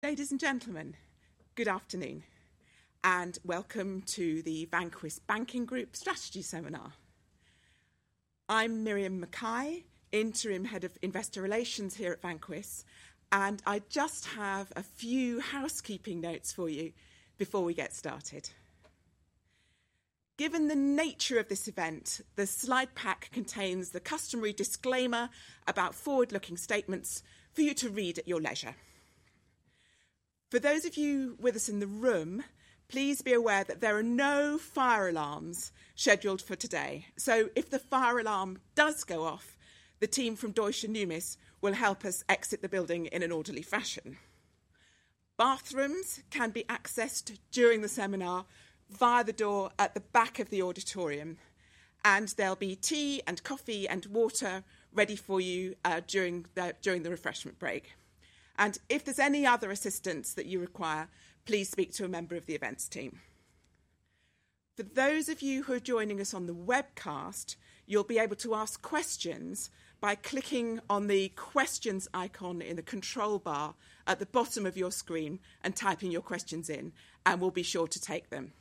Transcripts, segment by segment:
Ladies and gentlemen, good afternoon and welcome to the Vanquis Banking Group Strategy Seminar. I'm Miriam McKay, Interim Head of Investor Relations here at Vanquis, and I just have a few housekeeping notes for you before we get started. Given the nature of this event, the slide pack contains the customary disclaimer about forward-looking statements for you to read at your leisure. For those of you with us in the room, please be aware that there are no fire alarms scheduled for today, so if the fire alarm does go off, the team from Deutsche Numis will help us exit the building in an orderly fashion. Bathrooms can be accessed during the seminar via the door at the back of the auditorium, and there'll be tea and coffee and water ready for you during the refreshment break. If there's any other assistance that you require, please speak to a member of the events team. For those of you who are joining us on the webcast, you'll be able to ask questions by clicking on the questions icon in the control bar at the bottom of your screen and typing your questions in, and we'll be sure to take them.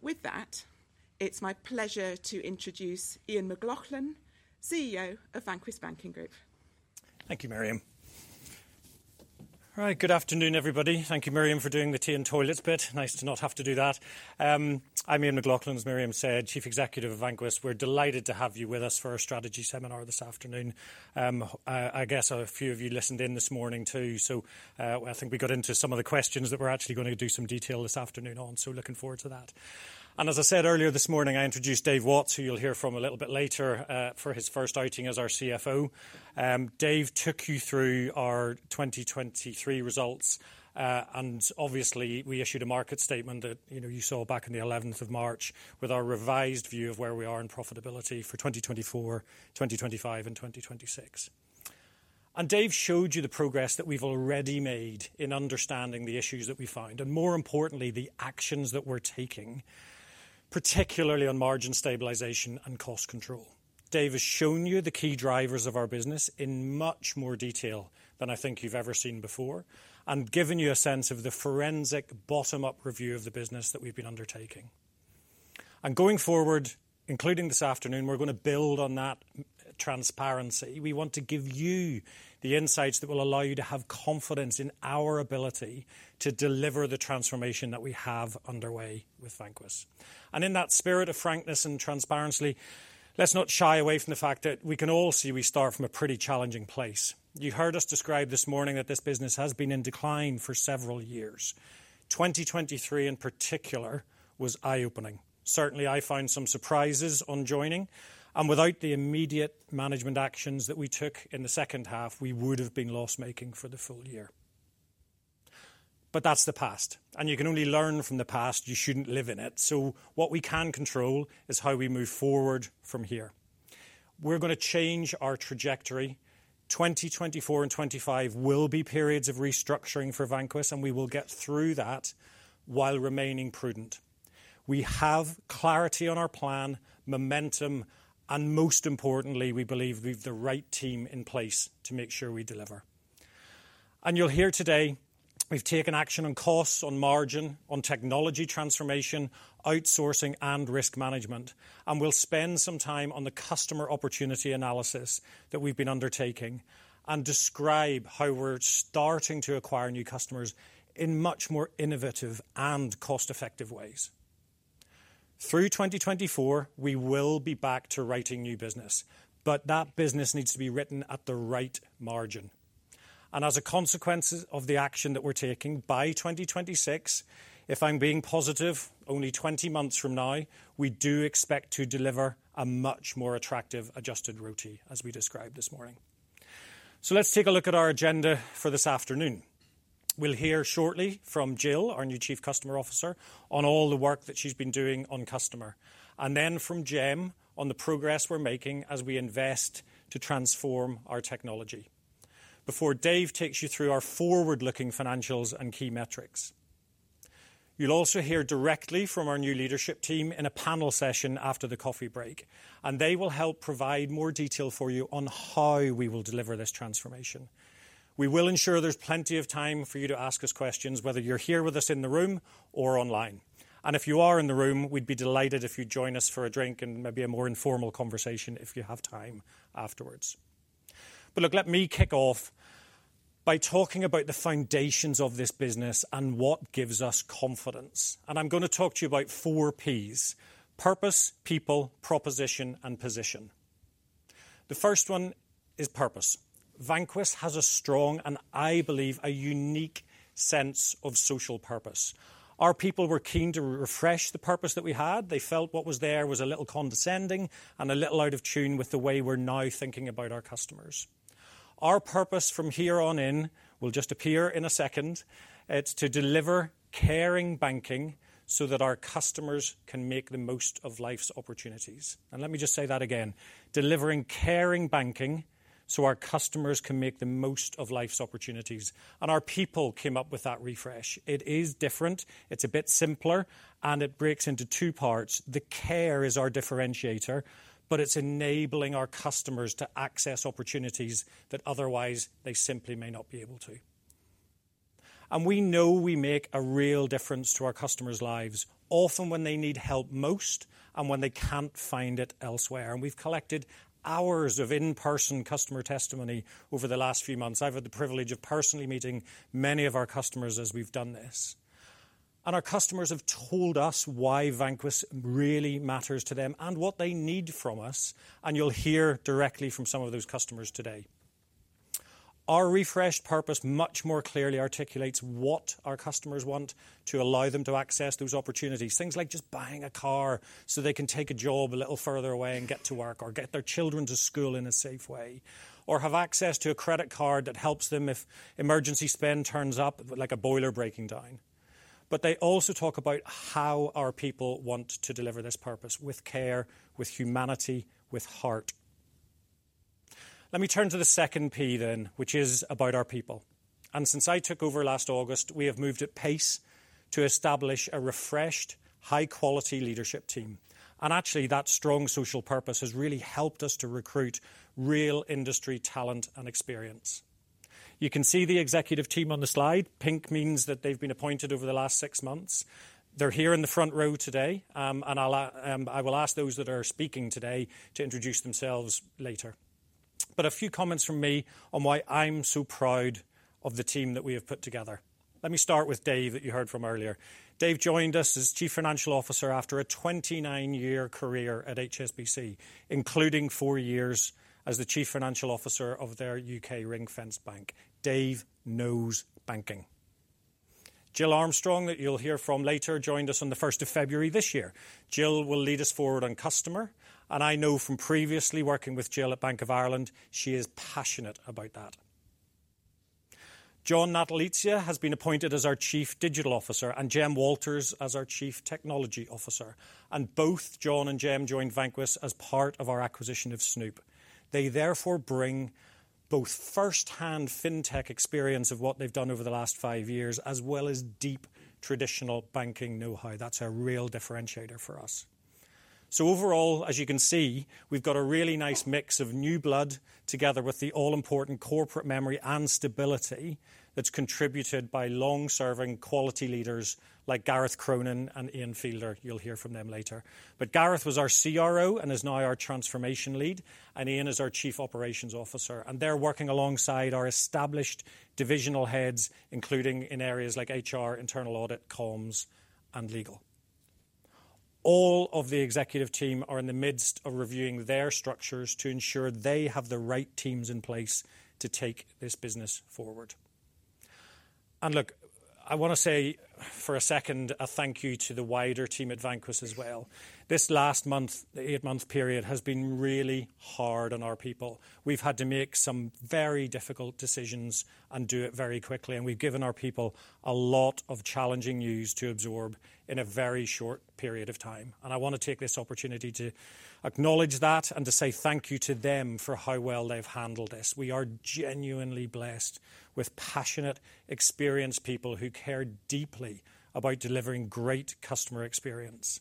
With that, it's my pleasure to introduce Ian McLaughlin, CEO of Vanquis Banking Group. Thank you, Miriam. All right, good afternoon, everybody. Thank you, Miriam, for doing the tea and toilets bit. Nice to not have to do that. I'm Ian McLaughlin, as Miriam said, Chief Executive of Vanquis. We're delighted to have you with us for our strategy seminar this afternoon. I guess a few of you listened in this morning, too, so I think we got into some of the questions that we're actually going to do some detail this afternoon on, so looking forward to that. And as I said earlier this morning, I introduced Dave Watts, who you'll hear from a little bit later for his first outing as our CFO. Dave took you through our 2023 results, and obviously we issued a market statement that you saw back on the 11th of March with our revised view of where we are in profitability for 2024, 2025, and 2026. Dave showed you the progress that we've already made in understanding the issues that we find, and more importantly, the actions that we're taking, particularly on margin stabilization and cost control. Dave has shown you the key drivers of our business in much more detail than I think you've ever seen before, and given you a sense of the forensic bottom-up review of the business that we've been undertaking. Going forward, including this afternoon, we're going to build on that transparency. We want to give you the insights that will allow you to have confidence in our ability to deliver the transformation that we have underway with Vanquis. In that spirit of frankness and transparency, let's not shy away from the fact that we can all see we start from a pretty challenging place. You heard us describe this morning that this business has been in decline for several years. 2023 in particular was eye-opening. Certainly, I found some surprises on joining, and without the immediate management actions that we took in the second half, we would have been loss-making for the full year. But that's the past, and you can only learn from the past. You shouldn't live in it. So what we can control is how we move forward from here. We're going to change our trajectory. 2024 and 2025 will be periods of restructuring for Vanquis, and we will get through that while remaining prudent. We have clarity on our plan, momentum, and most importantly, we believe we've the right team in place to make sure we deliver. And you'll hear today we've taken action on costs, on margin, on technology transformation, outsourcing, and risk management. We'll spend some time on the customer opportunity analysis that we've been undertaking and describe how we're starting to acquire new customers in much more innovative and cost-effective ways. Through 2024, we will be back to writing new business, but that business needs to be written at the right margin. As a consequence of the action that we're taking by 2026, if I'm being positive, only 20 months from now, we do expect to deliver a much more attractive adjusted ROTE as we described this morning. Let's take a look at our agenda for this afternoon. We'll hear shortly from Jill, our new Chief Customer Officer, on all the work that she's been doing on customer, and then from Jem on the progress we're making as we invest to transform our technology before Dave takes you through our forward-looking financials and key metrics. You'll also hear directly from our new leadership team in a panel session after the coffee break, and they will help provide more detail for you on how we will deliver this transformation. We will ensure there's plenty of time for you to ask us questions, whether you're here with us in the room or online. And if you are in the room, we'd be delighted if you'd join us for a drink and maybe a more informal conversation if you have time afterward. But look, let me kick off by talking about the foundations of this business and what gives us confidence. And I'm going to talk to you about four P's: purpose, people, proposition, and position. The first one is purpose. Vanquis has a strong, and I believe, a unique sense of social purpose. Our people were keen to refresh the purpose that we had. They felt what was there was a little condescending and a little out of tune with the way we're now thinking about our customers. Our purpose from here on in will just appear in a second. It's to deliver caring banking so that our customers can make the most of life's opportunities. And let me just say that again: delivering caring banking so our customers can make the most of life's opportunities. And our people came up with that refresh. It is different. It's a bit simpler, and it breaks into two parts. The care is our differentiator, but it's enabling our customers to access opportunities that otherwise they simply may not be able to. And we know we make a real difference to our customers' lives, often when they need help most and when they can't find it elsewhere. We've collected hours of in-person customer testimony over the last few months. I've had the privilege of personally meeting many of our customers as we've done this, and our customers have told us why Vanquis really matters to them and what they need from us. You'll hear directly from some of those customers today. Our refreshed purpose much more clearly articulates what our customers want to allow them to access those opportunities. Things like just buying a car so they can take a job a little further away and get to work, or get their children to school in a safe way, or have access to a credit card that helps them if emergency spend turns up, like a boiler breaking down. But they also talk about how our people want to deliver this purpose with care, with humanity, with heart. Let me turn to the second P then, which is about our people. Since I took over last August, we have moved at pace to establish a refreshed, high-quality leadership team. Actually, that strong social purpose has really helped us to recruit real industry talent and experience. You can see the executive team on the slide. Pink means that they've been appointed over the last 6 months. They're here in the front row today, and I will ask those that are speaking today to introduce themselves later. A few comments from me on why I'm so proud of the team that we have put together. Let me start with Dave that you heard from earlier. Dave joined us as Chief Financial Officer after a 29-year career at HSBC, including four years as the Chief Financial Officer of their U.K. ring-fenced bank. Dave knows banking. Jill Armstrong, that you'll hear from later, joined us on the 1st of February this year. Jill will lead us forward on customer, and I know from previously working with Jill at Bank of Ireland, she is passionate about that. John Natalizia has been appointed as our Chief Digital Officer and Jem Walters as our Chief Technology Officer. Both John and Jem joined Vanquis as part of our acquisition of Snoop. They therefore bring both firsthand fintech experience of what they've done over the last five years, as well as deep traditional banking know-how. That's our real differentiator for us. Overall, as you can see, we've got a really nice mix of new blood together with the all-important corporate memory and stability that's contributed by long-serving quality leaders like Gareth Cronin and Ian Fielder. You'll hear from them later. But Gareth was our CRO and is now our transformation lead, and Ian is our Chief Operations Officer. They're working alongside our established divisional heads, including in areas like HR, internal audit, comms, and legal. All of the executive team are in the midst of reviewing their structures to ensure they have the right teams in place to take this business forward. Look, I want to say for a second a thank you to the wider team at Vanquis as well. This last month, the eight-month period, has been really hard on our people. We've had to make some very difficult decisions and do it very quickly, and we've given our people a lot of challenging news to absorb in a very short period of time. I want to take this opportunity to acknowledge that and to say thank you to them for how well they've handled this. We are genuinely blessed with passionate, experienced people who care deeply about delivering great customer experience.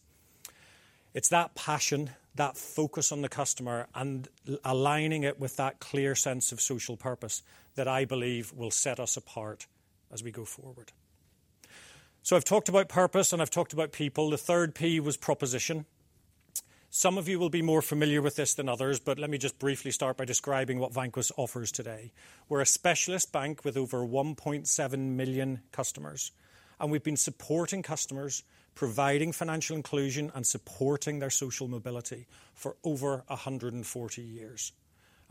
It's that passion, that focus on the customer, and aligning it with that clear sense of social purpose that I believe will set us apart as we go forward. I've talked about purpose, and I've talked about people. The third P was proposition. Some of you will be more familiar with this than others, but let me just briefly start by describing what Vanquis offers today. We're a specialist bank with over 1.7 million customers, and we've been supporting customers, providing financial inclusion, and supporting their social mobility for over 140 years.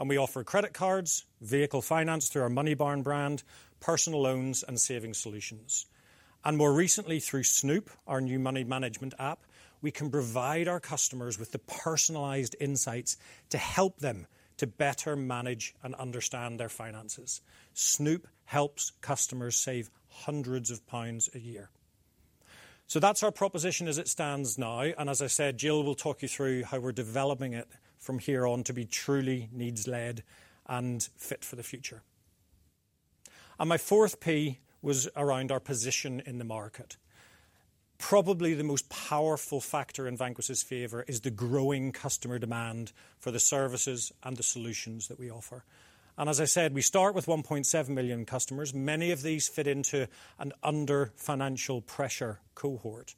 We offer credit cards, vehicle finance through our Moneybarn brand, personal loans, and savings solutions. More recently, through Snoop, our new money management app, we can provide our customers with the personalized insights to help them to better manage and understand their finances. Snoop helps customers save hundreds of pounds a year. So that's our proposition as it stands now. And as I said, Jill will talk you through how we're developing it from here on to be truly needs-led and fit for the future. And my fourth P was around our position in the market. Probably the most powerful factor in Vanquis's favour is the growing customer demand for the services and the solutions that we offer. And as I said, we start with 1.7 million customers. Many of these fit into an under-financial pressure cohort.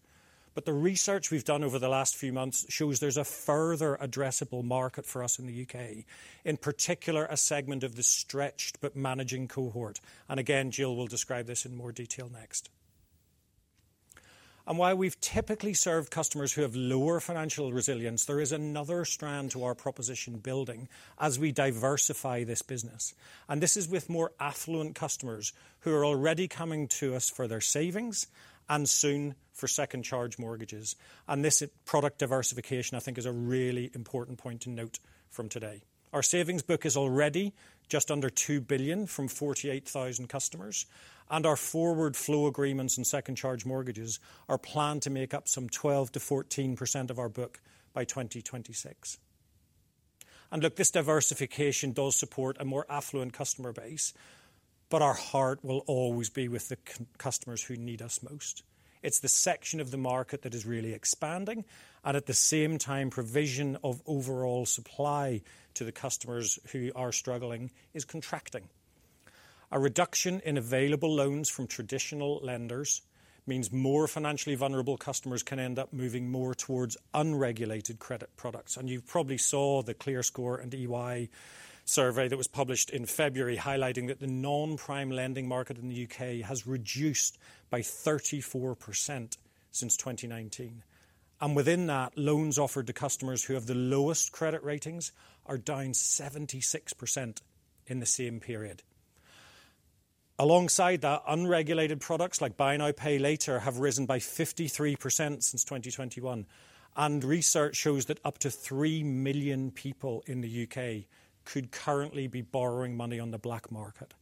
The research we've done over the last few months shows there's a further addressable market for us in the U.K., in particular a segment of the stretched but managing cohort. Again, Jill will describe this in more detail next. While we've typically served customers who have lower financial resilience, there is another strand to our proposition building as we diversify this business. This is with more affluent customers who are already coming to us for their savings and soon for second charge mortgages. This product diversification, I think, is a really important point to note from today. Our savings book is already just under 2 billion from 48,000 customers, and our forward flow agreements and second charge mortgages are planned to make up some 12%-14% of our book by 2026. Look, this diversification does support a more affluent customer base, but our heart will always be with the customers who need us most. It's the section of the market that is really expanding, and at the same time, provision of overall supply to the customers who are struggling is contracting. A reduction in available loans from traditional lenders means more financially vulnerable customers can end up moving more towards unregulated credit products. You probably saw the ClearScore and EY survey that was published in February highlighting that the non-prime lending market in the U.K. has reduced by 34% since 2019. Within that, loans offered to customers who have the lowest credit ratings are down 76% in the same period. Alongside that, unregulated products like Buy Now Pay Later have risen by 53% since 2021, and research shows that up to 3 million people in the U.K. could currently be borrowing money on the black market.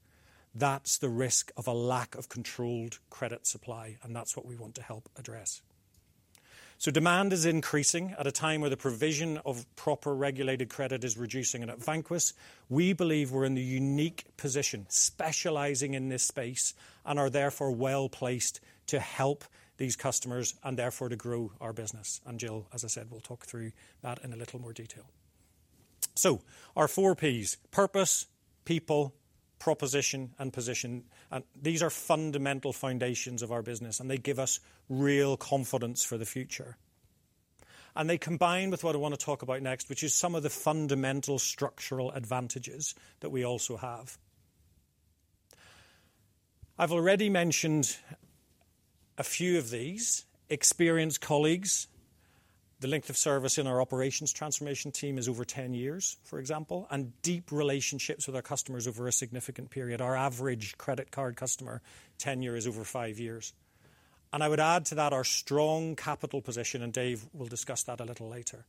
That's the risk of a lack of controlled credit supply, and that's what we want to help address. Demand is increasing at a time where the provision of proper regulated credit is reducing. At Vanquis, we believe we're in the unique position, specializing in this space, and are therefore well placed to help these customers and therefore to grow our business. Jill, as I said, we'll talk through that in a little more detail. Our four P's: purpose, people, proposition, and position. These are fundamental foundations of our business, and they give us real confidence for the future. They combine with what I want to talk about next, which is some of the fundamental structural advantages that we also have. I've already mentioned a few of these: experienced colleagues. The length of service in our operations transformation team is over 10 years, for example, and deep relationships with our customers over a significant period. Our average credit card customer tenure is over five years. And I would add to that our strong capital position, and Dave will discuss that a little later.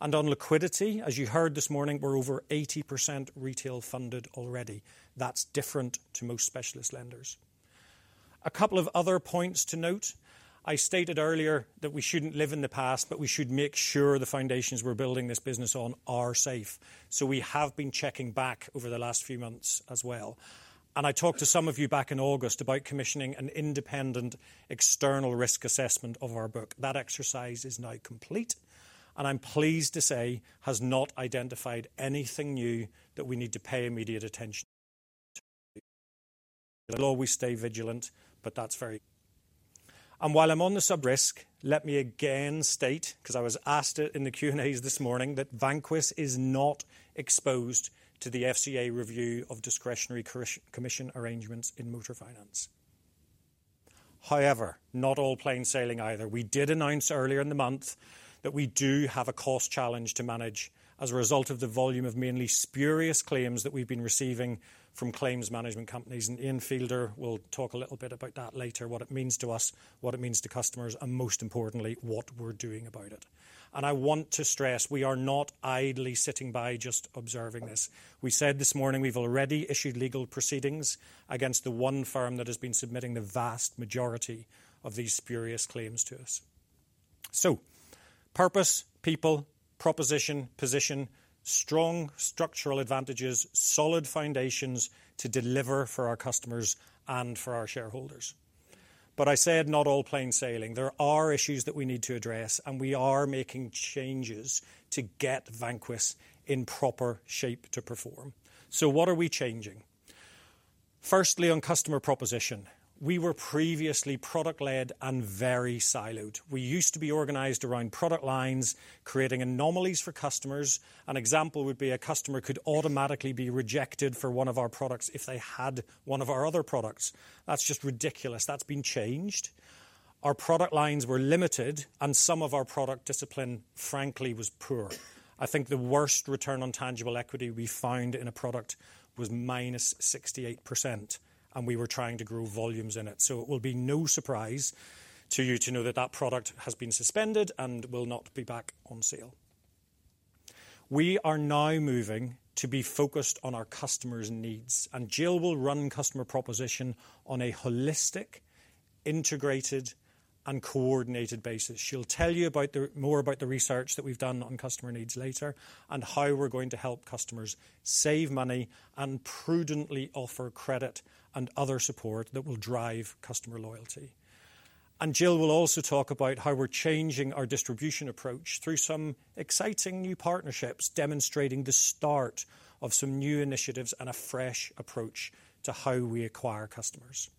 And on liquidity, as you heard this morning, we're over 80% retail funded already. That's different to most specialist lenders. A couple of other points to note. I stated earlier that we shouldn't live in the past, but we should make sure the foundations we're building this business on are safe. So we have been checking back over the last few months as well. I talked to some of you back in August about commissioning an independent external risk assessment of our book. That exercise is now complete, and I'm pleased to say has not identified anything new that we need to pay immediate attention to. We'll always stay vigilant, but that's very important. While I'm on the subject of risk, let me again state, because I was asked it in the Q&A this morning, that Vanquis is not exposed to the FCA review of discretionary commission arrangements in motor finance. However, not all plain sailing either. We did announce earlier in the month that we do have a cost challenge to manage as a result of the volume of mainly spurious claims that we've been receiving from claims management companies. Ian Fielder will talk a little bit about that later, what it means to us, what it means to customers, and most importantly, what we're doing about it. I want to stress we are not idly sitting by just observing this. We said this morning we've already issued legal proceedings against the one firm that has been submitting the vast majority of these spurious claims to us. Purpose, people, proposition, position, strong structural advantages, solid foundations to deliver for our customers and for our shareholders. I said not all plain sailing. There are issues that we need to address, and we are making changes to get Vanquis in proper shape to perform. What are we changing? Firstly, on customer proposition, we were previously product-led and very siloed. We used to be organized around product lines, creating anomalies for customers. An example would be a customer could automatically be rejected for one of our products if they had one of our other products. That's just ridiculous. That's been changed. Our product lines were limited, and some of our product discipline, frankly, was poor. I think the worst return on tangible equity we found in a product was -68%, and we were trying to grow volumes in it. So it will be no surprise to you to know that that product has been suspended and will not be back on sale. We are now moving to be focused on our customers' needs, and Jill will run customer proposition on a holistic, integrated, and coordinated basis. She'll tell you more about the research that we've done on customer needs later and how we're going to help customers save money and prudently offer credit and other support that will drive customer loyalty. Jill will also talk about how we're changing our distribution approach through some exciting new partnerships, demonstrating the start of some new initiatives and a fresh approach to how we acquire customers.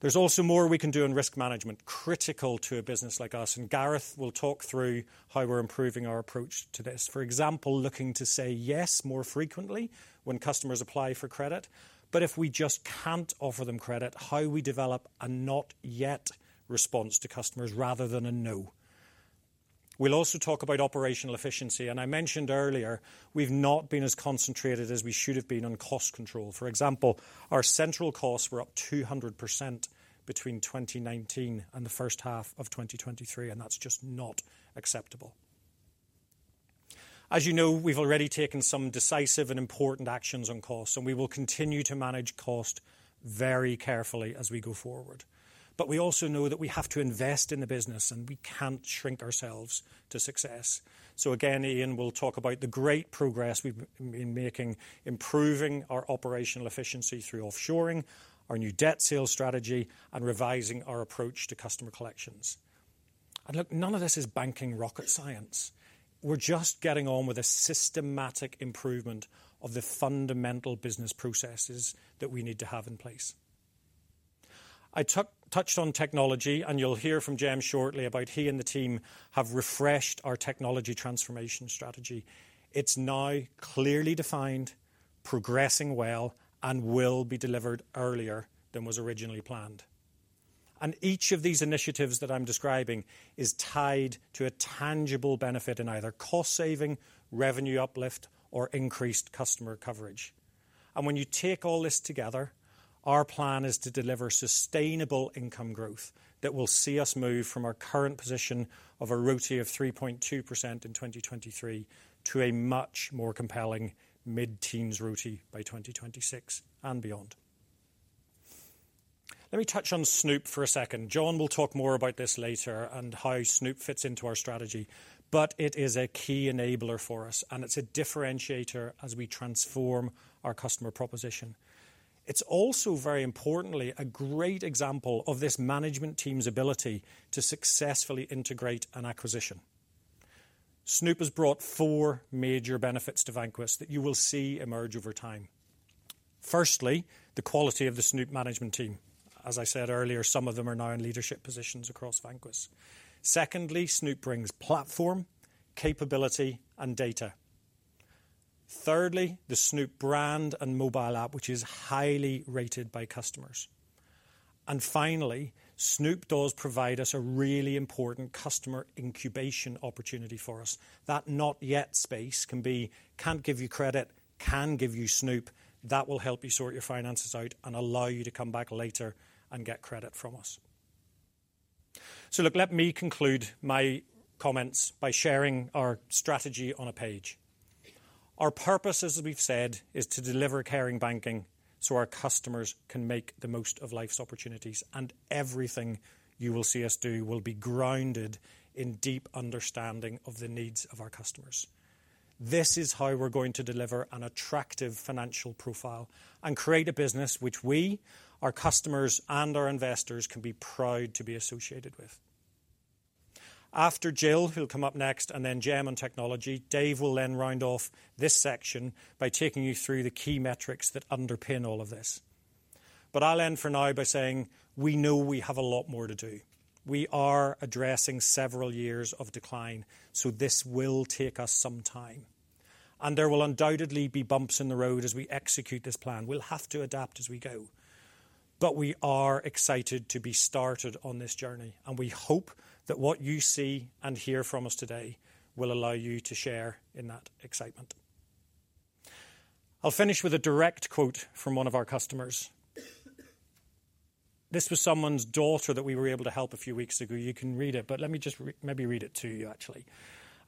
There's also more we can do in risk management, critical to a business like us. Gareth will talk through how we're improving our approach to this, for example, looking to say yes more frequently when customers apply for credit. If we just can't offer them credit, how we develop a not-yet response to customers rather than a no. We'll also talk about operational efficiency. I mentioned earlier we've not been as concentrated as we should have been on cost control. For example, our central costs were up 200% between 2019 and the first half of 2023, and that's just not acceptable. As you know, we've already taken some decisive and important actions on costs, and we will continue to manage cost very carefully as we go forward. But we also know that we have to invest in the business, and we can't shrink ourselves to success. So again, Ian will talk about the great progress we've been making, improving our operational efficiency through offshoring, our new debt sales strategy, and revising our approach to customer collections. And look, none of this is banking rocket science. We're just getting on with a systematic improvement of the fundamental business processes that we need to have in place. I touched on technology, and you'll hear from Jem shortly about he and the team have refreshed our technology transformation strategy. It's now clearly defined, progressing well, and will be delivered earlier than was originally planned. And each of these initiatives that I'm describing is tied to a tangible benefit in either cost saving, revenue uplift, or increased customer coverage. And when you take all this together, our plan is to deliver sustainable income growth that will see us move from our current position of a ROTE of 3.2% in 2023 to a much more compelling mid-teens ROTE by 2026 and beyond. Let me touch on Snoop for a second. John will talk more about this later and how Snoop fits into our strategy, but it is a key enabler for us, and it's a differentiator as we transform our customer proposition. It's also, very importantly, a great example of this management team's ability to successfully integrate an acquisition. Snoop has brought four major benefits to Vanquis that you will see emerge over time. Firstly, the quality of the Snoop management team. As I said earlier, some of them are now in leadership positions across Vanquis. Secondly, Snoop brings platform capability and data. Thirdly, the Snoop brand and mobile app, which is highly rated by customers. And finally, Snoop does provide us a really important customer incubation opportunity for us. That not-yet space: can't give you credit, can give you Snoop. That will help you sort your finances out and allow you to come back later and get credit from us. So look, let me conclude my comments by sharing our strategy on a page. Our purpose, as we've said, is to deliver caring banking so our customers can make the most of life's opportunities. And everything you will see us do will be grounded in deep understanding of the needs of our customers. This is how we're going to deliver an attractive financial profile and create a business which we, our customers, and our investors can be proud to be associated with. After Jill, who'll come up next, and then Jem on technology, Dave will then round off this section by taking you through the key metrics that underpin all of this. But I'll end for now by saying we know we have a lot more to do. We are addressing several years of decline, so this will take us some time, and there will undoubtedly be bumps in the road as we execute this plan. We'll have to adapt as we go, but we are excited to be started on this journey, and we hope that what you see and hear from us today will allow you to share in that excitement. I'll finish with a direct quote from one of our customers. This was someone's daughter that we were able to help a few weeks ago. You can read it, but let me just maybe read it to you, actually.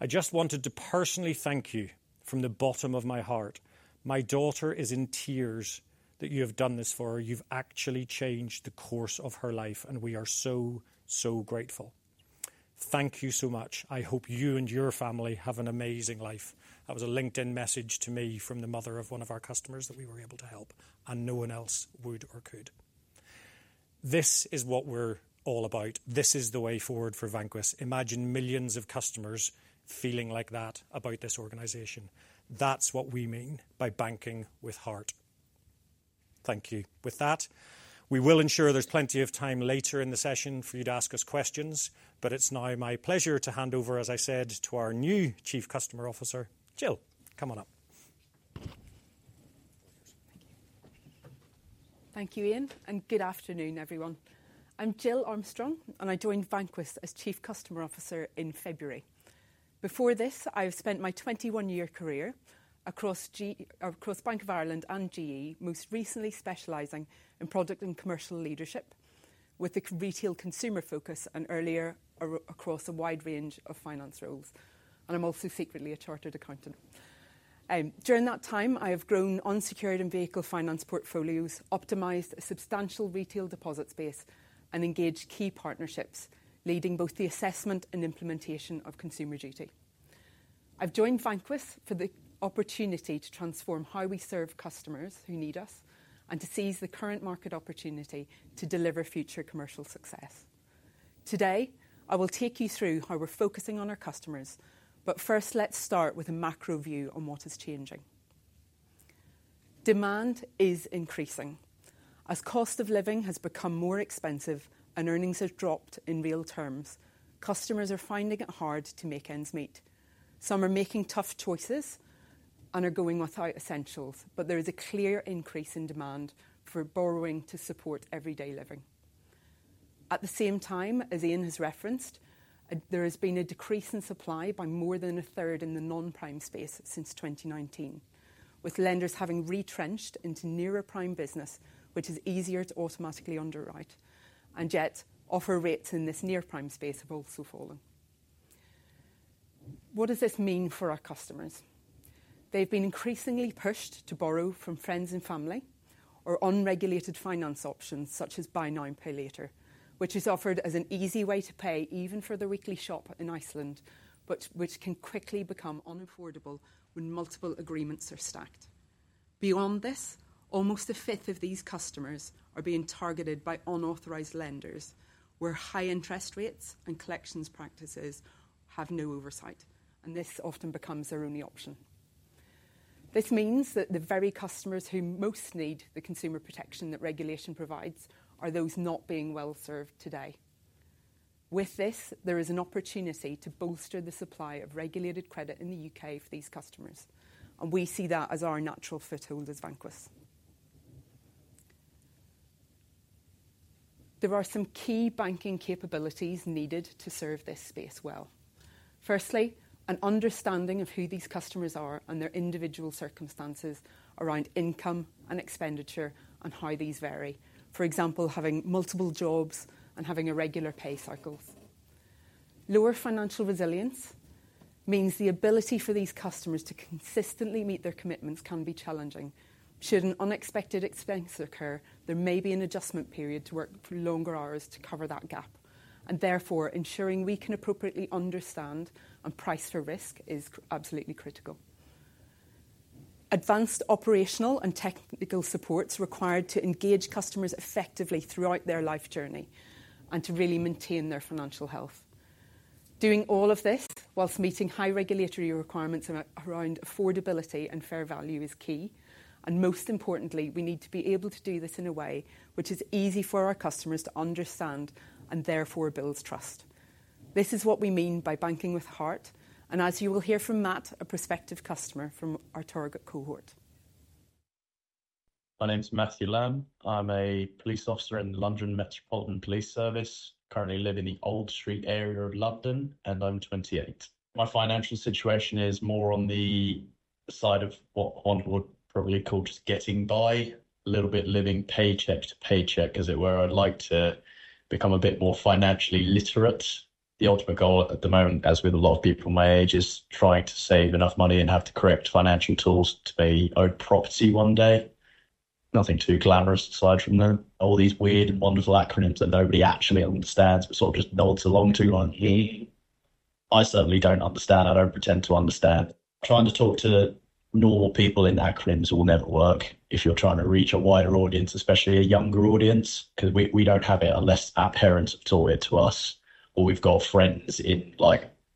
I just wanted to personally thank you from the bottom of my heart. My daughter is in tears that you have done this for her. You've actually changed the course of her life, and we are so, so grateful. Thank you so much. I hope you and your family have an amazing life. That was a LinkedIn message to me from the mother of one of our customers that we were able to help, and no one else would or could. This is what we're all about. This is the way forward for Vanquis. Imagine millions of customers feeling like that about this organization. That's what we mean by banking with heart. Thank you. With that, we will ensure there's plenty of time later in the session for you to ask us questions, but it's now my pleasure to hand over, as I said, to our new Chief Customer Officer, Jill. Come on up. Thank you. Thank you, Ian, and good afternoon, everyone. I'm Jill Armstrong, and I joined Vanquis as Chief Customer Officer in February. Before this, I've spent my 21-year career across Bank of Ireland and GE, most recently specializing in product and commercial leadership with a retail consumer focus and earlier across a wide range of finance roles. I'm also secretly a chartered accountant. During that time, I have grown unsecured and vehicle finance portfolios, optimized a substantial retail deposit space, and engaged key partnerships, leading both the assessment and implementation of Consumer Duty. I've joined Vanquis for the opportunity to transform how we serve customers who need us and to seize the current market opportunity to deliver future commercial success. Today, I will take you through how we're focusing on our customers. But first, let's start with a macro view on what is changing. Demand is increasing. As cost of living has become more expensive and earnings have dropped in real terms, customers are finding it hard to make ends meet. Some are making tough choices and are going without essentials, but there is a clear increase in demand for borrowing to support everyday living. At the same time, as Ian has referenced, there has been a decrease in supply by more than a third in the non-prime space since 2019, with lenders having retrenched into nearer prime business, which is easier to automatically underwrite, and yet offer rates in this near-prime space have also fallen. What does this mean for our customers? They've been increasingly pushed to borrow from friends and family or unregulated finance options such as Buy Now Pay Later, which is offered as an easy way to pay even for the weekly shop in Iceland, but which can quickly become unaffordable when multiple agreements are stacked. Beyond this, almost 1/5 of these customers are being targeted by unauthorised lenders where high interest rates and collections practices have no oversight, and this often becomes their only option. This means that the very customers who most need the consumer protection that regulation provides are those not being well served today. With this, there is an opportunity to bolster the supply of regulated credit in the U.K. for these customers, and we see that as our natural foothold as Vanquis. There are some key banking capabilities needed to serve this space well. Firstly, an understanding of who these customers are and their individual circumstances around income and expenditure and how these vary, for example, having multiple jobs and having irregular pay cycles. Lower financial resilience means the ability for these customers to consistently meet their commitments can be challenging. Should an unexpected expense occur, there may be an adjustment period to work longer hours to cover that gap, and therefore ensuring we can appropriately understand and price for risk is absolutely critical. Advanced operational and technical supports are required to engage customers effectively throughout their life journey and to really maintain their financial health. Doing all of this whilst meeting high regulatory requirements around affordability and fair value is key. Most importantly, we need to be able to do this in a way which is easy for our customers to understand and therefore builds trust. This is what we mean by banking with heart. As you will hear from Matt, a prospective customer from our target cohort. My name's Matthew Lamb. I'm a police officer in the Metropolitan Police Service, currently live in the Old Street area of London, and I'm 28. My financial situation is more on the side of what one would probably call just getting by, a little bit living paycheck to paycheck, as it were. I'd like to become a bit more financially literate. The ultimate goal at the moment, as with a lot of people my age, is trying to save enough money and have the correct financial tools to be own property one day. Nothing too glamorous aside from all these weird and wonderful acronyms that nobody actually understands, but sort of just nods along to on hearing. I certainly don't understand. I don't pretend to understand. Trying to talk to normal people in acronyms will never work if you're trying to reach a wider audience, especially a younger audience, because we don't have it unless our parents have taught it to us or we've got friends in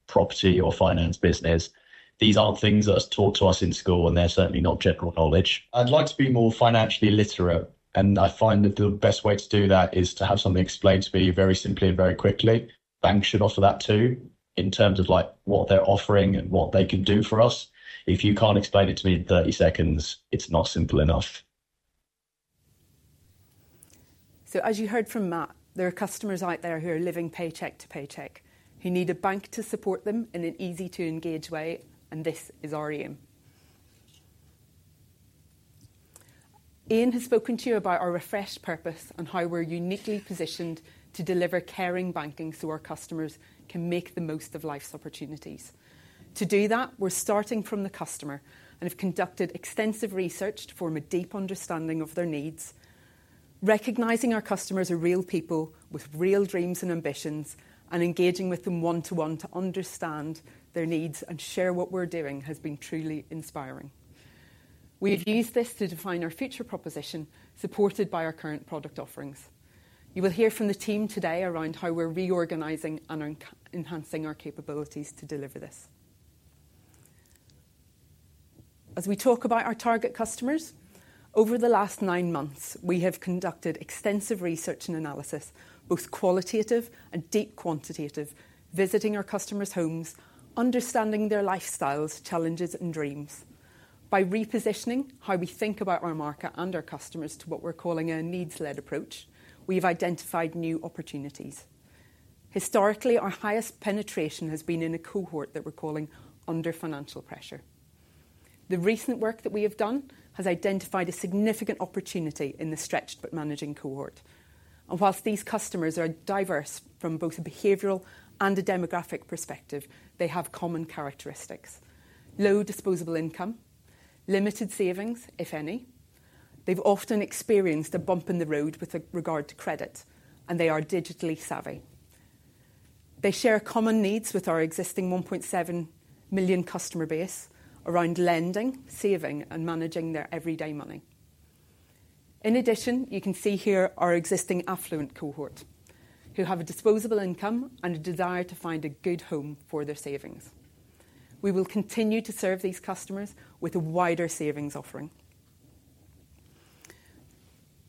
property or finance business. These aren't things that are taught to us in school, and they're certainly not general knowledge. I'd like to be more financially literate, and I find that the best way to do that is to have something explained to me very simply and very quickly. Banks should offer that too in terms of what they're offering and what they can do for us. If you can't explain it to me in 30 seconds, it's not simple enough. So as you heard from Matt, there are customers out there who are living paycheck to paycheck, who need a bank to support them in an easy-to-engage way. And this is our aim. Ian has spoken to you about our refreshed purpose and how we're uniquely positioned to deliver caring banking so our customers can make the most of life's opportunities. To do that, we're starting from the customer and have conducted extensive research to form a deep understanding of their needs. Recognizing our customers are real people with real dreams and ambitions and engaging with them one-to-one to understand their needs and share what we're doing has been truly inspiring. We've used this to define our future proposition, supported by our current product offerings. You will hear from the team today around how we're reorganizing and enhancing our capabilities to deliver this. As we talk about our target customers, over the last nine months, we have conducted extensive research and analysis, both qualitative and deep quantitative, visiting our customers' homes, understanding their lifestyles, challenges, and dreams. By repositioning how we think about our market and our customers to what we're calling a needs-led approach, we've identified new opportunities. Historically, our highest penetration has been in a cohort that we're calling under financial pressure. The recent work that we have done has identified a significant opportunity in the stretched but managing cohort. While these customers are diverse from both a behavioral and a demographic perspective, they have common characteristics: low disposable income, limited savings, if any. They've often experienced a bump in the road with regard to credit, and they are digitally savvy. They share common needs with our existing 1.7 million customer base around lending, saving, and managing their everyday money. In addition, you can see here our existing affluent cohort who have a disposable income and a desire to find a good home for their savings. We will continue to serve these customers with a wider savings offering.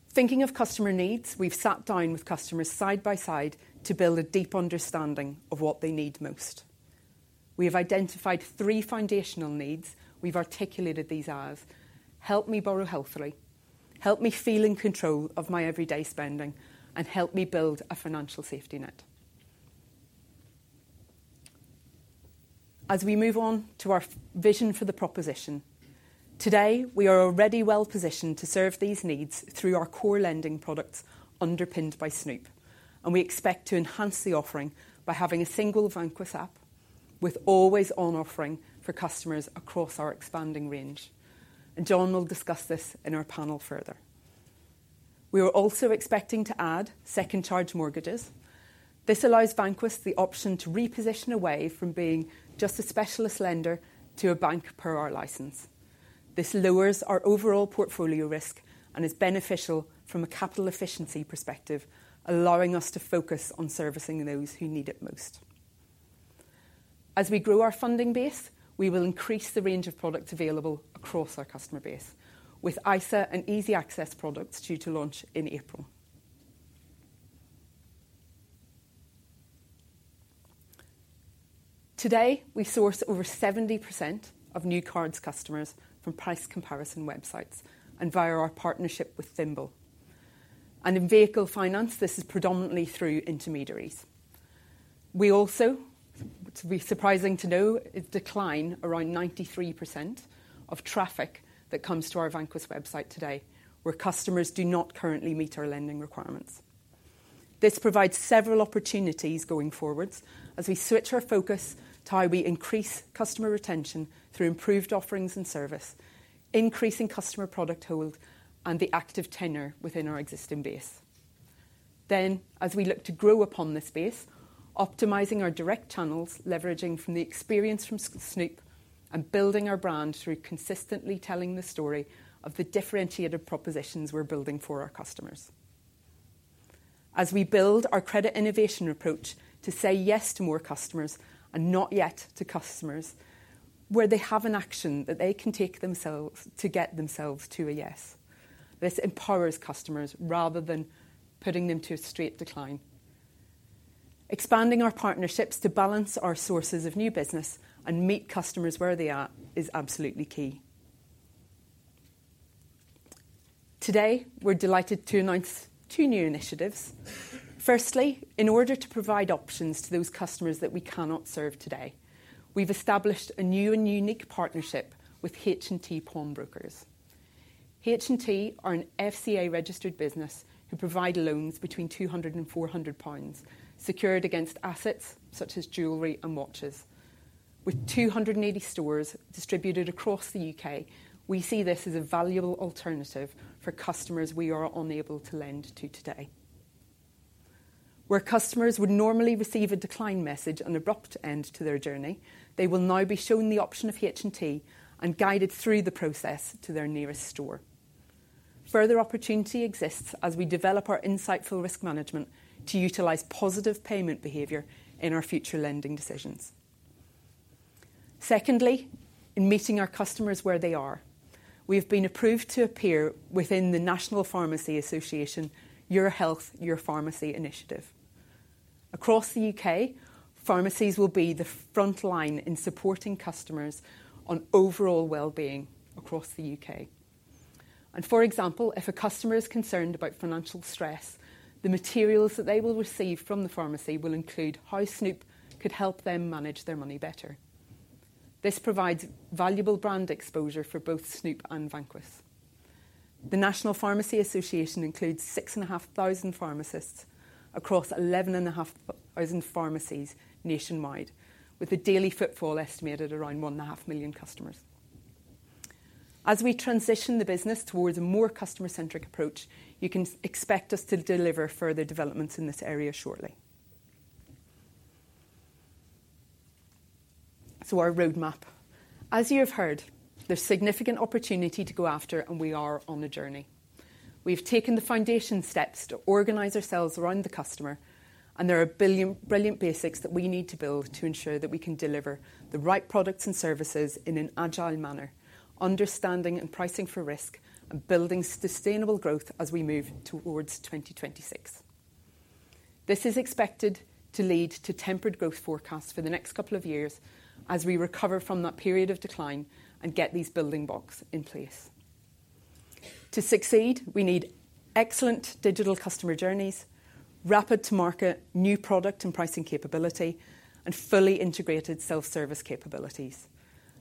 Thinking of customer needs, we've sat down with customers side by side to build a deep understanding of what they need most. We have identified three foundational needs. We've articulated these as: help me borrow healthily, help me feel in control of my everyday spending, and help me build a financial safety net. As we move on to our vision for the proposition, today we are already well positioned to serve these needs through our core lending products underpinned by Snoop, and we expect to enhance the offering by having a single Vanquis app with always-on offering for customers across our expanding range. And John will discuss this in our panel further. We are also expecting to add second charge mortgages. This allows Vanquis the option to reposition away from being just a specialist lender to a bank per our license. This lowers our overall portfolio risk and is beneficial from a capital efficiency perspective, allowing us to focus on servicing those who need it most. As we grow our funding base, we will increase the range of products available across our customer base with ISA and easy access products due to launch in April. Today, we source over 70% of new cards customers from price comparison websites and via our partnership with thimbl. In vehicle finance, this is predominantly through intermediaries. We also, surprising to know, decline around 93% of traffic that comes to our Vanquis website today where customers do not currently meet our lending requirements. This provides several opportunities going forwards as we switch our focus to how we increase customer retention through improved offerings and service, increasing customer product hold, and the active tenor within our existing base. As we look to grow upon this base, optimizing our direct channels leveraging from the experience from Snoop and building our brand through consistently telling the story of the differentiated propositions we're building for our customers. As we build our credit innovation approach to say yes to more customers and not yet to customers where they have an action that they can take themselves to get themselves to a yes, this empowers customers rather than putting them to a straight decline. Expanding our partnerships to balance our sources of new business and meet customers where they are is absolutely key. Today, we're delighted to announce two new initiatives. Firstly, in order to provide options to those customers that we cannot serve today, we've established a new and unique partnership with H&T Pawnbrokers. H&T are an FCA-registered business who provide loans between 200 and GBP 400 secured against assets such as jewelry and watches. With 280 stores distributed across the U.K., we see this as a valuable alternative for customers we are unable to lend to today. Where customers would normally receive a decline message and abrupt end to their journey, they will now be shown the option of H&T and guided through the process to their nearest store. Further opportunity exists as we develop our insightful risk management to utilize positive payment behavior in our future lending decisions. Secondly, in meeting our customers where they are, we have been approved to appear within the National Pharmacy Association Your Health, Your Pharmacy initiative. Across the U.K., pharmacies will be the front line in supporting customers on overall well-being across the U.K. For example, if a customer is concerned about financial stress, the materials that they will receive from the pharmacy will include how Snoop could help them manage their money better. This provides valuable brand exposure for both Snoop and Vanquis. The National Pharmacy Association includes 6,500 pharmacists across 11,500 pharmacies nationwide, with a daily footfall estimated around 1.5 million customers. As we transition the business towards a more customer-centric approach, you can expect us to deliver further developments in this area shortly. Our roadmap. As you have heard, there's significant opportunity to go after, and we are on a journey. We've taken the foundation steps to organize ourselves around the customer, and there are brilliant basics that we need to build to ensure that we can deliver the right products and services in an agile manner, understanding and pricing for risk, and building sustainable growth as we move towards 2026. This is expected to lead to tempered growth forecasts for the next couple of years as we recover from that period of decline and get these building blocks in place. To succeed, we need excellent digital customer journeys, rapid-to-market new product and pricing capability, and fully integrated self-service capabilities.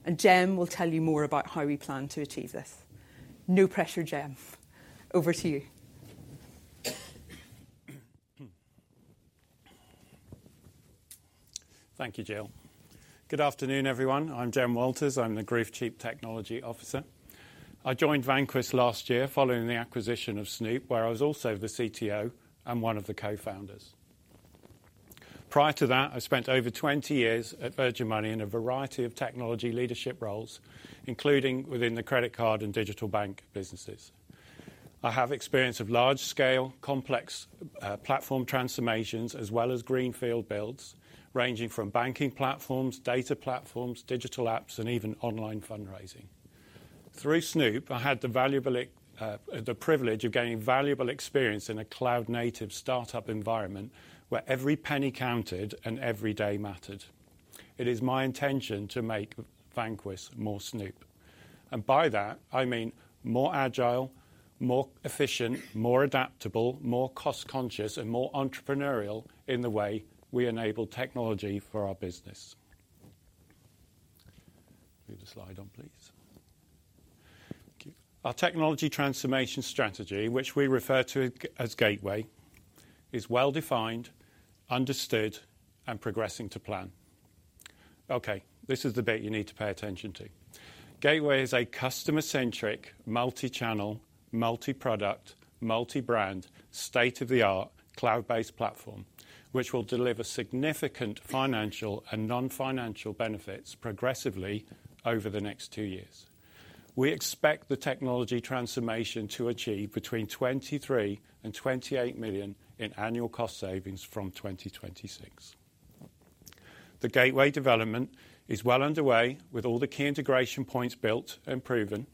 And Jem will tell you more about how we plan to achieve this. No pressure, Jem. Over to you. Thank you, Jill. Good afternoon, everyone. I'm Jem Walters. I'm the Group Chief Technology Officer. I joined Vanquis last year following the acquisition of Snoop, where I was also the CTO and one of the co-founders. Prior to that, I spent over 20 years at Virgin Money in a variety of technology leadership roles, including within the credit card and digital bank businesses. I have experience of large-scale, complex platform transformations, as well as greenfield builds ranging from banking platforms, data platforms, digital apps, and even online fundraising. Through Snoop, I had the privilege of gaining valuable experience in a cloud-native startup environment where every penny counted and every day mattered. It is my intention to make Vanquis more Snoop. And by that, I mean more agile, more efficient, more adaptable, more cost-conscious, and more entrepreneurial in the way we enable technology for our business. Move the slide on, please. Thank you. Our technology transformation strategy, which we refer to as Gateway, is well-defined, understood, and progressing to plan. Okay, this is the bit you need to pay attention to. Gateway is a customer-centric, multi-channel, multi-product, multi-brand, state-of-the-art cloud-based platform which will deliver significant financial and non-financial benefits progressively over the next two years. We expect the technology transformation to achieve between 23 million and 28 million in annual cost savings from 2026. The Gateway development is well underway with all the key integration points built and proven.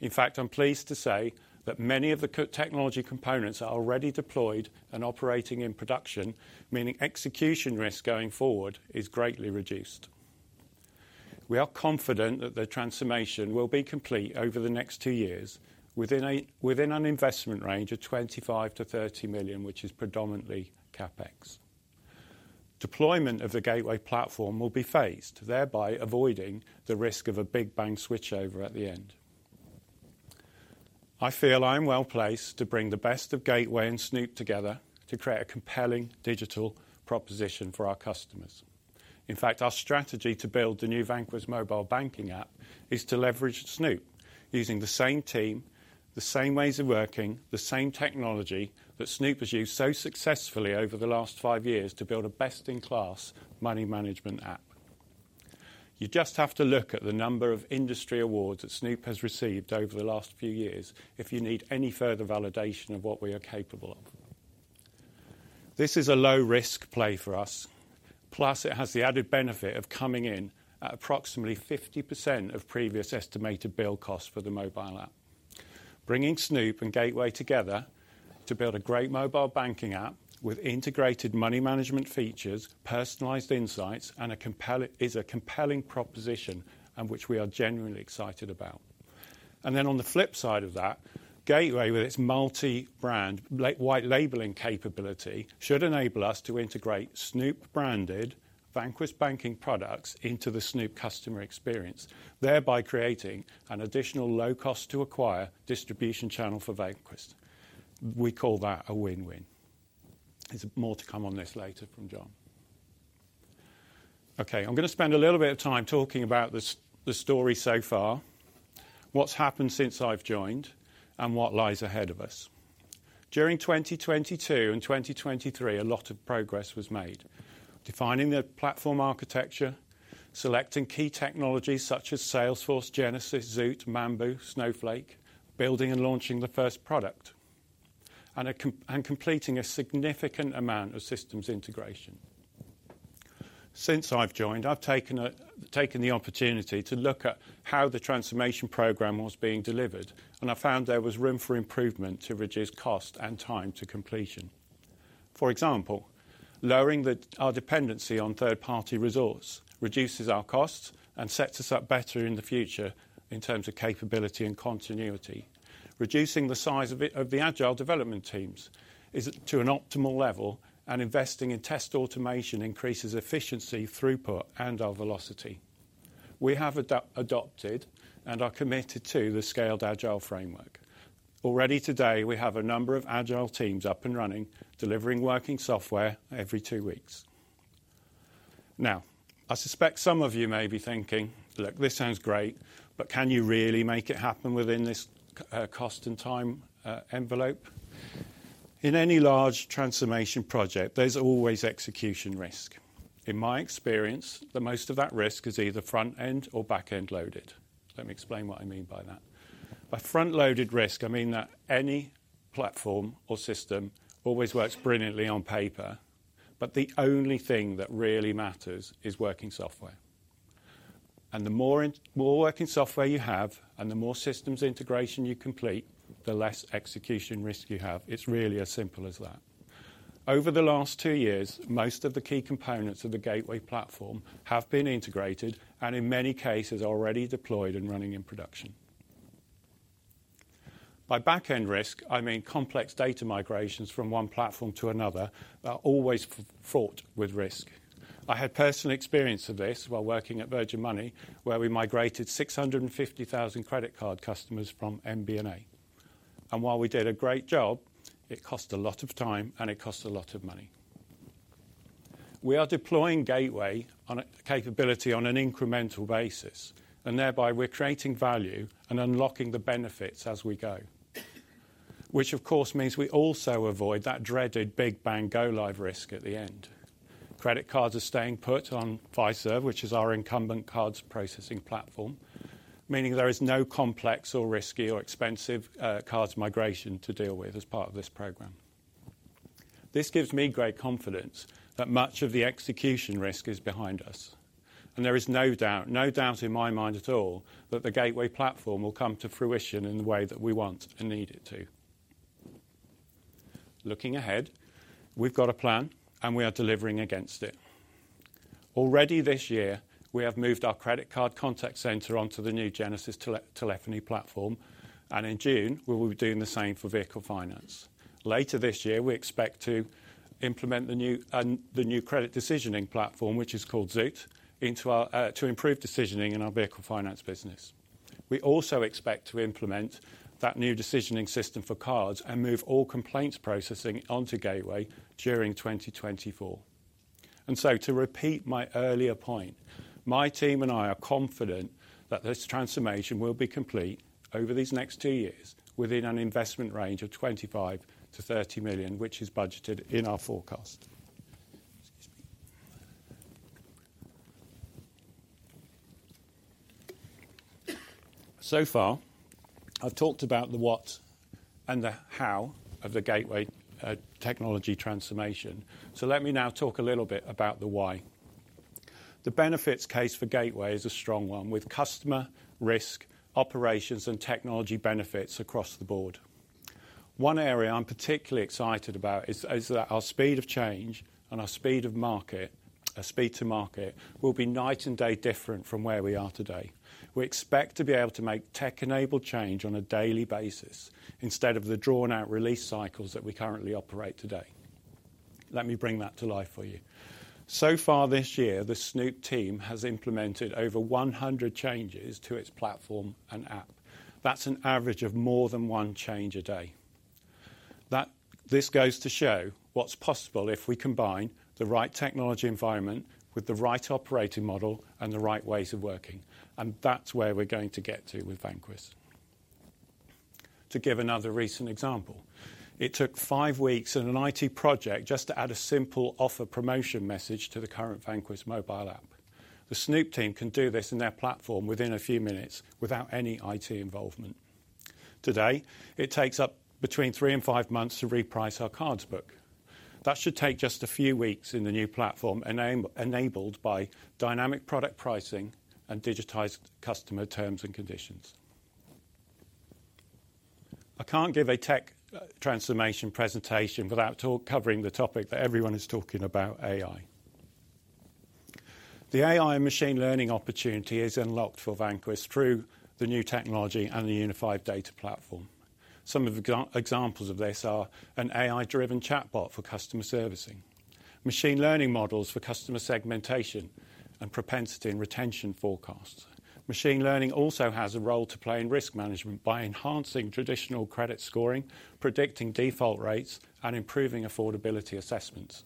In fact, I'm pleased to say that many of the technology components are already deployed and operating in production, meaning execution risk going forward is greatly reduced. We are confident that the transformation will be complete over the next two years within an investment range of 25 million-30 million, which is predominantly CapEx. Deployment of the Gateway platform will be phased, thereby avoiding the risk of a big bang switchover at the end. I feel I am well placed to bring the best of Gateway and Snoop together to create a compelling digital proposition for our customers. In fact, our strategy to build the new Vanquis mobile banking app is to leverage Snoop using the same team, the same ways of working, the same technology that Snoop has used so successfully over the last five years to build a best-in-class money management app. You just have to look at the number of industry awards that Snoop has received over the last few years if you need any further validation of what we are capable of. This is a low-risk play for us. Plus, it has the added benefit of coming in at approximately 50% of previous estimated build costs for the mobile app. Bringing Snoop and Gateway together to build a great mobile banking app with integrated money management features, personalized insights, is a compelling proposition which we are genuinely excited about. And then on the flip side of that, Gateway, with its multi-brand white labeling capability, should enable us to integrate Snoop-branded Vanquis banking products into the Snoop customer experience, thereby creating an additional low-cost-to-acquire distribution channel for Vanquis. We call that a win-win. There's more to come on this later from John. Okay, I'm going to spend a little bit of time talking about the story so far, what's happened since I've joined, and what lies ahead of us. During 2022 and 2023, a lot of progress was made: defining the platform architecture, selecting key technologies such as Salesforce, Genesys, Zoot, Mambu, Snowflake, building and launching the first product, and completing a significant amount of systems integration. Since I've joined, I've taken the opportunity to look at how the transformation program was being delivered, and I found there was room for improvement to reduce cost and time to completion. For example, lowering our dependency on third-party resource reduces our costs and sets us up better in the future in terms of capability and continuity. Reducing the size of the Agile development teams to an optimal level and investing in test automation increases efficiency throughput and our velocity. We have adopted and are committed to the Scaled Agile Framework. Already today, we have a number of Agile teams up and running delivering working software every two weeks. Now, I suspect some of you may be thinking, "Look, this sounds great, but can you really make it happen within this cost and time envelope?" In any large transformation project, there's always execution risk. In my experience, most of that risk is either front-end or back-end loaded. Let me explain what I mean by that. By front-loaded risk, I mean that any platform or system always works brilliantly on paper, but the only thing that really matters is working software. And the more working software you have and the more systems integration you complete, the less execution risk you have. It's really as simple as that. Over the last two years, most of the key components of the Gateway platform have been integrated and, in many cases, already deployed and running in production. By back-end risk, I mean complex data migrations from one platform to another that are always fraught with risk. I had personal experience of this while working at Virgin Money, where we migrated 650,000 credit card customers from MBNA. While we did a great job, it cost a lot of time, and it cost a lot of money. We are deploying Gateway capability on an incremental basis, and thereby we're creating value and unlocking the benefits as we go, which, of course, means we also avoid that dreaded big bang go-live risk at the end. Credit cards are staying put on Fiserv, which is our incumbent cards processing platform, meaning there is no complex or risky or expensive cards migration to deal with as part of this program. This gives me great confidence that much of the execution risk is behind us, and there is no doubt in my mind at all that the Gateway platform will come to fruition in the way that we want and need it to. Looking ahead, we've got a plan, and we are delivering against it. Already this year, we have moved our credit card contact centre onto the new Genesys telephony platform, and in June, we will be doing the same for vehicle finance. Later this year, we expect to implement the new credit decisioning platform, which is called Zoot, to improve decisioning in our vehicle finance business. We also expect to implement that new decisioning system for cards and move all complaints processing onto Gateway during 2024. And so, to repeat my earlier point, my team and I are confident that this transformation will be complete over these next two years within an investment range of 25 million-30 million, which is budgeted in our forecast. Excuse me. So far, I've talked about the what and the how of the Gateway technology transformation. So let me now talk a little bit about the why. The benefits case for Gateway is a strong one, with customer risk, operations, and technology benefits across the board. One area I'm particularly excited about is that our speed of change and our speed to market will be night and day different from where we are today. We expect to be able to make tech-enabled change on a daily basis instead of the drawn-out release cycles that we currently operate today. Let me bring that to life for you. So far this year, the Snoop team has implemented over 100 changes to its platform and app. That's an average of more than one change a day. This goes to show what's possible if we combine the right technology environment with the right operating model and the right ways of working, and that's where we're going to get to with Vanquis. To give another recent example, it took 5 weeks in an IT project just to add a simple offer promotion message to the current Vanquis mobile app. The Snoop team can do this in their platform within a few minutes without any IT involvement. Today, it takes up between 3 and 5 months to reprice our cards book. That should take just a few weeks in the new platform enabled by dynamic product pricing and digitized customer terms and conditions. I can't give a tech transformation presentation without covering the topic that everyone is talking about, AI. The AI and machine learning opportunity is unlocked for Vanquis through the new technology and the unified data platform. Some of the examples of this are an AI-driven chatbot for customer servicing, machine learning models for customer segmentation, and propensity and retention forecasts. Machine learning also has a role to play in risk management by enhancing traditional credit scoring, predicting default rates, and improving affordability assessments.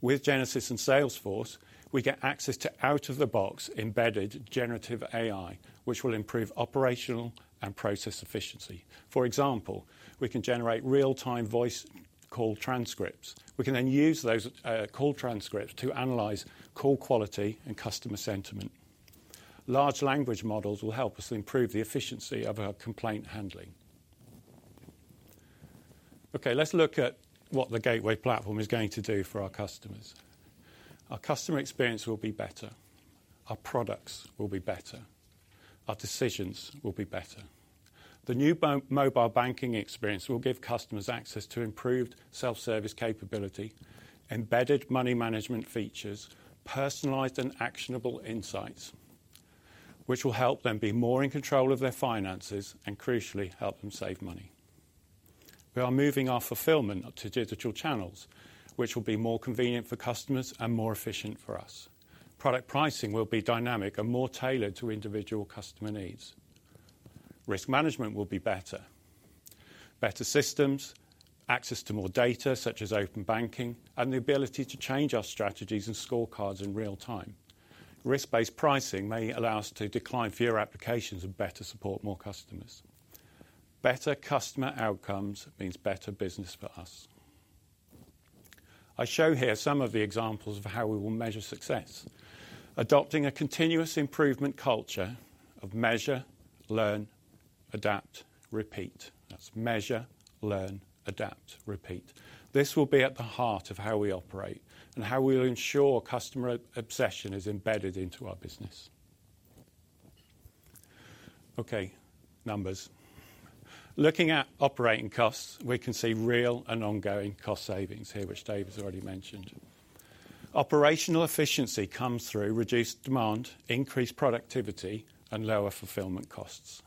With Genesys and Salesforce, we get access to out-of-the-box embedded generative AI, which will improve operational and process efficiency. For example, we can generate real-time voice call transcripts. We can then use those call transcripts to analyze call quality and customer sentiment. Large language models will help us improve the efficiency of our complaint handling. Okay, let's look at what the Gateway platform is going to do for our customers. Our customer experience will be better. Our products will be better. Our decisions will be better. The new mobile banking experience will give customers access to improved self-service capability, embedded money management features, personalized and actionable insights, which will help them be more in control of their finances and, crucially, help them save money. We are moving our fulfillment to digital channels, which will be more convenient for customers and more efficient for us. Product pricing will be dynamic and more tailored to individual customer needs. Risk management will be better: better systems, access to more data such as Open Banking, and the ability to change our strategies and score cards in real time. Risk-based pricing may allow us to decline fewer applications and better support more customers. Better customer outcomes mean better business for us. I show here some of the examples of how we will measure success: adopting a continuous improvement culture of measure, learn, adapt, repeat. That's measure, learn, adapt, repeat. This will be at the heart of how we operate and how we'll ensure customer obsession is embedded into our business. Okay, numbers. Looking at operating costs, we can see real and ongoing cost savings here, which David's already mentioned. Operational efficiency comes through reduced demand, increased productivity, and lower fulfillment costs.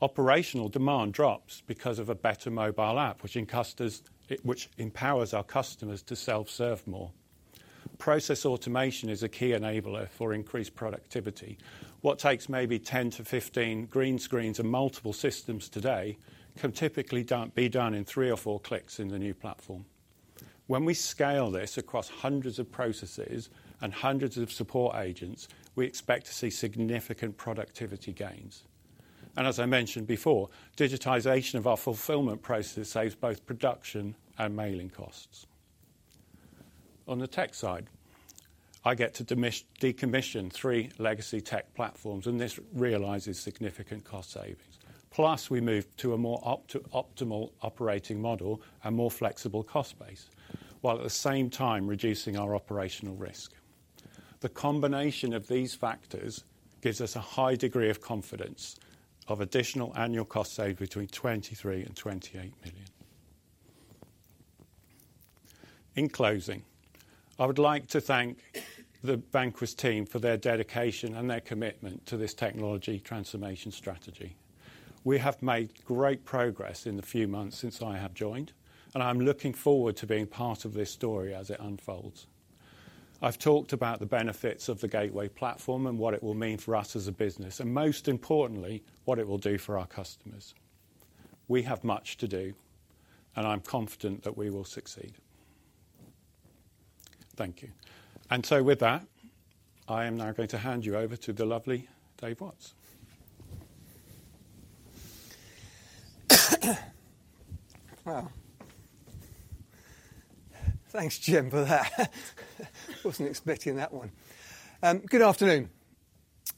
Operational demand drops because of a better mobile app, which empowers our customers to self-serve more. Process automation is a key enabler for increased productivity. What takes maybe 10-15 green screens and multiple systems today can typically be done in three or four clicks in the new platform. When we scale this across hundreds of processes and hundreds of support agents, we expect to see significant productivity gains. As I mentioned before, digitization of our fulfillment process saves both production and mailing costs. On the tech side, I get to decommission three legacy tech platforms, and this realizes significant cost savings. We move to a more optimal operating model and more flexible cost base, while at the same time reducing our operational risk. The combination of these factors gives us a high degree of confidence of additional annual cost savings between 23 million and 28 million. In closing, I would like to thank the Vanquis team for their dedication and their commitment to this technology transformation strategy. We have made great progress in the few months since I have joined, and I'm looking forward to being part of this story as it unfolds. I've talked about the benefits of the Gateway platform and what it will mean for us as a business, and most importantly, what it will do for our customers. We have much to do, and I'm confident that we will succeed. Thank you. And so with that, I am now going to hand you over to the lovely Dave Watts. Wow. Thanks, Jem, for that. Wasn't expecting that one. Good afternoon.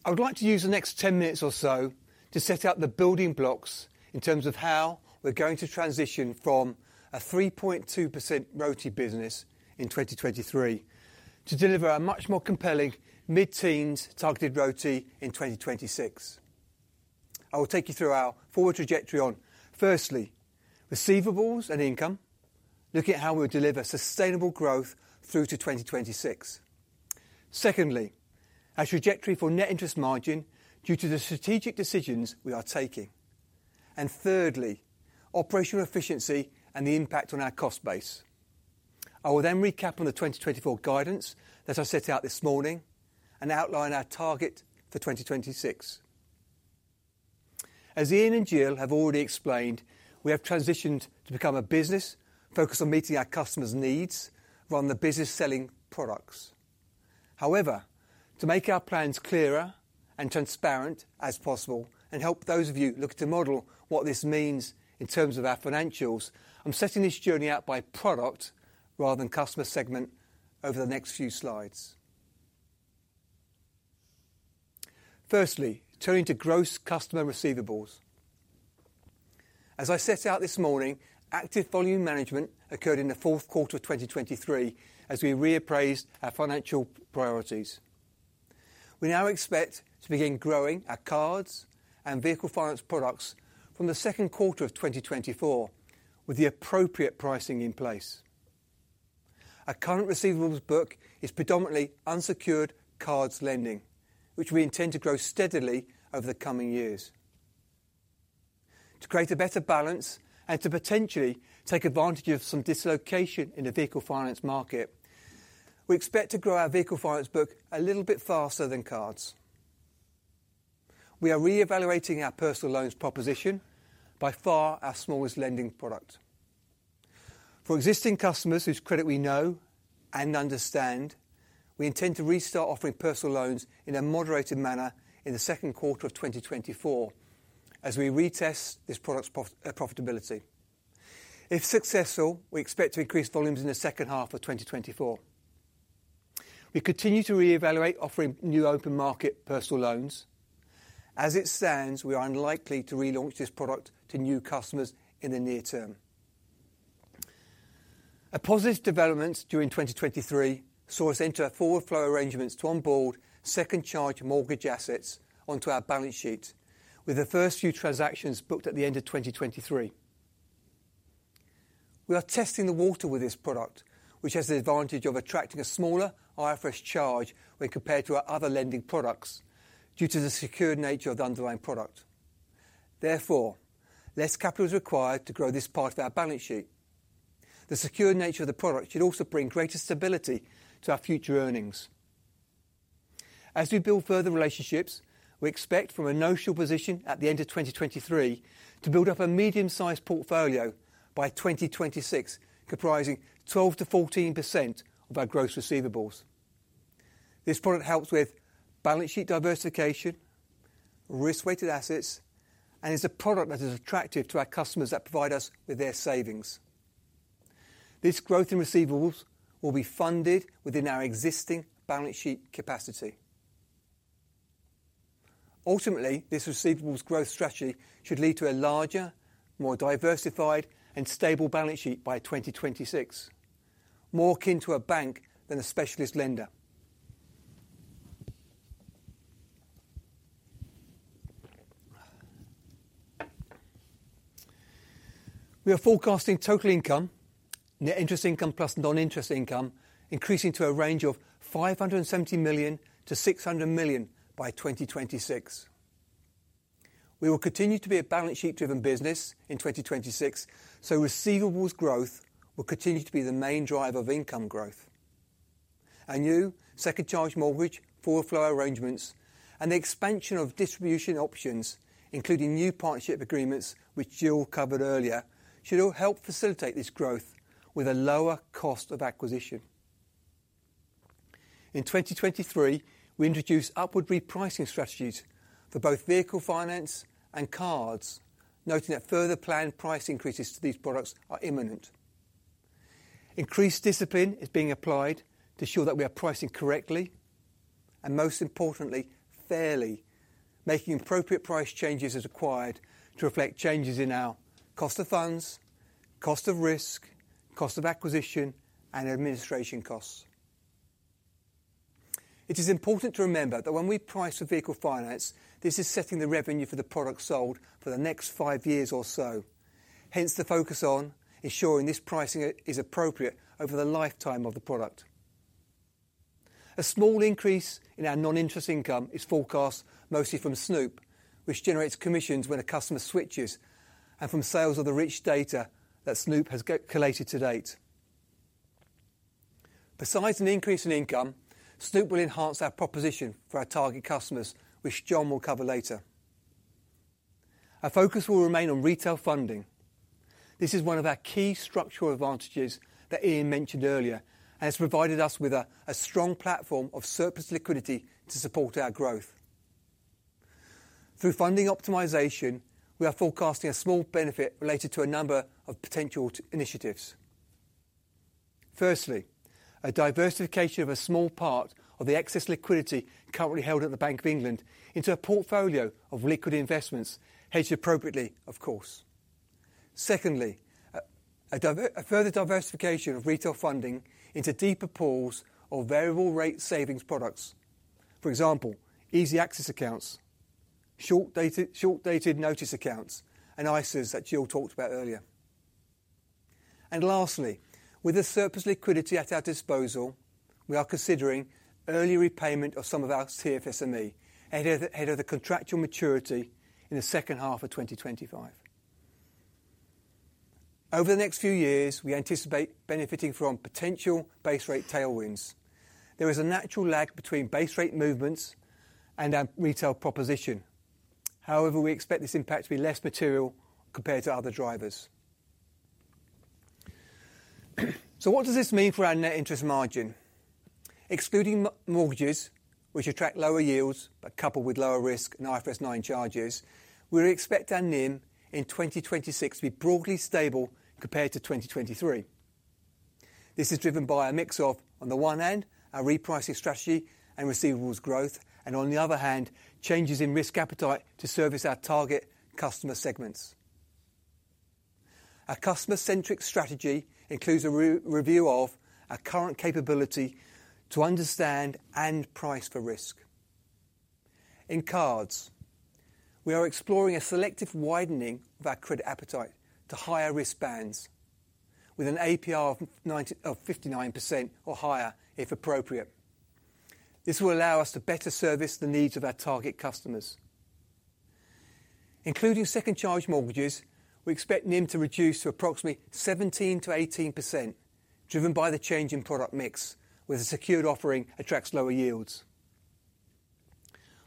I would like to use the next 10 minutes or so to set out the building blocks in terms of how we're going to transition from a 3.2% ROTE business in 2023 to deliver a much more compelling mid-teens targeted ROTE in 2026. I will take you through our forward trajectory on, firstly, receivables and income, looking at how we'll deliver sustainable growth through to 2026. Secondly, our trajectory for net interest margin due to the strategic decisions we are taking. Thirdly, operational efficiency and the impact on our cost base. I will then recap on the 2024 guidance that I set out this morning and outline our target for 2026. As Ian and Jill have already explained, we have transitioned to become a business focused on meeting our customers' needs rather than the business selling products. However, to make our plans clearer and transparent as possible and help those of you look at a model what this means in terms of our financials, I'm setting this journey out by product rather than customer segment over the next few slides. Firstly, turning to gross customer receivables. As I set out this morning, active volume management occurred in the fourth quarter of 2023 as we reappraised our financial priorities. We now expect to begin growing our cards and vehicle finance products from the second quarter of 2024 with the appropriate pricing in place. Our current receivables book is predominantly unsecured cards lending, which we intend to grow steadily over the coming years. To create a better balance and to potentially take advantage of some dislocation in the vehicle finance market, we expect to grow our vehicle finance book a little bit faster than cards. We are reevaluating our personal loans proposition, by far our smallest lending product. For existing customers whose credit we know and understand, we intend to restart offering personal loans in a moderated manner in the second quarter of 2024 as we retest this product's profitability. If successful, we expect to increase volumes in the second half of 2024. We continue to reevaluate offering new open market personal loans. As it stands, we are unlikely to relaunch this product to new customers in the near term. A positive development during 2023 saw us enter forward flow arrangements to onboard second charge mortgages assets onto our balance sheet, with the first few transactions booked at the end of 2023. We are testing the water with this product, which has the advantage of attracting a smaller IFRS charge when compared to our other lending products due to the secured nature of the underlying product. Therefore, less capital is required to grow this part of our balance sheet. The secured nature of the product should also bring greater stability to our future earnings. As we build further relationships, we expect from a no-show position at the end of 2023 to build up a medium-sized portfolio by 2026 comprising 12%-14% of our gross receivables. This product helps with balance sheet diversification, risk-weighted assets, and is a product that is attractive to our customers that provide us with their savings. This growth in receivables will be funded within our existing balance sheet capacity. Ultimately, this receivables growth strategy should lead to a larger, more diversified, and stable balance sheet by 2026, more akin to a bank than a specialist lender. We are forecasting total income, net interest income plus non-interest income, increasing to a range of 570 million-600 million by 2026. We will continue to be a balance sheet-driven business in 2026, so receivables growth will continue to be the main drive of income growth. Our new second charge mortgages, forward flow arrangements, and the expansion of distribution options, including new partnership agreements which Jill covered earlier, should all help facilitate this growth with a lower cost of acquisition. In 2023, we introduce upward repricing strategies for both vehicle finance and cards, noting that further planned price increases to these products are imminent. Increased discipline is being applied to ensure that we are pricing correctly and, most importantly, fairly, making appropriate price changes as required to reflect changes in our cost of funds, cost of risk, cost of acquisition, and administration costs. It is important to remember that when we price for vehicle finance, this is setting the revenue for the product sold for the next five years or so, hence the focus on ensuring this pricing is appropriate over the lifetime of the product. A small increase in our non-interest income is forecast mostly from Snoop, which generates commissions when a customer switches, and from sales of the rich data that Snoop has collated to date. Besides an increase in income, Snoop will enhance our proposition for our target customers, which John will cover later. Our focus will remain on retail funding. This is one of our key structural advantages that Ian mentioned earlier and has provided us with a strong platform of surplus liquidity to support our growth. Through funding optimization, we are forecasting a small benefit related to a number of potential initiatives. Firstly, a diversification of a small part of the excess liquidity currently held at the Bank of England into a portfolio of liquid investments, hedged appropriately, of course. Secondly, a further diversification of retail funding into deeper pools of variable rate savings products—for example, easy access accounts, short-dated notice accounts, and ISAs that Jill talked about earlier. And lastly, with the surplus liquidity at our disposal, we are considering early repayment of some of our TFSME ahead of the contractual maturity in the second half of 2025. Over the next few years, we anticipate benefiting from potential base rate tailwinds. There is a natural lag between base rate movements and our retail proposition. However, we expect this impact to be less material compared to other drivers. So what does this mean for our net interest margin? Excluding mortgages, which attract lower yields but couple with lower risk and IFRS 9 charges, we expect our NIM in 2026 to be broadly stable compared to 2023. This is driven by a mix of, on the one hand, our repricing strategy and receivables growth, and on the other hand, changes in risk appetite to service our target customer segments. Our customer-centric strategy includes a review of our current capability to understand and price for risk. In cards, we are exploring a selective widening of our credit appetite to higher risk bands, with an APR of 59% or higher if appropriate. This will allow us to better service the needs of our target customers. Including second charge mortgages, we expect NIM to reduce to approximately 17%-18%, driven by the change in product mix, where the secured offering attracts lower yields.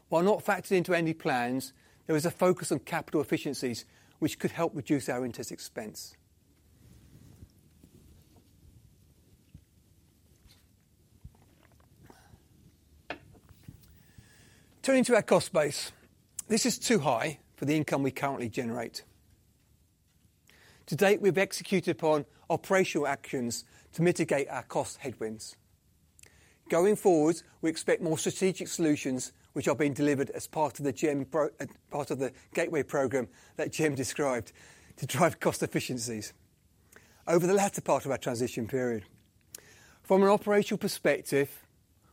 While not factored into any plans, there is a focus on capital efficiencies, which could help reduce our interest expense. Turning to our cost base, this is too high for the income we currently generate. To date, we have executed upon operational actions to mitigate our cost headwinds. Going forward, we expect more strategic solutions, which are being delivered as part of the Jem—part of the Gateway program that Jem described, to drive cost efficiencies over the latter part of our transition period. From an operational perspective,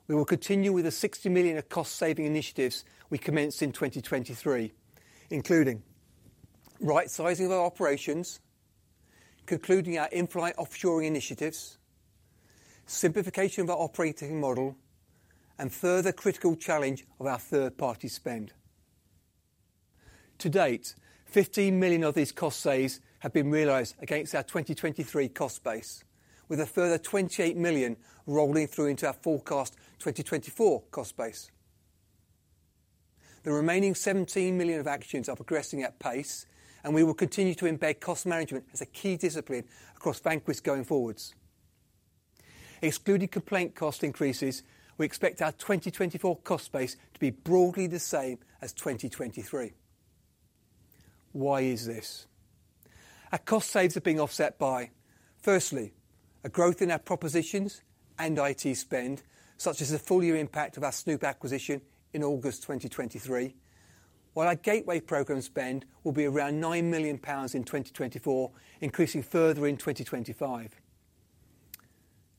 we will continue with the 60 million of cost saving initiatives we commenced in 2023, including: right-sizing of our operations, concluding our improved offshoring initiatives, simplification of our operating model, and further critical challenge of our third-party spend. To date, 15 million of these cost saves have been realized against our 2023 cost base, with a further 28 million rolling through into our forecast 2024 cost base. The remaining 17 million of actions are progressing at pace, and we will continue to embed cost management as a key discipline across Vanquis going forwards. Excluding complaint cost increases, we expect our 2024 cost base to be broadly the same as 2023. Why is this? Our cost saves are being offset by: firstly, a growth in our propositions and IT spend, such as the full-year impact of our Snoop acquisition in August 2023, while our Gateway program spend will be around 9 million pounds in 2024, increasing further in 2025.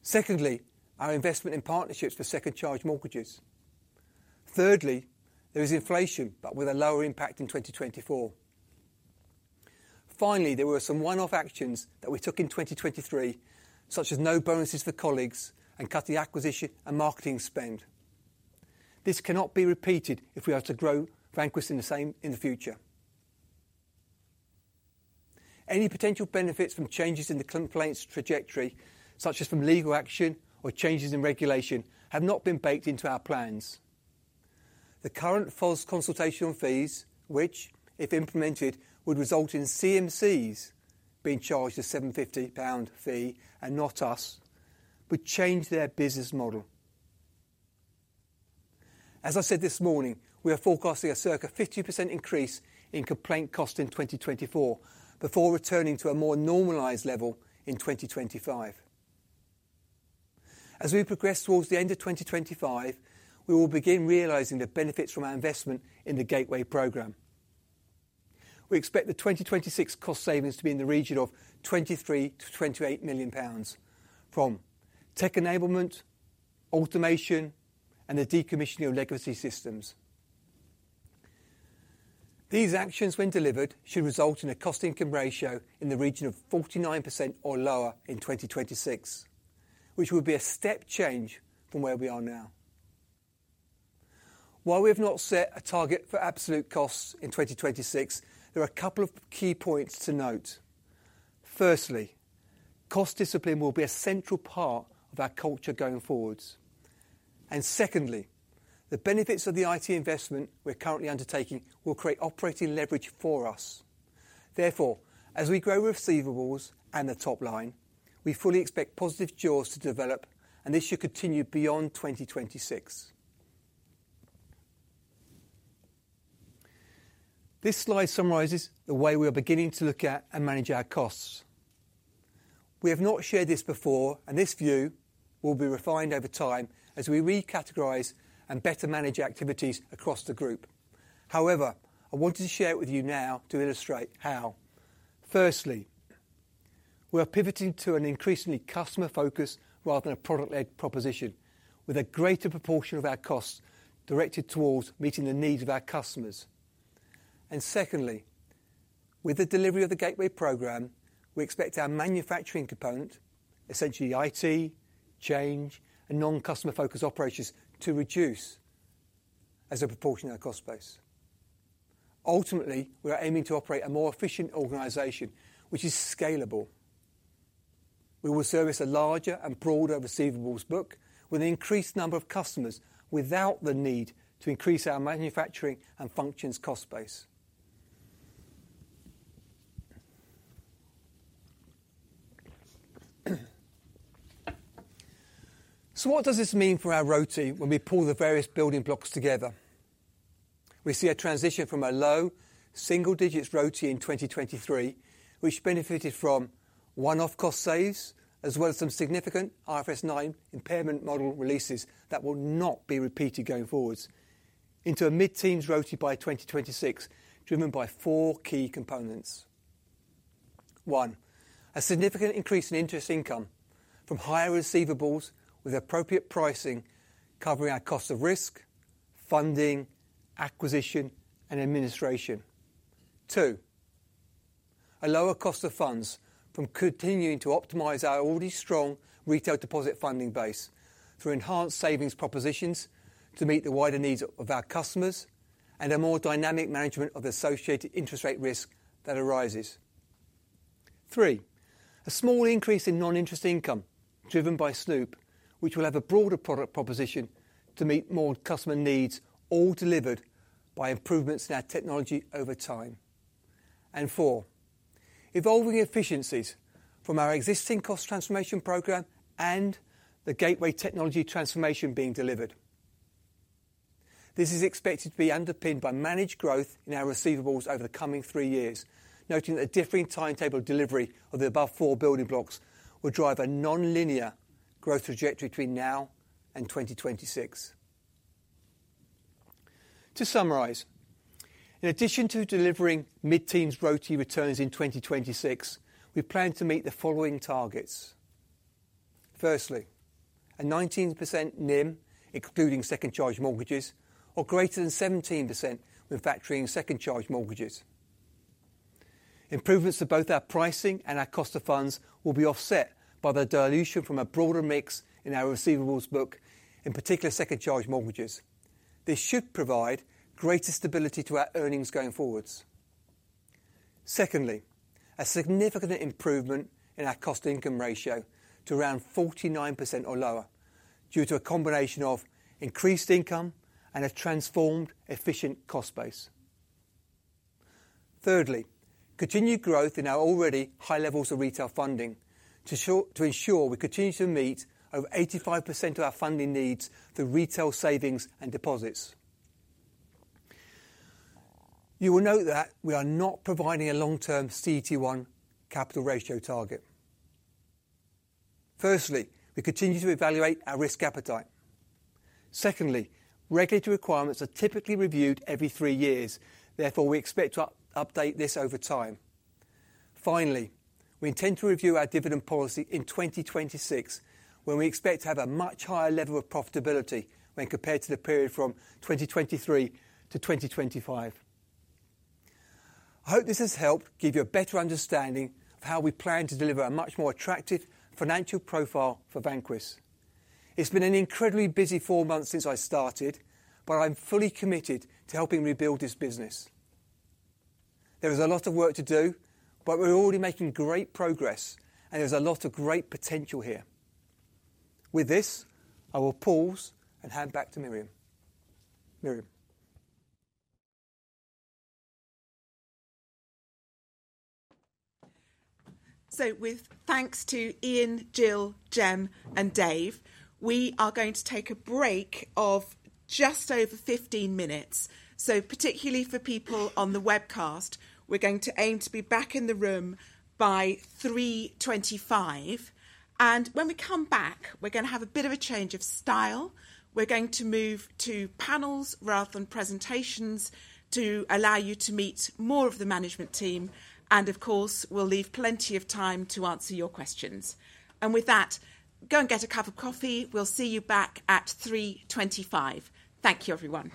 Secondly, our investment in partnerships for second charge mortgages. Thirdly, there is inflation but with a lower impact in 2024. Finally, there were some one-off actions that we took in 2023, such as no bonuses for colleagues and cutting acquisition and marketing spend. This cannot be repeated if we are to grow Vanquis in the same in the future. Any potential benefits from changes in the complaints trajectory, such as from legal action or changes in regulation, have not been baked into our plans. The current FOS consultation fees, which, if implemented, would result in CMCs being charged a 750 pound fee and not us, would change their business model. As I said this morning, we are forecasting a circa 50% increase in complaint costs in 2024 before returning to a more normalized level in 2025. As we progress towards the end of 2025, we will begin realizing the benefits from our investment in the Gateway program. We expect the 2026 cost savings to be in the region of 23 million-28 million pounds from: tech enablement, automation, and the decommissioning of legacy systems. These actions, when delivered, should result in a cost income ratio in the region of 49% or lower in 2026, which would be a step change from where we are now. While we have not set a target for absolute costs in 2026, there are a couple of key points to note. Firstly, cost discipline will be a central part of our culture going forward. Secondly, the benefits of the IT investment we are currently undertaking will create operating leverage for us. Therefore, as we grow receivables and the top line, we fully expect positive jaws to develop, and this should continue beyond 2026. This slide summarizes the way we are beginning to look at and manage our costs. We have not shared this before, and this view will be refined over time as we recategorize and better manage activities across the group. However, I wanted to share it with you now to illustrate how. Firstly, we are pivoting to an increasingly customer-focused rather than a product-led proposition, with a greater proportion of our costs directed towards meeting the needs of our customers. And secondly, with the delivery of the Gateway program, we expect our manufacturing component - essentially IT, change, and non-customer-focused operations - to reduce as a proportion of our cost base. Ultimately, we are aiming to operate a more efficient organization, which is scalable. We will service a larger and broader receivables book with an increased number of customers without the need to increase our manufacturing and functions cost base. So what does this mean for our ROTE when we pull the various building blocks together? We see a transition from a low single-digit ROTE in 2023, which benefited from one-off cost saves as well as some significant IFRS 9 impairment model releases that will not be repeated going forwards, into a mid-teens ROTE by 2026 driven by four key components: 1. A significant increase in interest income from higher receivables with appropriate pricing covering our cost of risk, funding, acquisition, and administration. 2. A lower cost of funds from continuing to optimize our already strong retail deposit funding base through enhanced savings propositions to meet the wider needs of our customers and a more dynamic management of the associated interest rate risk that arises. 3. A small increase in non-interest income driven by Snoop, which will have a broader product proposition to meet more customer needs all delivered by improvements in our technology over time. 4. Evolving efficiencies from our existing cost transformation program and the Gateway technology transformation being delivered. This is expected to be underpinned by managed growth in our receivables over the coming three years, noting that a differing timetable delivery of the above four building blocks will drive a non-linear growth trajectory between now and 2026. To summarize, in addition to delivering mid-teens ROTE returns in 2026, we plan to meet the following targets: Firstly, a 19% NIM excluding second charge mortgages, or greater than 17% when factoring second charge mortgages. Improvements to both our pricing and our cost of funds will be offset by the dilution from a broader mix in our receivables book, in particular second charge mortgages. This should provide greater stability to our earnings going forward. Secondly, a significant improvement in our cost income ratio to around 49% or lower due to a combination of increased income and a transformed, efficient cost base. Thirdly, continued growth in our already high levels of retail funding to ensure we continue to meet over 85% of our funding needs through retail savings and deposits. You will note that we are not providing a long-term CET1 capital ratio target. Firstly, we continue to evaluate our risk appetite. Secondly, regulatory requirements are typically reviewed every three years. Therefore, we expect to update this over time. Finally, we intend to review our dividend policy in 2026, when we expect to have a much higher level of profitability when compared to the period from 2023 to 2025. I hope this has helped give you a better understanding of how we plan to deliver a much more attractive financial profile for Vanquis. It's been an incredibly busy four months since I started, but I am fully committed to helping rebuild this business. There is a lot of work to do, but we are already making great progress, and there is a lot of great potential here. With this, I will pause and hand back to Miriam. Miriam. So with thanks to Ian, Jill, Jem, and Dave, we are going to take a break of just over 15 minutes. So particularly for people on the webcast, we're going to aim to be back in the room by 3:25 P.M. And when we come back, we're going to have a bit of a change of style. We're going to move to panels rather than presentations to allow you to meet more of the management team. And of course, we'll leave plenty of time to answer your questions. And with that, go and get a cup of coffee. We'll see you back at 3:25 P.M. Thank you, everyone.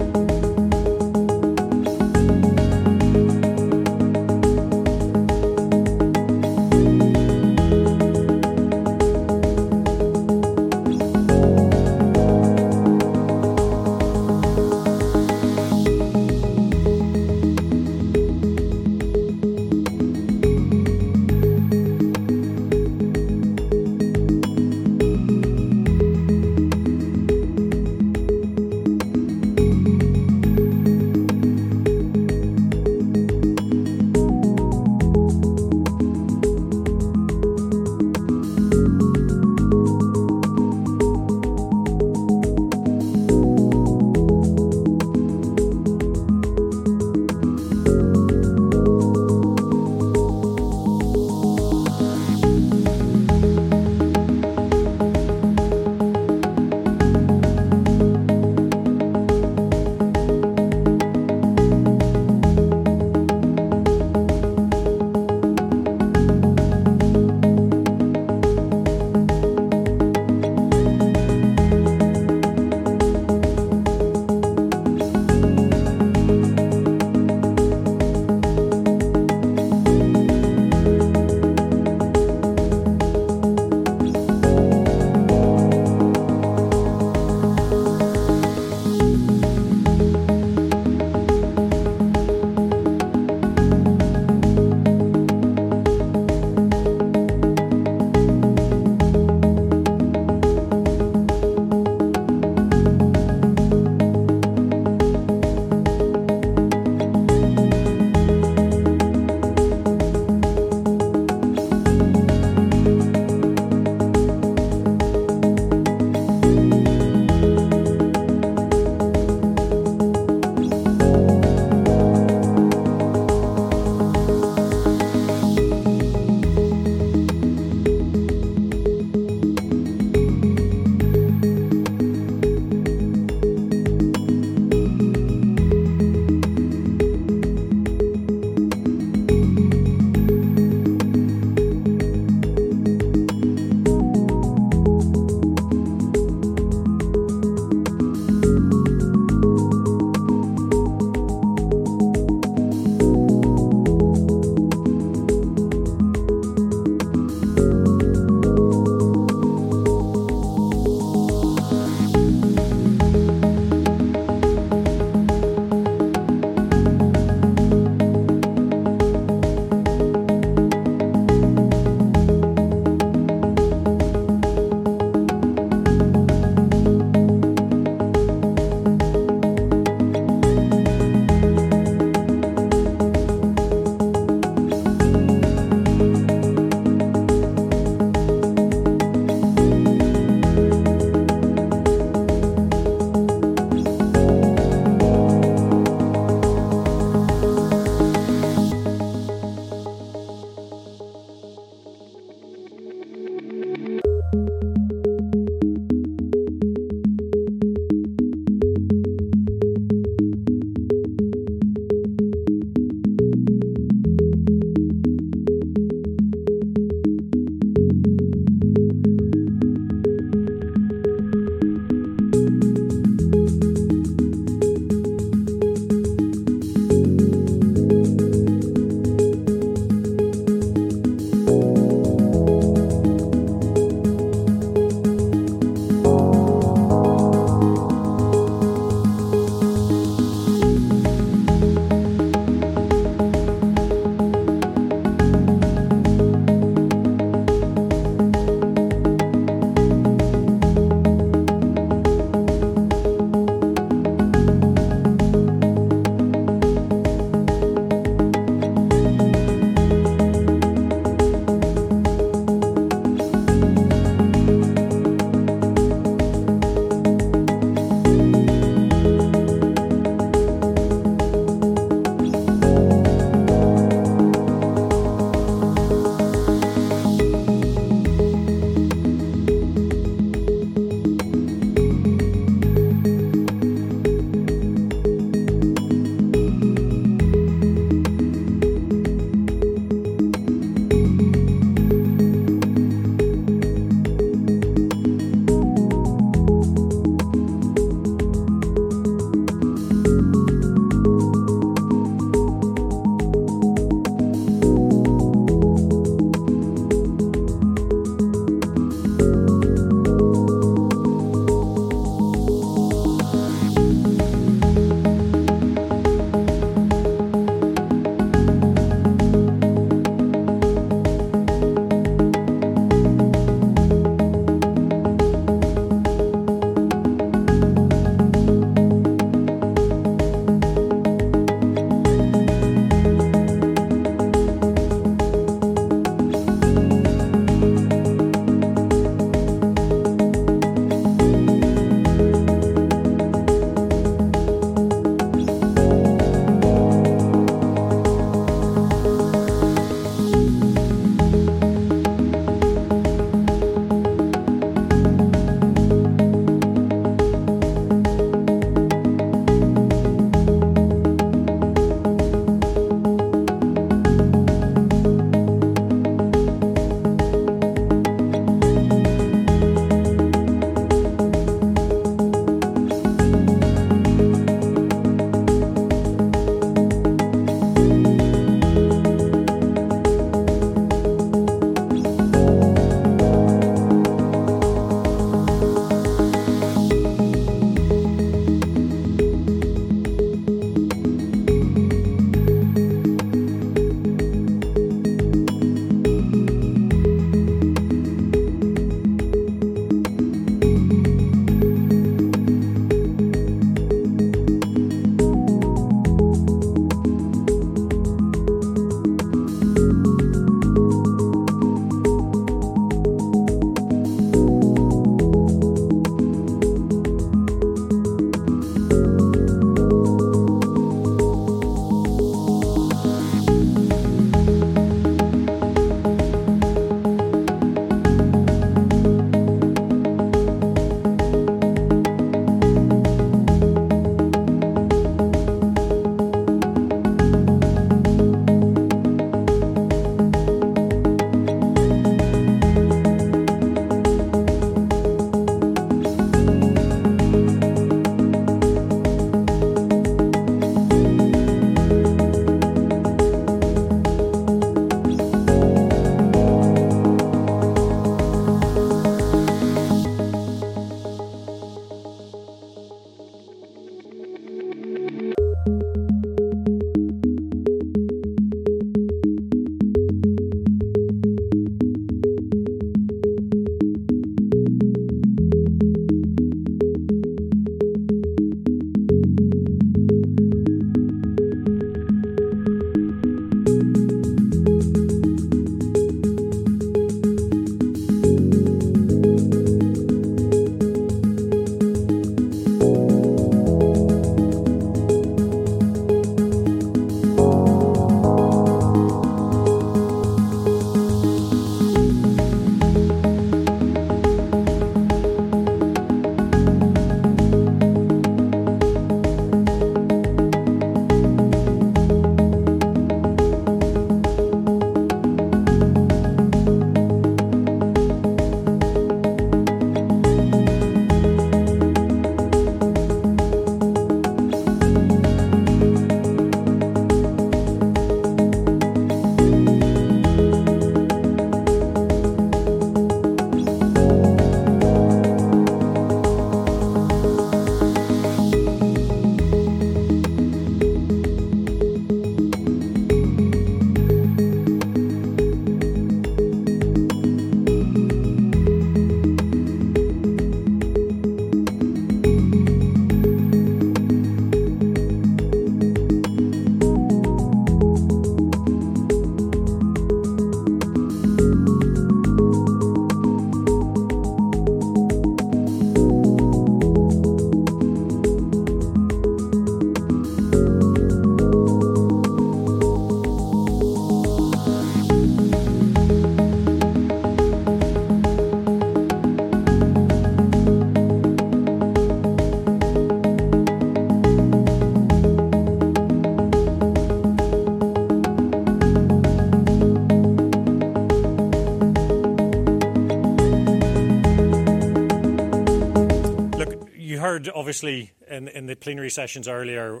Look, you heard obviously in the plenary sessions earlier,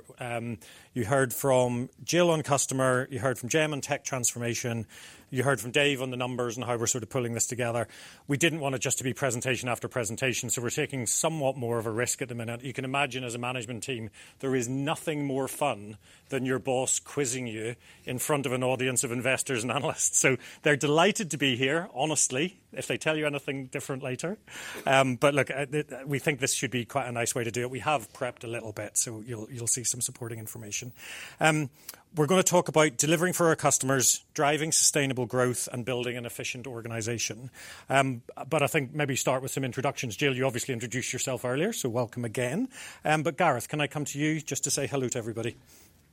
you heard from Jill on customer, you heard from Jem's tech transformation, you heard from Dave on the numbers and how we're sort of pulling this together. We didn't want it just to be presentation after presentation. So we're taking somewhat more of a risk at the minute. You can imagine, as a management team, there is nothing more fun than your boss quizzing you in front of an audience of investors and analysts. So they're delighted to be here, honestly, if they tell you anything different later. But look, we think this should be quite a nice way to do it. We have prepped a little bit, so you'll see some supporting information. We're going to talk about delivering for our customers, driving sustainable growth, and building an efficient organization. But I think maybe start with some introductions. Jill, you obviously introduced yourself earlier, so welcome again. But Gareth, can I come to you just to say hello to everybody?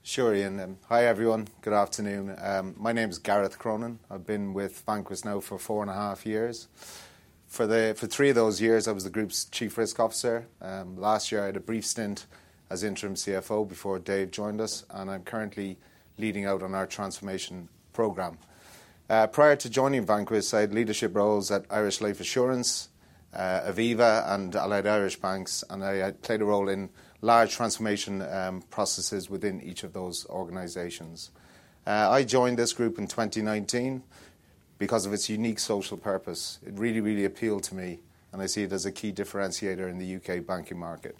Sure, Ian. Hi, everyone. Good afternoon. My name is Gareth Cronin. I've been with Vanquis now for four and a half years. For three of those years, I was the group's chief risk officer. Last year, I had a brief stint as interim CFO before Dave joined us, and I'm currently leading out on our transformation program. Prior to joining Vanquis, I had leadership roles at Irish Life Assurance, Aviva, and Allied Irish Banks, and I played a role in large transformation processes within each of those organizations. I joined this group in 2019 because of its unique social purpose. It really, really appealed to me, and I see it as a key differentiator in the U.K. banking market.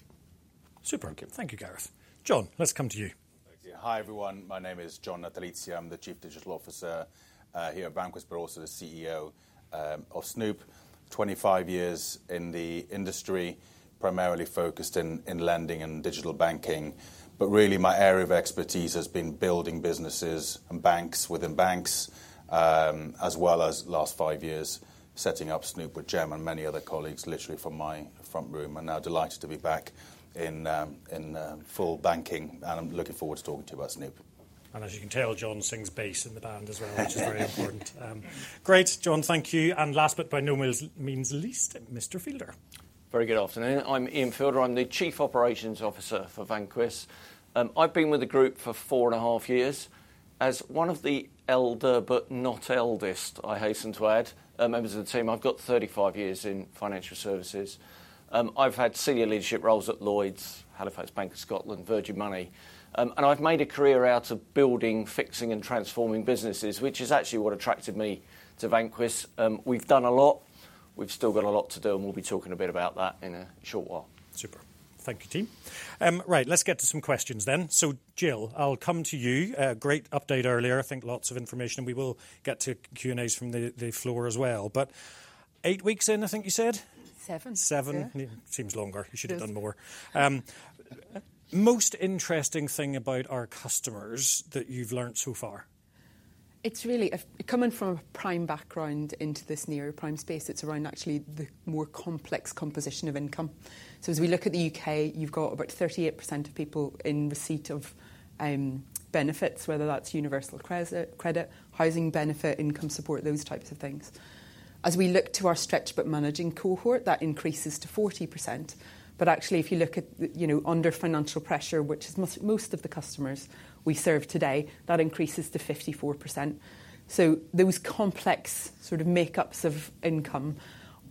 Super. Thank you, Gareth. John, let's come to you. Hi, everyone. My name is John Natalizia. I'm the chief digital officer here at Vanquis, but also the CEO of Snoop. 25 years in the industry, primarily focused in lending and digital banking. But really, my area of expertise has been building businesses and banks within banks, as well as, last 5 years, setting up Snoop with Jem and many other colleagues, literally from my front room. I'm now delighted to be back in full banking, and I'm looking forward to talking to you about Snoop. And as you can tell, John sings bass in the band as well, which is very important. Great. John, thank you. And last but by no means least, Mr. Fielder. Very good afternoon. I'm Ian Fielder. I'm the Chief Operations Officer for Vanquis. I've been with the group for 4.5 years. As one of the elder but not eldest, I hasten to add, members of the team, I've got 35 years in financial services. I've had senior leadership roles at Lloyds, Halifax Bank of Scotland, Virgin Money, and I've made a career out of building, fixing, and transforming businesses, which is actually what attracted me to Vanquis. We've done a lot. We've still got a lot to do, and we'll be talking a bit about that in a short while. Super. Thank you, team. Right. Let's get to some questions then. So Jill, I'll come to you. Great update earlier. I think lots of information, and we will get to Q&As from the floor as well. But 8 weeks in, I think you said? 7. 7. Seems longer. You should have done more. Most interesting thing about our customers that you've learned so far? It's really coming from a prime background into this near prime space. It's around, actually, the more complex composition of income. So as we look at the U.K., you've got about 38% of people in receipt of benefits, whether that's Universal Credit, Housing Benefit, Income Support, those types of things. As we look to our stretch but managing cohort, that increases to 40%. But actually, if you look under financial pressure, which is most of the customers we serve today, that increases to 54%. So those complex sort of makeups of income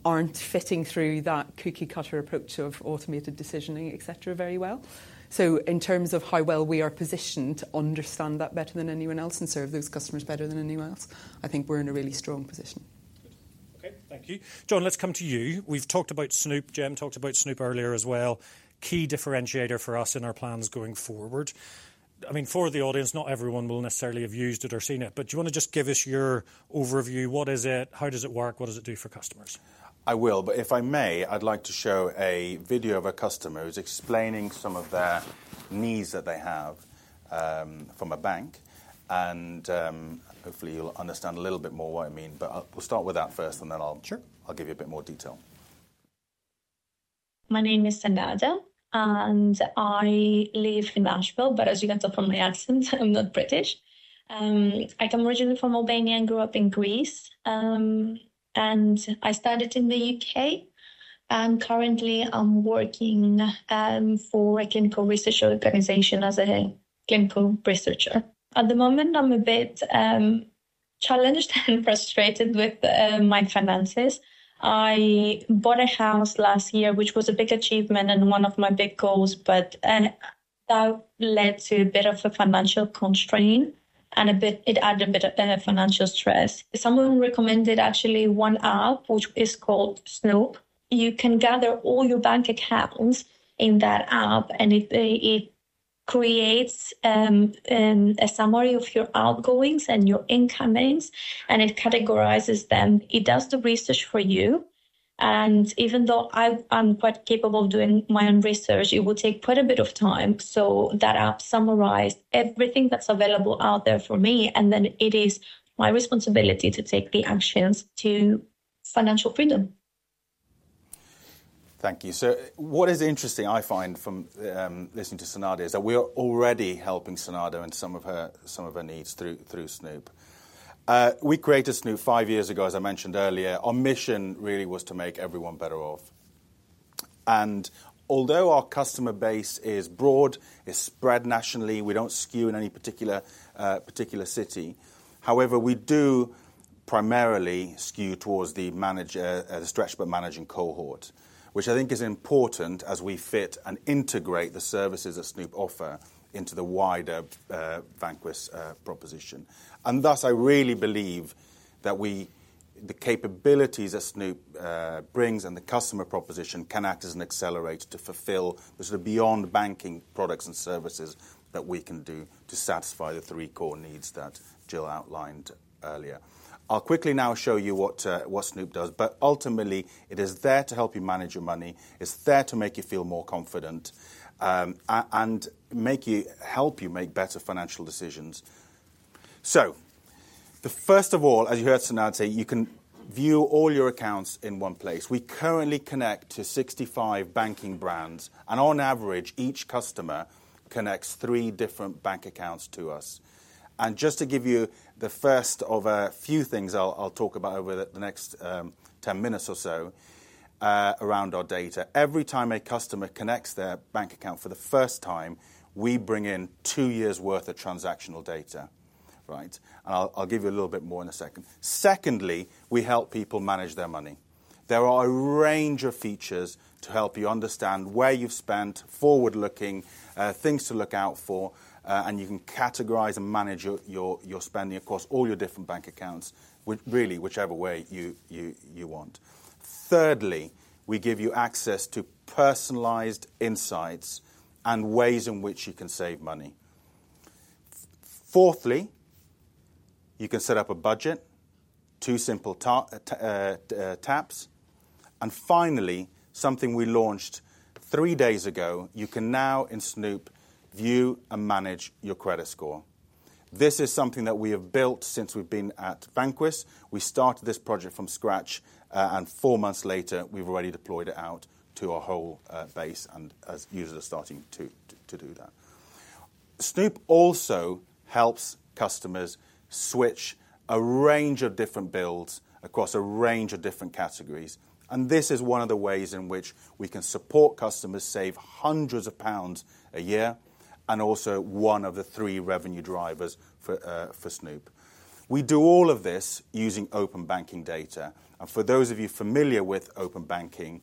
aren't fitting through that cookie-cutter approach of automated decisioning, etc., very well. So in terms of how well we are positioned to understand that better than anyone else and serve those customers better than anyone else, I think we're in a really strong position. Okay. Thank you. John, let's come to you. We've talked about Snoop. Jem talked about Snoop earlier as well. Key differentiator for us in our plans going forward. I mean, for the audience, not everyone will necessarily have used it or seen it. But do you want to just give us your overview? What is it? How does it work? What does it do for customers? I will. But if I may, I'd like to show a video of a customer who's explaining some of their needs that they have from a bank. And hopefully, you'll understand a little bit more what I mean. But we'll start with that first, and then I'll give you a bit more detail. My name is Migena, and I live in Nashville. But as you can tell from my accent, I'm not British. I come originally from Albania and grew up in Greece. And I started in the U.K., and currently, I'm working for a clinical research organization as a clinical researcher. At the moment, I'm a bit challenged and frustrated with my finances. I bought a house last year, which was a big achievement and one of my big goals, but that led to a bit of a financial constraint, and it added a bit of financial stress. Someone recommended, actually, one app which is called Snoop. You can gather all your bank accounts in that app, and it creates a summary of your outgoings and your incomings, and it categorizes them. It does the research for you. And even though I'm quite capable of doing my own research, it would take quite a bit of time. So that app summarized everything that's available out there for me, and then it is my responsibility to take the actions to financial freedom. Thank you. So what is interesting, I find, from listening to Migena is that we are already helping Migena in some of her needs through Snoop. We created Snoop five years ago, as I mentioned earlier. Our mission really was to make everyone better off. Although our customer base is broad, is spread nationally, we don't skew in any particular city. However, we do primarily skew towards the stretch but managing cohort, which I think is important as we fit and integrate the services that Snoop offer into the wider Vanquis proposition. Thus, I really believe that the capabilities that Snoop brings and the customer proposition can act as an accelerator to fulfill the sort of beyond-banking products and services that we can do to satisfy the three core needs that Jill outlined earlier. I'll quickly now show you what Snoop does. But ultimately, it is there to help you manage your money. It's there to make you feel more confident and help you make better financial decisions. So first of all, as you heard Migena say, you can view all your accounts in one place. We currently connect to 65 banking brands, and on average, each customer connects three different bank accounts to us. And just to give you the first of a few things I'll talk about over the next 10 minutes or so around our data, every time a customer connects their bank account for the first time, we bring in 2 years' worth of transactional data. And I'll give you a little bit more in a second. Secondly, we help people manage their money. There are a range of features to help you understand where you've spent, forward-looking, things to look out for, and you can categorize and manage your spending across all your different bank accounts, really, whichever way you want. Thirdly, we give you access to personalized insights and ways in which you can save money. Fourthly, you can set up a budget, 2 simple taps. And finally, something we launched 3 days ago, you can now, in Snoop, view and manage your credit score. This is something that we have built since we've been at Vanquis. We started this project from scratch, and 4 months later, we've already deployed it out to our whole base, and users are starting to do that. Snoop also helps customers switch a range of different bills across a range of different categories. And this is one of the ways in which we can support customers save hundreds of GBP a year and also one of the three revenue drivers for Snoop. We do all of this using Open Banking data. And for those of you familiar with Open Banking,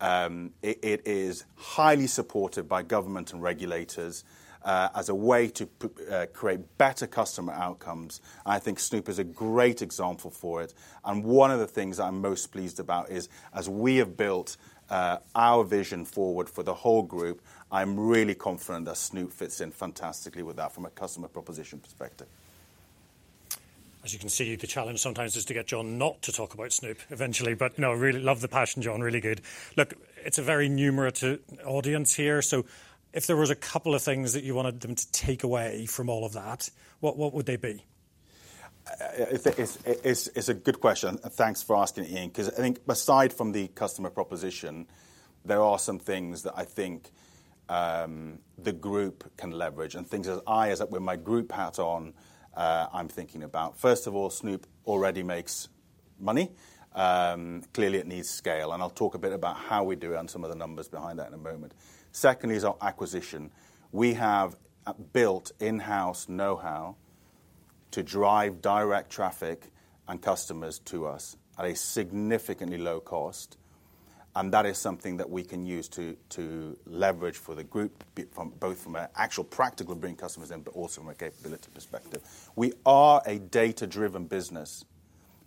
it is highly supported by government and regulators as a way to create better customer outcomes. And I think Snoop is a great example for it. And one of the things that I'm most pleased about is, as we have built our vision forward for the whole group, I'm really confident that Snoop fits in fantastically with that from a customer proposition perspective. As you can see, the challenge sometimes is to get John not to talk about Snoop eventually. But no, I really love the passion, John. Really good. Look, it's a very numerative audience here. So if there was a couple of things that you wanted them to take away from all of that, what would they be? It's a good question. Thanks for asking, Ian, because I think aside from the customer proposition, there are some things that I think the group can leverage and things as I wear my group hat on, I'm thinking about. First of all, Snoop already makes money. Clearly, it needs scale. And I'll talk a bit about how we do it and some of the numbers behind that in a moment. Secondly is our acquisition. We have built in-house know-how to drive direct traffic and customers to us at a significantly low cost. And that is something that we can use to leverage for the group, both from an actual practical bringing customers in, but also from a capability perspective. We are a data-driven business.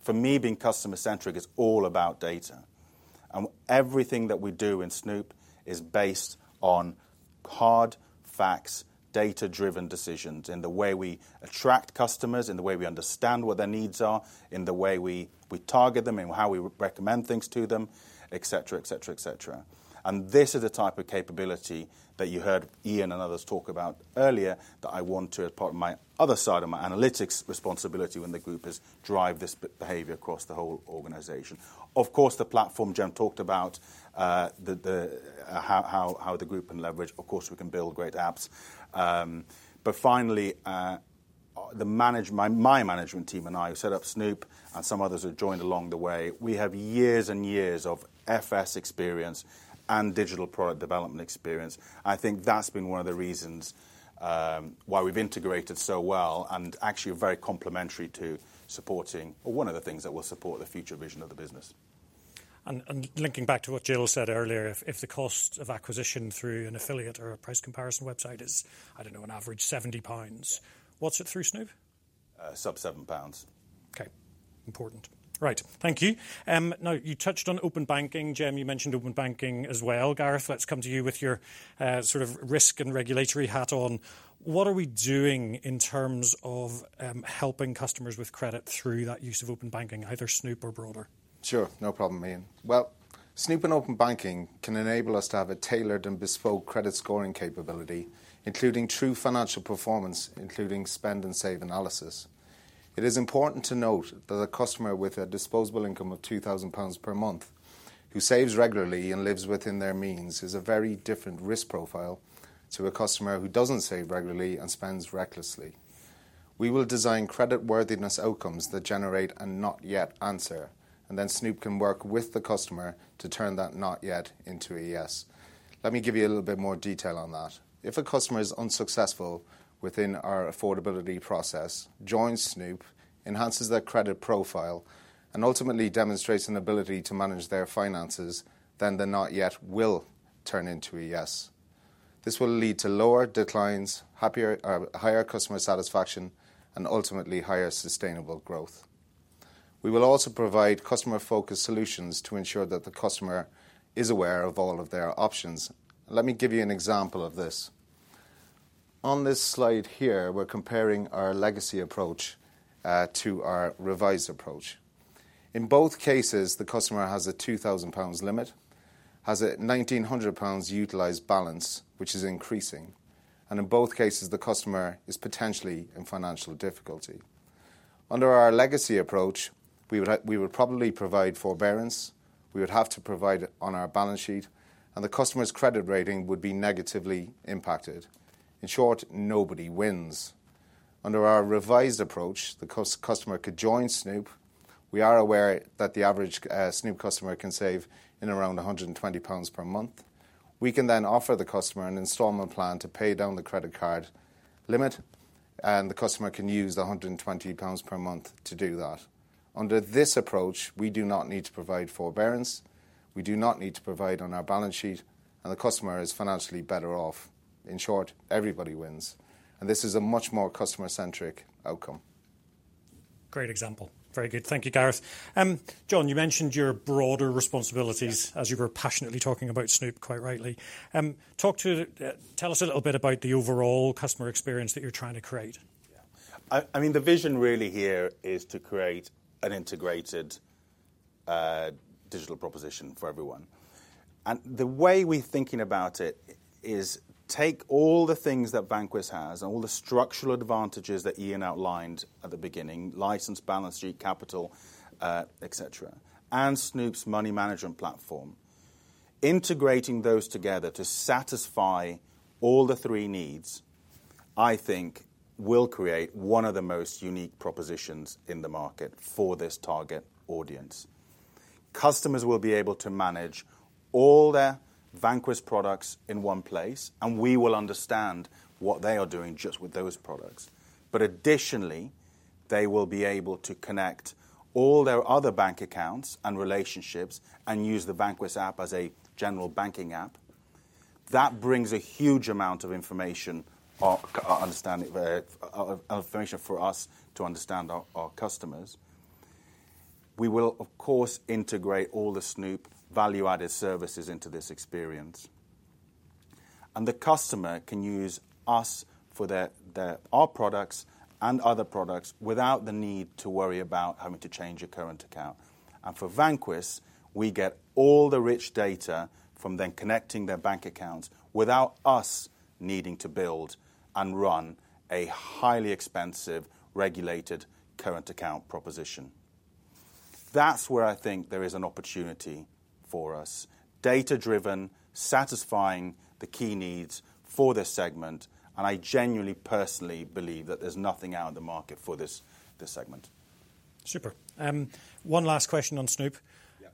For me, being customer-centric, it's all about data. Everything that we do in Snoop is based on hard facts, data-driven decisions in the way we attract customers, in the way we understand what their needs are, in the way we target them, in how we recommend things to them, etc., etc., etc. This is the type of capability that you heard Ian and others talk about earlier that I want to, as part of my other side of my analytics responsibility within the group, is drive this behavior across the whole organization. Of course, the platform Jem talked about, how the group can leverage. Of course, we can build great apps. But finally, my management team and I who set up Snoop and some others who joined along the way, we have years and years of FS experience and digital product development experience. I think that's been one of the reasons why we've integrated so well and actually are very complementary to supporting or one of the things that will support the future vision of the business. And linking back to what Jill said earlier, if the cost of acquisition through an affiliate or a price comparison website is, I don't know, an average 70 pounds, what's it through Snoop? Sub 7 pounds. Okay. Important. Right. Thank you. Now, you touched on Open Banking. Jem, you mentioned Open Banking as well. Gareth, let's come to you with your sort of risk and regulatory hat on. What are we doing in terms of helping customers with credit through that use of Open Banking, either Snoop or broader? Sure. No problem, Ian. Well, Snoop and Open Banking can enable us to have a tailored and bespoke credit scoring capability, including true financial performance, including spend and save analysis. It is important to note that a customer with a disposable income of 2,000 pounds per month who saves regularly and lives within their means is a very different risk profile to a customer who doesn't save regularly and spends recklessly. We will design creditworthiness outcomes that generate a not-yet answer, and then Snoop can work with the customer to turn that not-yet into a yes. Let me give you a little bit more detail on that. If a customer is unsuccessful within our affordability process, joins Snoop, enhances their credit profile, and ultimately demonstrates an ability to manage their finances, then the not-yet will turn into a yes. This will lead to lower declines, higher customer satisfaction, and ultimately higher sustainable growth. We will also provide customer-focused solutions to ensure that the customer is aware of all of their options. Let me give you an example of this. On this slide here, we're comparing our legacy approach to our revised approach. In both cases, the customer has a 2,000 pounds limit, has a 1,900 pounds utilized balance, which is increasing. And in both cases, the customer is potentially in financial difficulty. Under our legacy approach, we would probably provide forbearance. We would have to provide it on our balance sheet, and the customer's credit rating would be negatively impacted. In short, nobody wins. Under our revised approach, the customer could join Snoop. We are aware that the average Snoop customer can save in around 120 pounds per month. We can then offer the customer an installment plan to pay down the credit card limit, and the customer can use the 120 pounds per month to do that. Under this approach, we do not need to provide forbearance. We do not need to provide on our balance sheet, and the customer is financially better off. In short, everybody wins. And this is a much more customer-centric outcome. Great example. Very good. Thank you, Gareth. John, you mentioned your broader responsibilities as you were passionately talking about Snoop, quite rightly. Tell us a little bit about the overall customer experience that you're trying to create. I mean, the vision really here is to create an integrated digital proposition for everyone. The way we're thinking about it is take all the things that Vanquis has and all the structural advantages that Ian outlined at the beginning, license, balance sheet, capital, etc., and Snoop's money management platform, integrating those together to satisfy all the three needs, I think will create one of the most unique propositions in the market for this target audience. Customers will be able to manage all their Vanquis products in one place, and we will understand what they are doing just with those products. But additionally, they will be able to connect all their other bank accounts and relationships and use the Vanquis app as a general banking app. That brings a huge amount of information for us to understand our customers. We will, of course, integrate all the Snoop value-added services into this experience. And the customer can use us for our products and other products without the need to worry about having to change a current account. And for Vanquis, we get all the rich data from then connecting their bank accounts without us needing to build and run a highly expensive regulated current account proposition. That's where I think there is an opportunity for us, data-driven, satisfying the key needs for this segment. And I genuinely, personally believe that there's nothing out of the market for this segment. Super. One last question on Snoop.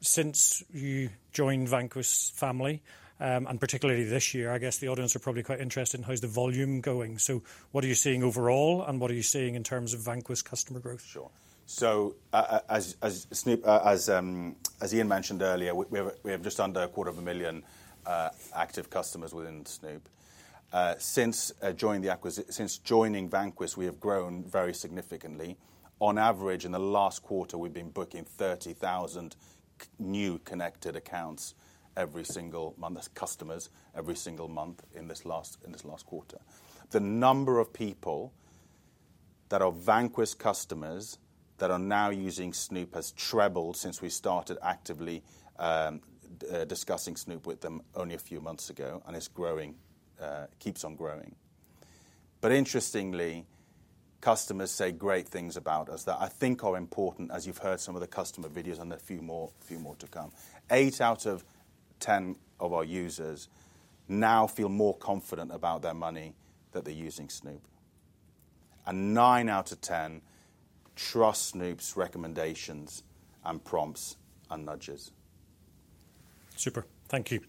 Since you joined Vanquis family, and particularly this year, I guess the audience are probably quite interested in how's the volume going. So what are you seeing overall, and what are you seeing in terms of Vanquis customer growth? Sure. So as Ian mentioned earlier, we have just under 250,000 active customers within Snoop. Since joining Vanquis, we have grown very significantly. On average, in the last quarter, we've been booking 30,000 new connected accounts every single month, customers every single month in this last quarter. The number of people that are Vanquis customers that are now using Snoop has trebled since we started actively discussing Snoop with them only a few months ago, and it keeps on growing. Interestingly, customers say great things about us that I think are important, as you've heard some of the customer videos, and there are a few more to come. 8 out of 10 of our users now feel more confident about their money that they're using Snoop. 9 out of 10 trust Snoop's recommendations and prompts and nudges. Super. Thank you.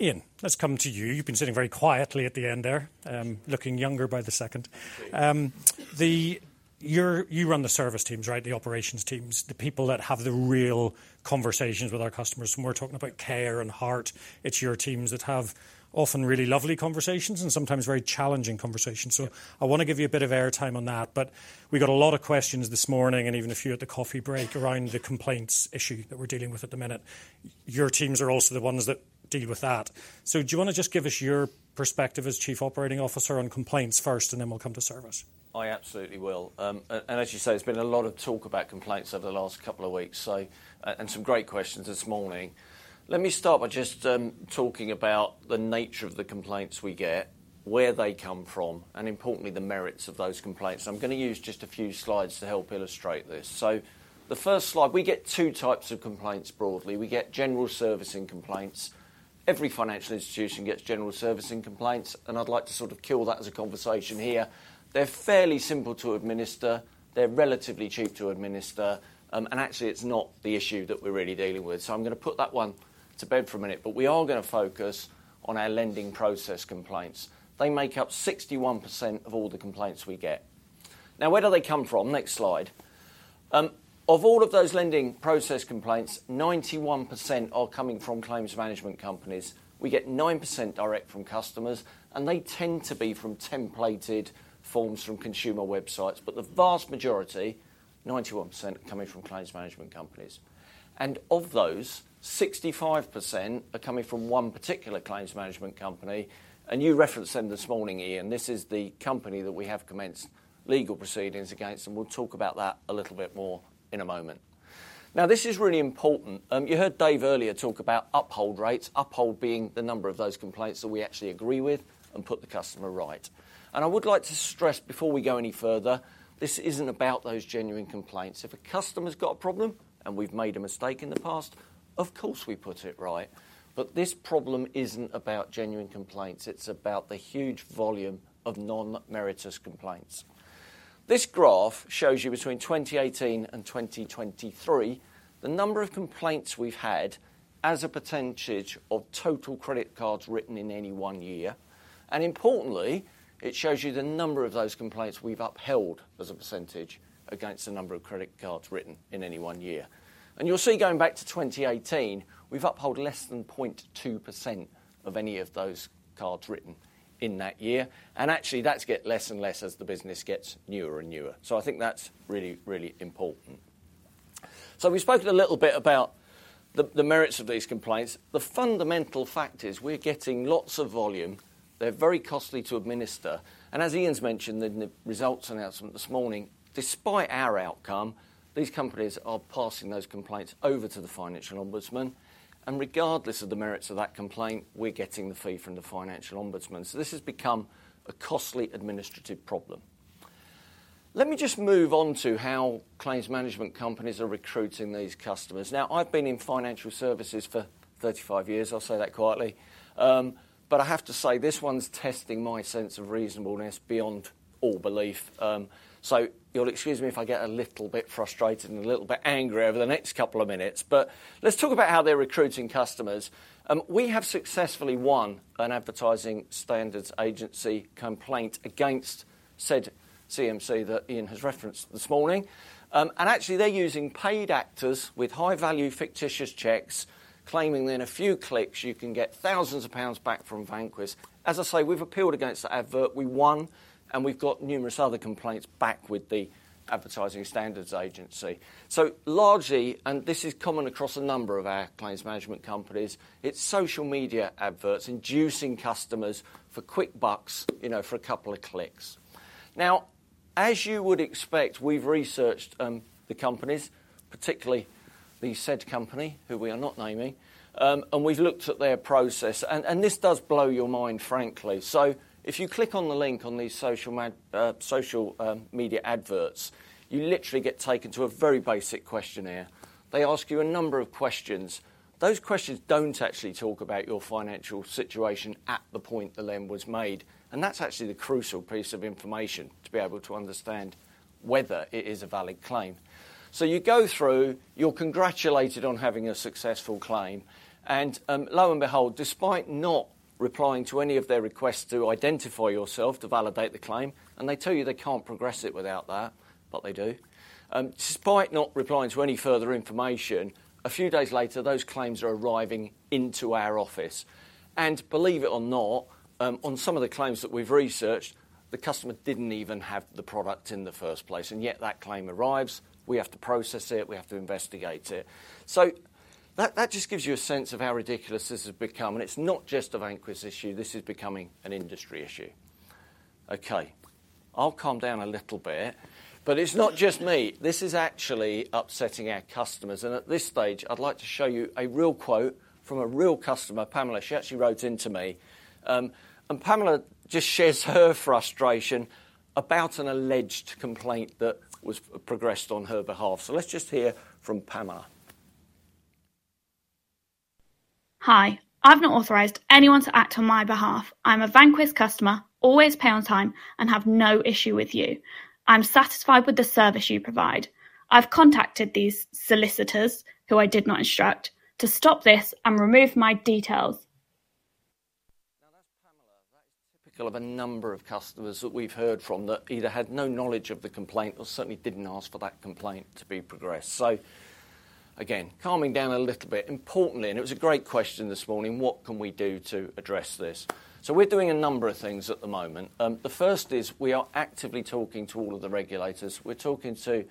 Ian, let's come to you. You've been sitting very quietly at the end there, looking younger by the second. You run the service teams, right, the operations teams, the people that have the real conversations with our customers. When we're talking about care and heart, it's your teams that have often really lovely conversations and sometimes very challenging conversations. So I want to give you a bit of airtime on that. But we got a lot of questions this morning and even a few at the coffee break around the complaints issue that we're dealing with at the minute. Your teams are also the ones that deal with that. So do you want to just give us your perspective as Chief Operating Officer on complaints first, and then we'll come to service? I absolutely will. And as you say, there's been a lot of talk about complaints over the last couple of weeks and some great questions this morning. Let me start by just talking about the nature of the complaints we get, where they come from, and importantly, the merits of those complaints. I'm going to use just a few slides to help illustrate this. The first slide, we get two types of complaints broadly. We get general servicing complaints. Every financial institution gets general servicing complaints. I'd like to sort of kill that as a conversation here. They're fairly simple to administer. They're relatively cheap to administer. Actually, it's not the issue that we're really dealing with. I'm going to put that one to bed for a minute. We are going to focus on our lending process complaints. They make up 61% of all the complaints we get. Now, where do they come from? Next slide. Of all of those lending process complaints, 91% are coming from claims management companies. We get 9% direct from customers. They tend to be from templated forms from consumer websites. But the vast majority, 91%, are coming from claims management companies. Of those, 65% are coming from one particular claims management company. You referenced them this morning, Ian. This is the company that we have commenced legal proceedings against. We'll talk about that a little bit more in a moment. Now, this is really important. You heard Dave earlier talk about uphold rates, uphold being the number of those complaints that we actually agree with and put the customer right. I would like to stress before we go any further, this isn't about those genuine complaints. If a customer's got a problem and we've made a mistake in the past, of course, we put it right. This problem isn't about genuine complaints. It's about the huge volume of non-meritorious complaints. This graph shows you between 2018 and 2023, the number of complaints we've had as a percentage of total credit cards written in any one year. Importantly, it shows you the number of those complaints we've upheld as a percentage against the number of credit cards written in any one year. You'll see going back to 2018, we've upheld less than 0.2% of any of those cards written in that year. Actually, that's getting less and less as the business gets newer and newer. I think that's really, really important. We've spoken a little bit about the merits of these complaints. The fundamental fact is we're getting lots of volume. They're very costly to administer. As Ian's mentioned in the results announcement this morning, despite our outcome, these companies are passing those complaints over to the Financial Ombudsman. Regardless of the merits of that complaint, we're getting the fee from the Financial Ombudsman. This has become a costly administrative problem. Let me just move on to how claims management companies are recruiting these customers. Now, I've been in financial services for 35 years. I'll say that quietly. But I have to say, this one's testing my sense of reasonableness beyond all belief. So you'll excuse me if I get a little bit frustrated and a little bit angry over the next couple of minutes. But let's talk about how they're recruiting customers. We have successfully won an Advertising Standards Authority complaint against said CMC that Ian has referenced this morning. Actually, they're using paid actors with high-value fictitious checks, claiming that in a few clicks, you can get thousands of GBP back from Vanquis. As I say, we've appealed against that ad. We won. And we've got numerous other complaints back with the Advertising Standards Authority. So largely, and this is common across a number of our claims management companies, it's social media ads inducing customers for quick bucks for a couple of clicks. Now, as you would expect, we've researched the companies, particularly the said company, who we are not naming. And we've looked at their process. And this does blow your mind, frankly. So if you click on the link on these social media ads, you literally get taken to a very basic questionnaire. They ask you a number of questions. Those questions don't actually talk about your financial situation at the point the loan was made. That's actually the crucial piece of information to be able to understand whether it is a valid claim. So you go through, you're congratulated on having a successful claim. And lo and behold, despite not replying to any of their requests to identify yourself to validate the claim and they tell you they can't progress it without that, but they do, despite not replying to any further information, a few days later, those claims are arriving into our office. And believe it or not, on some of the claims that we've researched, the customer didn't even have the product in the first place. And yet, that claim arrives. We have to process it. We have to investigate it. So that just gives you a sense of how ridiculous this has become. And it's not just a Vanquis issue. This is becoming an industry issue. Okay. I'll calm down a little bit. But it's not just me. This is actually upsetting our customers. And at this stage, I'd like to show you a real quote from a real customer, Pamela. She actually wrote into me. And Pamela just shares her frustration about an alleged complaint that was progressed on her behalf. So let's just hear from Pamela. Hi. I've not authorized anyone to act on my behalf. I'm a Vanquis customer, always pay on time, and have no issue with you. I'm satisfied with the service you provide. I've contacted these solicitors, who I did not instruct, to stop this and remove my details. Now, that's Pamela. That is typical of a number of customers that we've heard from that either had no knowledge of the complaint or certainly didn't ask for that complaint to be progressed. So again, calming down a little bit. Importantly, and it was a great question this morning, what can we do to address this? So we're doing a number of things at the moment. The first is we are actively talking to all of the regulators. We're talking to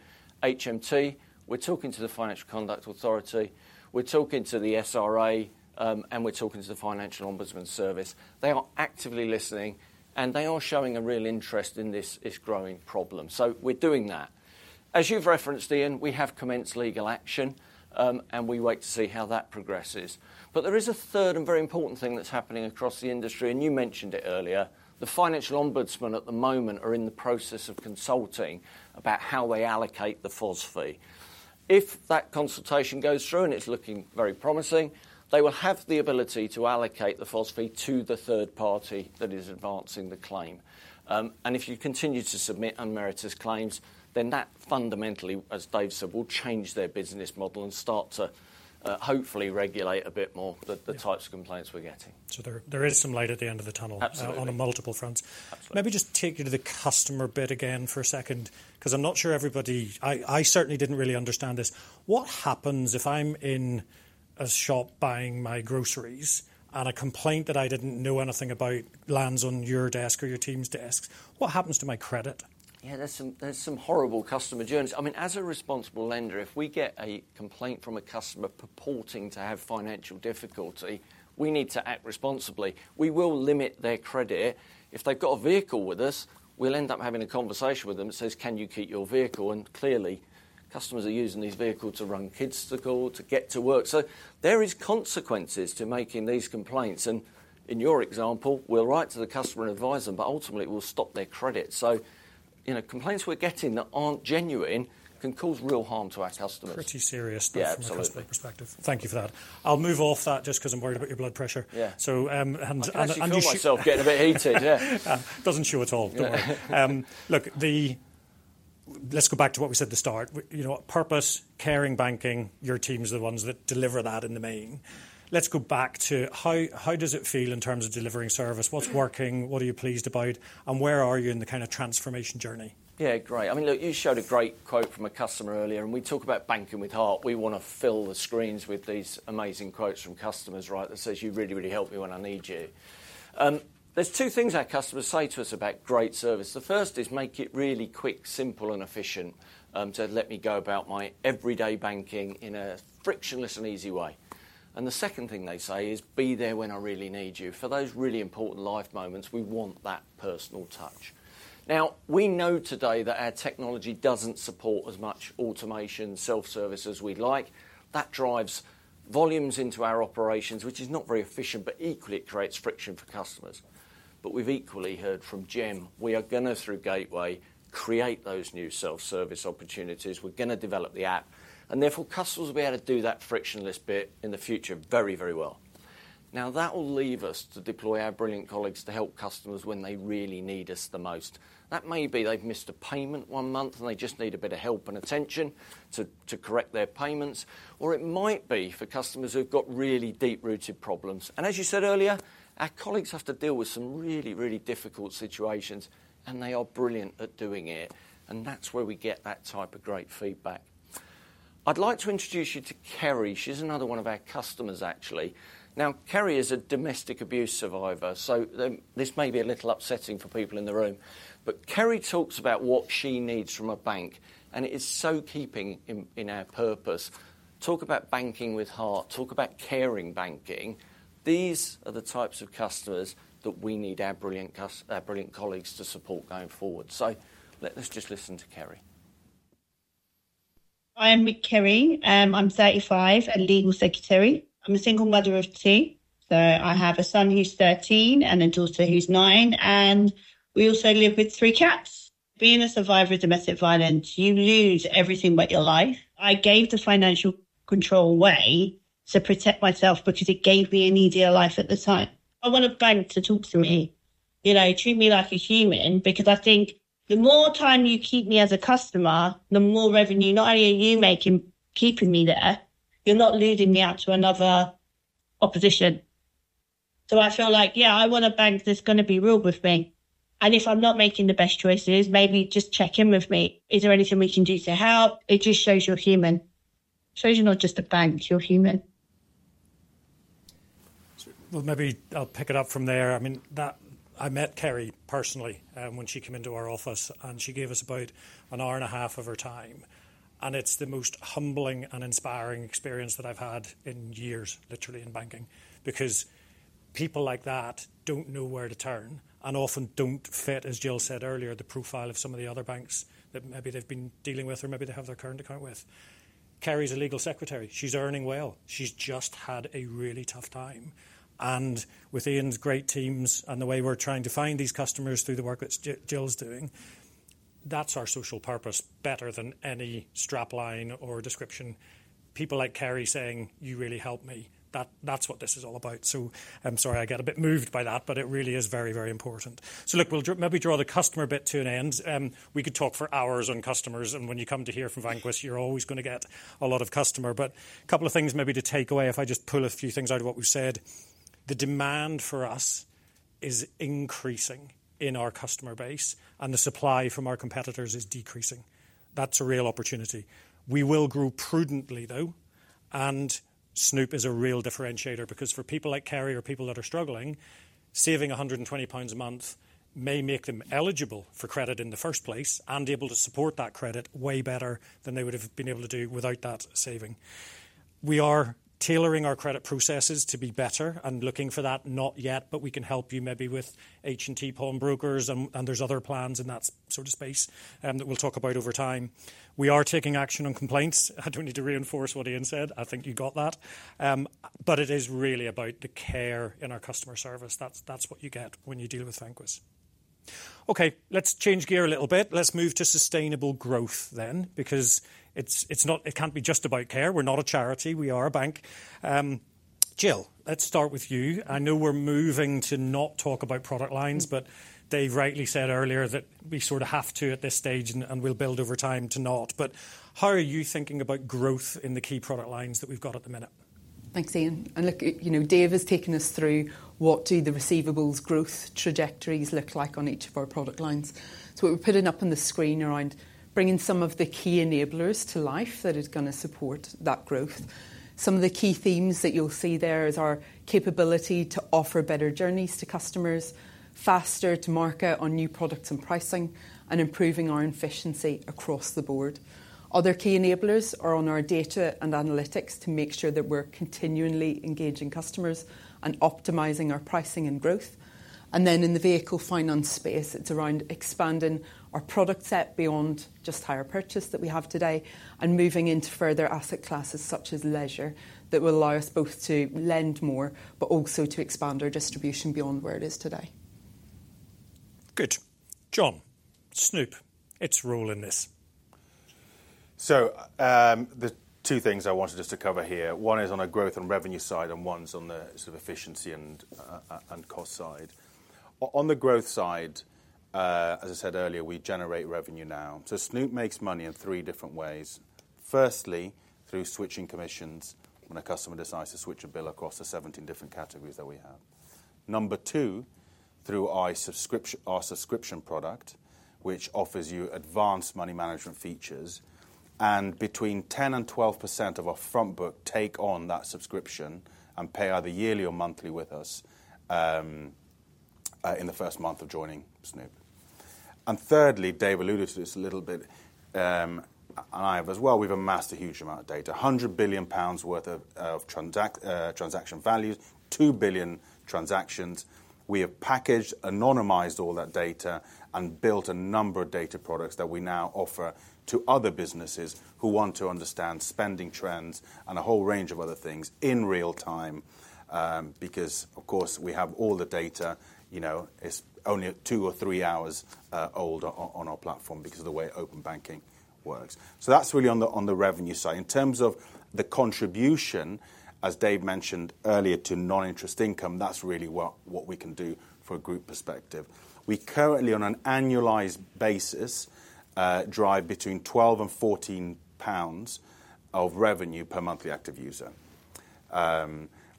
HMT. We're talking to the Financial Conduct Authority. We're talking to the SRA. And we're talking to the Financial Ombudsman Service. They are actively listening. And they are showing a real interest in this growing problem. So we're doing that. As you've referenced, Ian, we have commenced legal action. And we wait to see how that progresses. But there is a third and very important thing that's happening across the industry. And you mentioned it earlier. The Financial Ombudsman Service at the moment is in the process of consulting about how they allocate the FOS fee. If that consultation goes through and it's looking very promising, they will have the ability to allocate the FOS fee to the third party that is advancing the claim. And if you continue to submit unmeritorious claims, then that fundamentally, as Dave said, will change their business model and start to hopefully regulate a bit more the types of complaints we're getting. So there is some light at the end of the tunnel on multiple fronts. Maybe just take you to the customer bit again for a second because I'm not sure everybody, I certainly didn't really understand this. What happens if I'm in a shop buying my groceries and a complaint that I didn't know anything about lands on your desk or your team's desks? What happens to my credit? Yeah. There's some horrible customer journeys. I mean, as a responsible lender, if we get a complaint from a customer purporting to have financial difficulty, we need to act responsibly. We will limit their credit. If they've got a vehicle with us, we'll end up having a conversation with them that says, "Can you keep your vehicle?" And clearly, customers are using these vehicles to run kids to school, to get to work. So there are consequences to making these complaints. And in your example, we'll write to the customer and advise them. But ultimately, it will stop their credit. So complaints we're getting that aren't genuine can cause real harm to our customers. Pretty serious stuff from a customer perspective. Thank you for that. I'll move off that just because I'm worried about your blood pressure. And you. I can't control myself getting a bit heated. Yeah. Doesn't show at all. Don't worry. Look, let's go back to what we said at the start. Purpose, caring, banking, your team's the ones that deliver that in the main. Let's go back to how does it feel in terms of delivering service? What's working? What are you pleased about? And where are you in the kind of transformation journey? Yeah. Great. I mean, look, you showed a great quote from a customer earlier. We talk about banking with heart. We want to fill the screens with these amazing quotes from customers, right, that says, "You really, really helped me when I need you." There's two things our customers say to us about great service. The first is, "Make it really quick, simple, and efficient to let me go about my everyday banking in a frictionless and easy way." The second thing they say is, "Be there when I really need you." For those really important life moments, we want that personal touch. Now, we know today that our technology doesn't support as much automation, self-service as we'd like. That drives volumes into our operations, which is not very efficient, but equally, it creates friction for customers. But we've equally heard from Jem, "We are going to, through Gateway, create those new self-service opportunities. We're going to develop the app. And therefore, customers will be able to do that frictionless bit in the future very, very well." Now, that will leave us to deploy our brilliant colleagues to help customers when they really need us the most. That may be they've missed a payment one month, and they just need a bit of help and attention to correct their payments. Or it might be for customers who've got really deep-rooted problems. And as you said earlier, our colleagues have to deal with some really, really difficult situations. And they are brilliant at doing it. And that's where we get that type of great feedback. I'd like to introduce you to Kerry. She's another one of our customers, actually. Now, Kerry is a domestic abuse survivor. So this may be a little upsetting for people in the room. But Kerry talks about what she needs from a bank. And it is so keeping in our purpose. Talk about banking with heart. Talk about caring banking. These are the types of customers that we need our brilliant colleagues to support going forward. So let's just listen to Kerry. I am Kerry. I'm 35 and legal secretary. I'm a single mother of 2. So I have a son who's 13 and a daughter who's 9. And we also live with 3 cats. Being a survivor of domestic violence, you lose everything but your life. I gave the financial control away to protect myself because it gave me an easier life at the time. I want a bank to talk to me, treat me like a human because I think the more time you keep me as a customer, the more revenue not only are you making keeping me there, you're not losing me out to another opposition. So I feel like, yeah, I want a bank that's going to be real with me. And if I'm not making the best choices, maybe just check in with me. Is there anything we can do to help? It just shows you're human. It shows you're not just a bank. You're human. Well, maybe I'll pick it up from there. I mean, I met Kerry personally when she came into our office. She gave us about an hour and a half of her time. It's the most humbling and inspiring experience that I've had in years, literally, in banking because people like that don't know where to turn and often don't fit, as Jill said earlier, the profile of some of the other banks that maybe they've been dealing with or maybe they have their current account with. Kerry's a legal secretary. She's earning well. She's just had a really tough time. With Ian's great teams and the way we're trying to find these customers through the work that Jill's doing, that's our social purpose better than any strap line or description. People like Kerry saying, "You really helped me." That's what this is all about. So I'm sorry I get a bit moved by that. But it really is very, very important. So look, we'll maybe draw the customer bit to an end. We could talk for hours on customers. And when you come to hear from Vanquis, you're always going to get a lot of customer. But a couple of things maybe to take away if I just pull a few things out of what we've said. The demand for us is increasing in our customer base. And the supply from our competitors is decreasing. That's a real opportunity. We will grow prudently, though. And Snoop is a real differentiator because for people like Kerry or people that are struggling, saving 120 pounds a month may make them eligible for credit in the first place and able to support that credit way better than they would have been able to do without that saving. We are tailoring our credit processes to be better and looking for that, not yet. But we can help you maybe with H&T Pawnbrokers. And there's other plans in that sort of space that we'll talk about over time. We are taking action on complaints. I don't need to reinforce what Ian said. I think you got that. But it is really about the care in our customer service. That's what you get when you deal with Vanquis. Okay. Let's change gear a little bit. Let's move to sustainable growth then because it can't be just about care. We're not a charity. We are a bank. Jill, let's start with you. I know we're moving to not talk about product lines. But Dave rightly said earlier that we sort of have to at this stage. And we'll build over time to not. How are you thinking about growth in the key product lines that we've got at the minute? Thanks, Ian. And look, Dave has taken us through what do the receivables growth trajectories look like on each of our product lines. So what we're putting up on the screen around bringing some of the key enablers to life that is going to support that growth. Some of the key themes that you'll see there is our capability to offer better journeys to customers, faster to market on new products and pricing, and improving our efficiency across the board. Other key enablers are on our data and analytics to make sure that we're continually engaging customers and optimizing our pricing and growth. Then in the vehicle finance space, it's around expanding our product set beyond just hire purchase that we have today and moving into further asset classes such as leisure that will allow us both to lend more but also to expand our distribution beyond where it is today. Good. John, Snoop, its role in this? The two things I wanted just to cover here. One is on a growth and revenue side. One's on the sort of efficiency and cost side. On the growth side, as I said earlier, we generate revenue now. Snoop makes money in three different ways. Firstly, through switching commissions when a customer decides to switch a bill across the 17 different categories that we have. Number two, through our subscription product, which offers you advanced money management features. And between 10% and 12% of our front book take on that subscription and pay either yearly or monthly with us in the first month of joining Snoop. And thirdly, Dave alluded to this a little bit. I have as well. We've amassed a huge amount of data, 100 billion pounds worth of transaction values, 2 billion transactions. We have packaged, anonymized all that data, and built a number of data products that we now offer to other businesses who want to understand spending trends and a whole range of other things in real time because, of course, we have all the data. It's only 2 or 3 hours old on our platform because of the way Open Banking works. So that's really on the revenue side. In terms of the contribution, as Dave mentioned earlier, to non-interest income, that's really what we can do from a group perspective. We currently, on an annualized basis, drive between 12 and 14 pounds of revenue per monthly active user.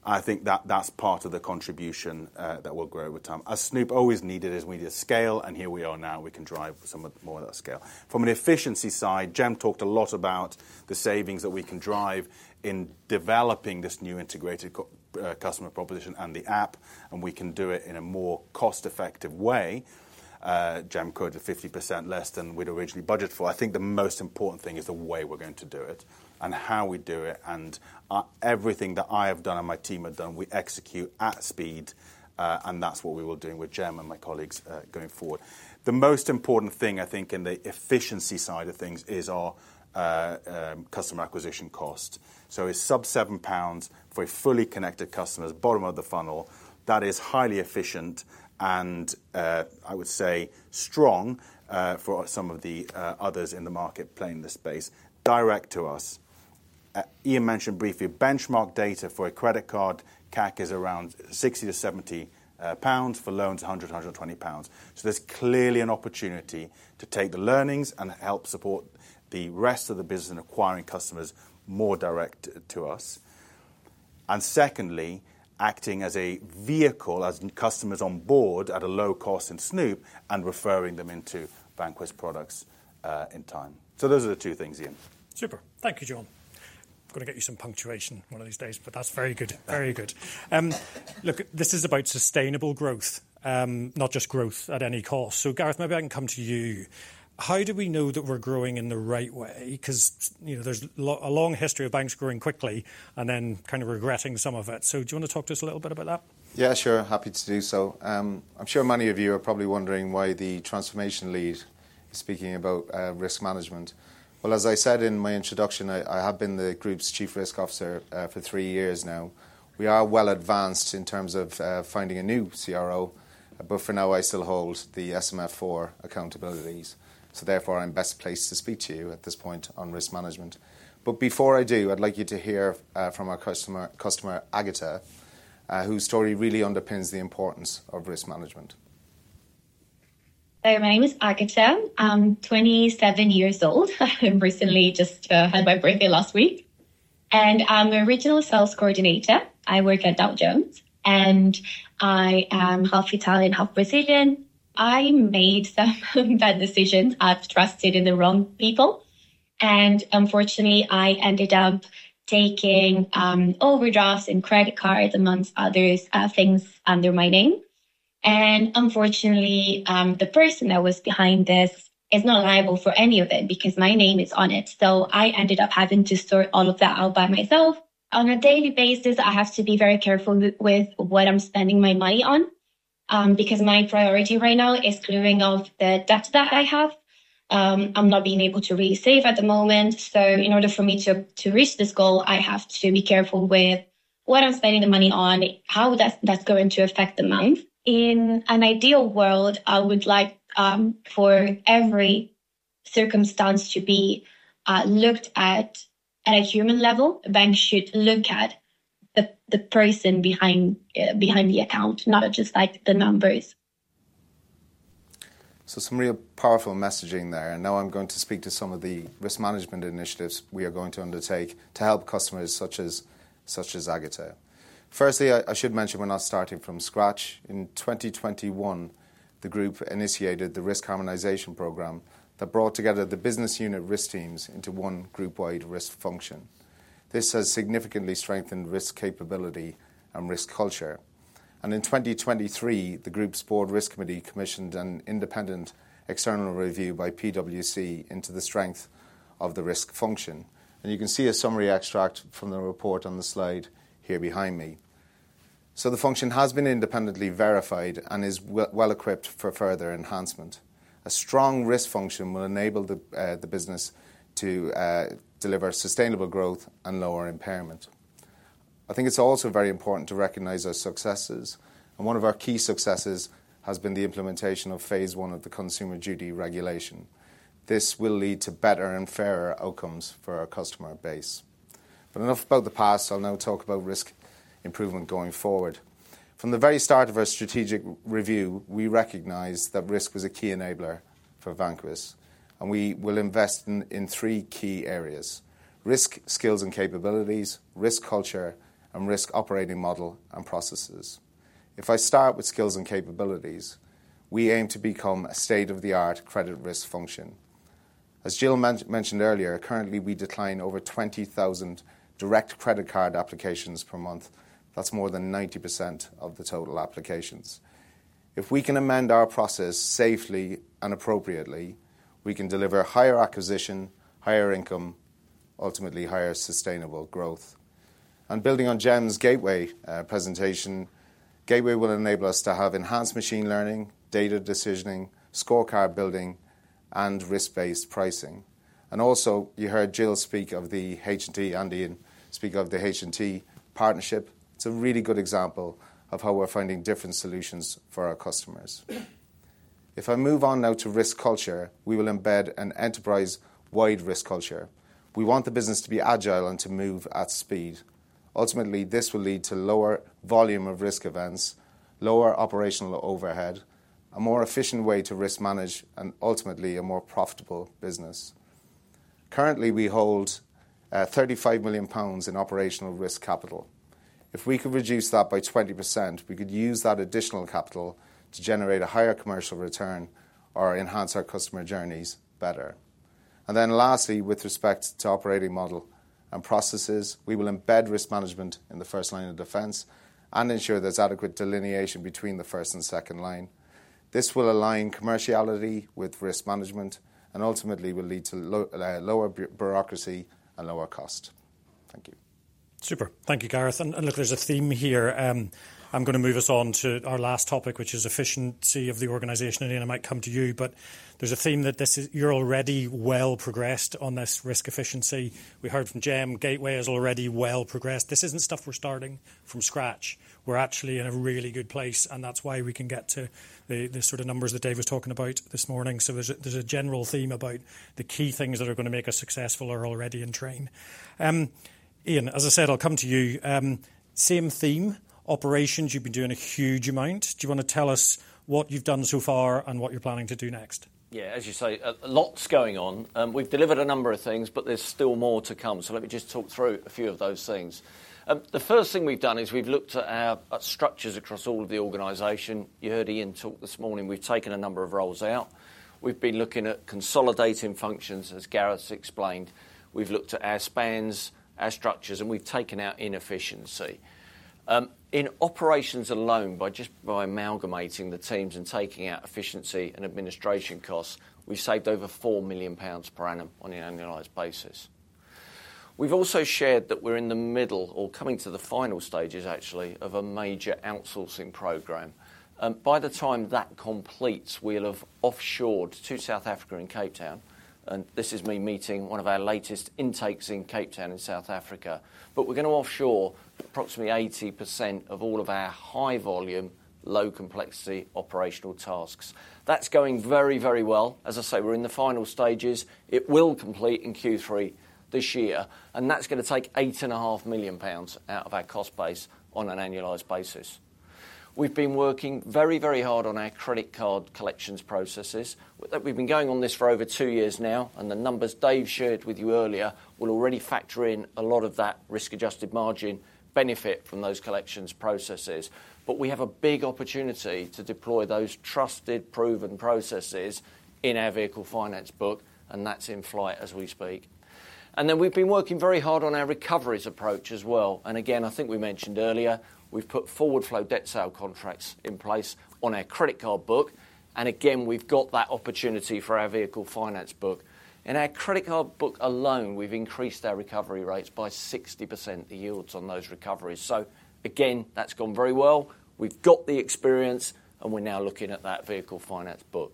I think that that's part of the contribution that will grow over time. As Snoop always needed it, we needed scale. And here we are now. We can drive some more of that scale. From an efficiency side, Jem talked a lot about the savings that we can drive in developing this new integrated customer proposition and the app. We can do it in a more cost-effective way. Jem quoted at 50% less than we'd originally budgeted for. I think the most important thing is the way we're going to do it and how we do it. Everything that I have done and my team have done, we execute at speed. That's what we will do with Jem and my colleagues going forward. The most important thing, I think, in the efficiency side of things is our customer acquisition cost. It's 7 pounds for a fully connected customer, bottom of the funnel. That is highly efficient and, I would say, strong for some of the others in the market playing this space. Direct to us, Ian mentioned briefly benchmark data for a credit card. CAC is around 60-70 pounds for loans, 100, 120 pounds. So there's clearly an opportunity to take the learnings and help support the rest of the business in acquiring customers more direct to us. And secondly, acting as a vehicle as customers on board at a low cost in Snoop and referring them into Vanquis products in time. So those are the two things, Ian. Super. Thank you, John. I've got to get you some punctuation one of these days. But that's very good. Very good. Look, this is about sustainable growth, not just growth at any cost. So Gareth, maybe I can come to you. How do we know that we're growing in the right way? Because there's a long history of banks growing quickly and then kind of regretting some of it. So do you want to talk to us a little bit about that? Yeah, sure. Happy to do so. I'm sure many of you are probably wondering why the Transformation Lead is speaking about risk management. Well, as I said in my introduction, I have been the group's Chief Risk Officer for three years now. We are well advanced in terms of finding a new CRO. But for now, I still hold the SMF4 accountabilities. So therefore, I'm best placed to speak to you at this point on risk management. But before I do, I'd like you to hear from our customer, Agata, whose story really underpins the importance of risk management. Hi. My name is Agata. I'm 27 years old. I recently just had my birthday last week. I'm a regional sales coordinator. I work at Dow Jones. I am half Italian, half Brazilian. I made some bad decisions. I've trusted in the wrong people. Unfortunately, I ended up taking overdrafts and credit cards, among other things, under my name. Unfortunately, the person that was behind this is not liable for any of it because my name is on it. So I ended up having to sort all of that out by myself. On a daily basis, I have to be very careful with what I'm spending my money on because my priority right now is clearing off the debt that I have. I'm not being able to really save at the moment. So in order for me to reach this goal, I have to be careful with what I'm spending the money on, how that's going to affect the month. In an ideal world, I would like for every circumstance to be looked at a human level. A bank should look at the person behind the account, not just the numbers. So some real powerful messaging there. And now I'm going to speak to some of the risk management initiatives we are going to undertake to help customers such as Agata. Firstly, I should mention we're not starting from scratch. In 2021, the group initiated the Risk Harmonization Program that brought together the business unit risk teams into one group-wide risk function. This has significantly strengthened risk capability and risk culture. And in 2023, the group's Board Risk Committee commissioned an independent external review by PwC into the strength of the risk function. And you can see a summary extract from the report on the slide here behind me. So the function has been independently verified and is well equipped for further enhancement. A strong risk function will enable the business to deliver sustainable growth and lower impairment. I think it's also very important to recognize our successes. One of our key successes has been the implementation of phase one of the Consumer Duty regulation. This will lead to better and fairer outcomes for our customer base. Enough about the past. I'll now talk about risk improvement going forward. From the very start of our strategic review, we recognized that risk was a key enabler for Vanquis. We will invest in three key areas: risk skills and capabilities, risk culture, and risk operating model and processes. If I start with skills and capabilities, we aim to become a state-of-the-art credit risk function. As Jill mentioned earlier, currently, we decline over 20,000 direct credit card applications per month. That's more than 90% of the total applications. If we can amend our process safely and appropriately, we can deliver higher acquisition, higher income, ultimately, higher sustainable growth. Building on Jem's Gateway presentation, Gateway will enable us to have enhanced machine learning, data decisioning, scorecard building, and risk-based pricing. Also, you heard Jill speak of the H&T and Ian speak of the H&T partnership. It's a really good example of how we're finding different solutions for our customers. If I move on now to risk culture, we will embed an enterprise-wide risk culture. We want the business to be agile and to move at speed. Ultimately, this will lead to lower volume of risk events, lower operational overhead, a more efficient way to risk manage, and ultimately, a more profitable business. Currently, we hold 35 million pounds in operational risk capital. If we could reduce that by 20%, we could use that additional capital to generate a higher commercial return or enhance our customer journeys better. Then lastly, with respect to operating model and processes, we will embed risk management in the first line of defense and ensure there's adequate delineation between the first and second line. This will align commerciality with risk management and ultimately will lead to lower bureaucracy and lower cost. Thank you. Super. Thank you, Gareth. And look, there's a theme here. I'm going to move us on to our last topic, which is efficiency of the organization. And Ian, I might come to you. But there's a theme that you're already well progressed on this risk efficiency. We heard from Jem, Gateway has already well progressed. This isn't stuff we're starting from scratch. We're actually in a really good place. And that's why we can get to the sort of numbers that Dave was talking about this morning. So there's a general theme about the key things that are going to make us successful are already in train. Ian, as I said, I'll come to you. Same theme, operations. You've been doing a huge amount. Do you want to tell us what you've done so far and what you're planning to do next? Yeah. As you say, lots going on. We've delivered a number of things. But there's still more to come. So let me just talk through a few of those things. The first thing we've done is we've looked at structures across all of the organization. You heard Ian talk this morning. We've taken a number of roles out. We've been looking at consolidating functions, as Gareth explained. We've looked at our spans, our structures. And we've taken out inefficiency. In operations alone, by just amalgamating the teams and taking out efficiency and administration costs, we've saved over 4 million pounds per annum on an annualized basis. We've also shared that we're in the middle or coming to the final stages, actually, of a major outsourcing program. By the time that completes, we'll have offshored to South Africa and Cape Town. This is me meeting one of our latest intakes in Cape Town in South Africa. But we're going to offshore approximately 80% of all of our high-volume, low-complexity operational tasks. That's going very, very well. As I say, we're in the final stages. It will complete in Q3 this year. And that's going to take 8.5 million pounds out of our cost base on an annualized basis. We've been working very, very hard on our credit card collections processes. We've been going on this for over two years now. And the numbers Dave shared with you earlier will already factor in a lot of that risk-adjusted margin benefit from those collections processes. But we have a big opportunity to deploy those trusted, proven processes in our vehicle finance book. And that's in flight as we speak. And then we've been working very hard on our recoveries approach as well. And again, I think we mentioned earlier, we've put forward-flow debt sale contracts in place on our credit card book. And again, we've got that opportunity for our vehicle finance book. In our credit card book alone, we've increased our recovery rates by 60%, the yields on those recoveries. So again, that's gone very well. We've got the experience. And we're now looking at that vehicle finance book.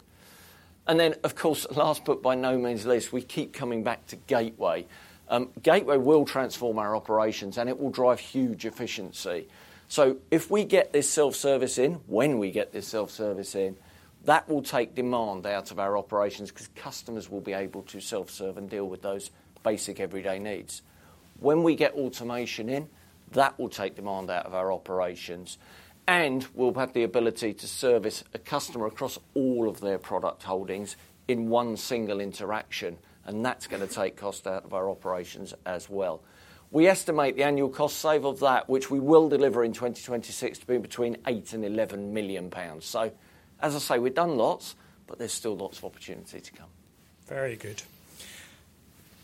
And then, of course, last but by no means least, we keep coming back to Gateway. Gateway will transform our operations. And it will drive huge efficiency. So if we get this self-service in when we get this self-service in, that will take demand out of our operations because customers will be able to self-serve and deal with those basic, everyday needs. When we get automation in, that will take demand out of our operations. We'll have the ability to service a customer across all of their product holdings in one single interaction. That's going to take cost out of our operations as well. We estimate the annual cost save of that, which we will deliver in 2026, to be between 8 million and 11 million pounds. As I say, we've done lots. But there's still lots of opportunity to come. Very good.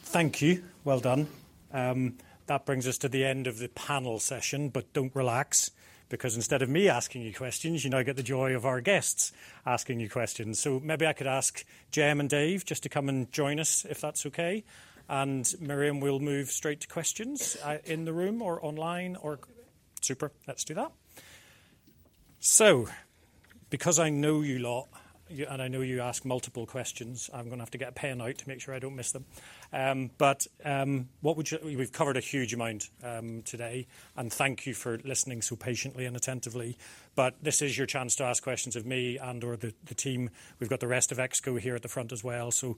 Thank you. Well done. That brings us to the end of the panel session. But don't relax. Because instead of me asking you questions, you get the joy of our guests asking you questions. So maybe I could ask Jem and Dave just to come and join us, if that's okay. And Miriam, we'll move straight to questions in the room or online or super. Let's do that. So because I know you a lot and I know you ask multiple questions, I'm going to have to get a pen out to make sure I don't miss them. But we've covered a huge amount today. And thank you for listening so patiently and attentively. But this is your chance to ask questions of me and/or the team. We've got the rest of Exco here at the front as well. So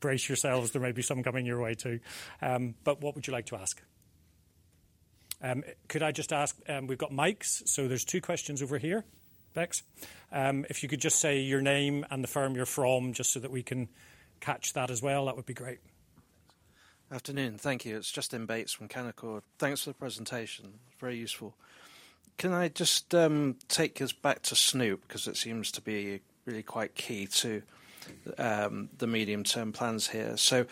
brace yourselves. There may be some coming your way too. But what would you like to ask? Could I just ask, we've got mics. So there's two questions over here, Bex. If you could just say your name and the firm you're from just so that we can catch that as well, that would be great. Good afternoon. Thank you. It's Justin Bates from Canaccord. Thanks for the presentation. It's very useful. Can I just take us back to Snoop because it seems to be really quite key to the medium-term plans here? So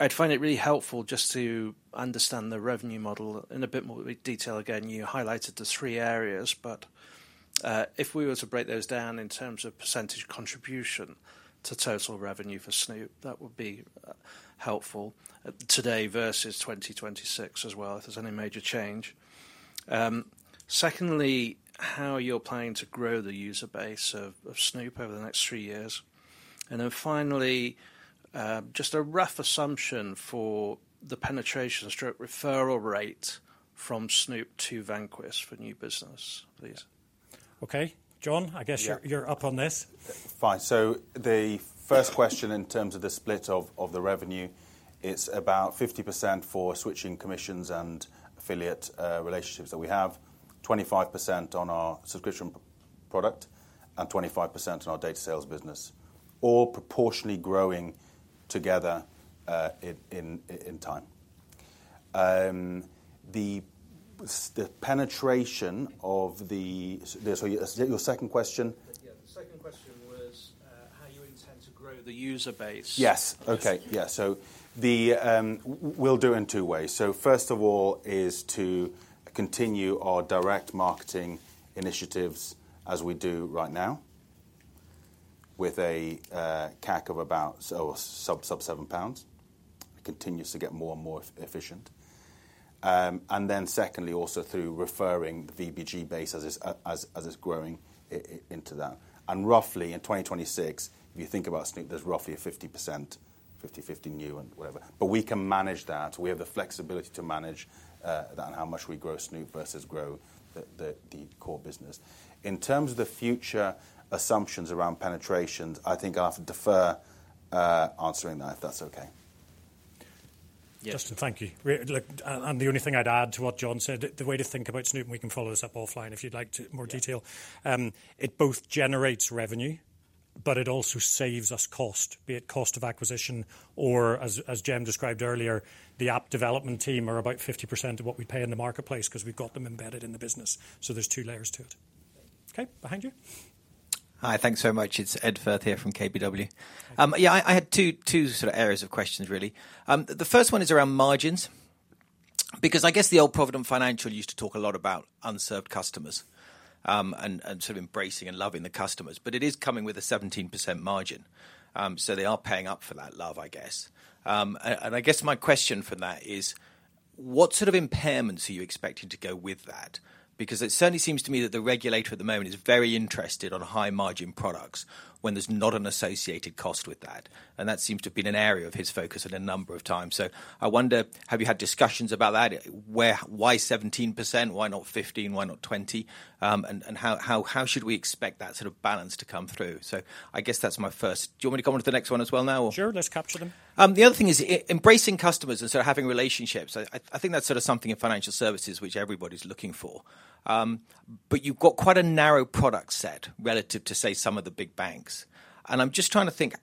I'd find it really helpful just to understand the revenue model in a bit more detail. Again, you highlighted the three areas. But if we were to break those down in terms of percentage contribution to total revenue for Snoop, that would be helpful today versus 2026 as well, if there's any major change. Secondly, how you're planning to grow the user base of Snoop over the next three years. And then finally, just a rough assumption for the penetration/referral rate from Snoop to Vanquis for new business, please. Okay. John, I guess you're up on this. Fine. So the first question in terms of the split of the revenue, it's about 50% for switching commissions and affiliate relationships that we have, 25% on our subscription product, and 25% on our data sales business, all proportionally growing together in time. The penetration of the. So your second question? Yeah. The second question was how you intend to grow the user base. Yes. Okay. Yeah. So we'll do it in two ways. So first of all is to continue our direct marketing initiatives as we do right now with a CAC of about sub-GBP 7. It continues to get more and more efficient. And then secondly, also through referring the VBG base as it's growing into that. And roughly, in 2026, if you think about Snoop, there's roughly a 50%, 50/50 new and whatever. But we can manage that. We have the flexibility to manage that and how much we grow Snoop versus grow the core business. In terms of the future assumptions around penetrations, I think I'll defer answering that if that's okay. Justin, thank you. And the only thing I'd add to what John said, the way to think about Snoop and we can follow this up offline if you'd like more detail. It both generates revenue. But it also saves us cost, be it cost of acquisition or, as Jem described earlier, the app development team are about 50% of what we pay in the marketplace because we've got them embedded in the business. So there's two layers to it. Okay. Behind you. Hi. Thanks so much. It's Ed Firth here from KBW. Yeah. I had two sort of areas of questions, really. The first one is around margins. Because I guess the old Provident Financial used to talk a lot about unserved customers and sort of embracing and loving the customers. But it is coming with a 17% margin. So they are paying up for that love, I guess. And I guess my question for that is, what sort of impairments are you expecting to go with that? Because it certainly seems to me that the regulator at the moment is very interested in high-margin products when there's not an associated cost with that. And that seems to have been an area of his focus at a number of times. So I wonder, have you had discussions about that? Why 17%? Why not 15%? Why not 20%? How should we expect that sort of balance to come through? So I guess that's my first. Do you want me to come on to the next one as well now, or? Sure. Let's capture them. The other thing is embracing customers and sort of having relationships. I think that's sort of something in financial services which everybody's looking for. But you've got quite a narrow product set relative to, say, some of the big banks. And I'm just trying to think,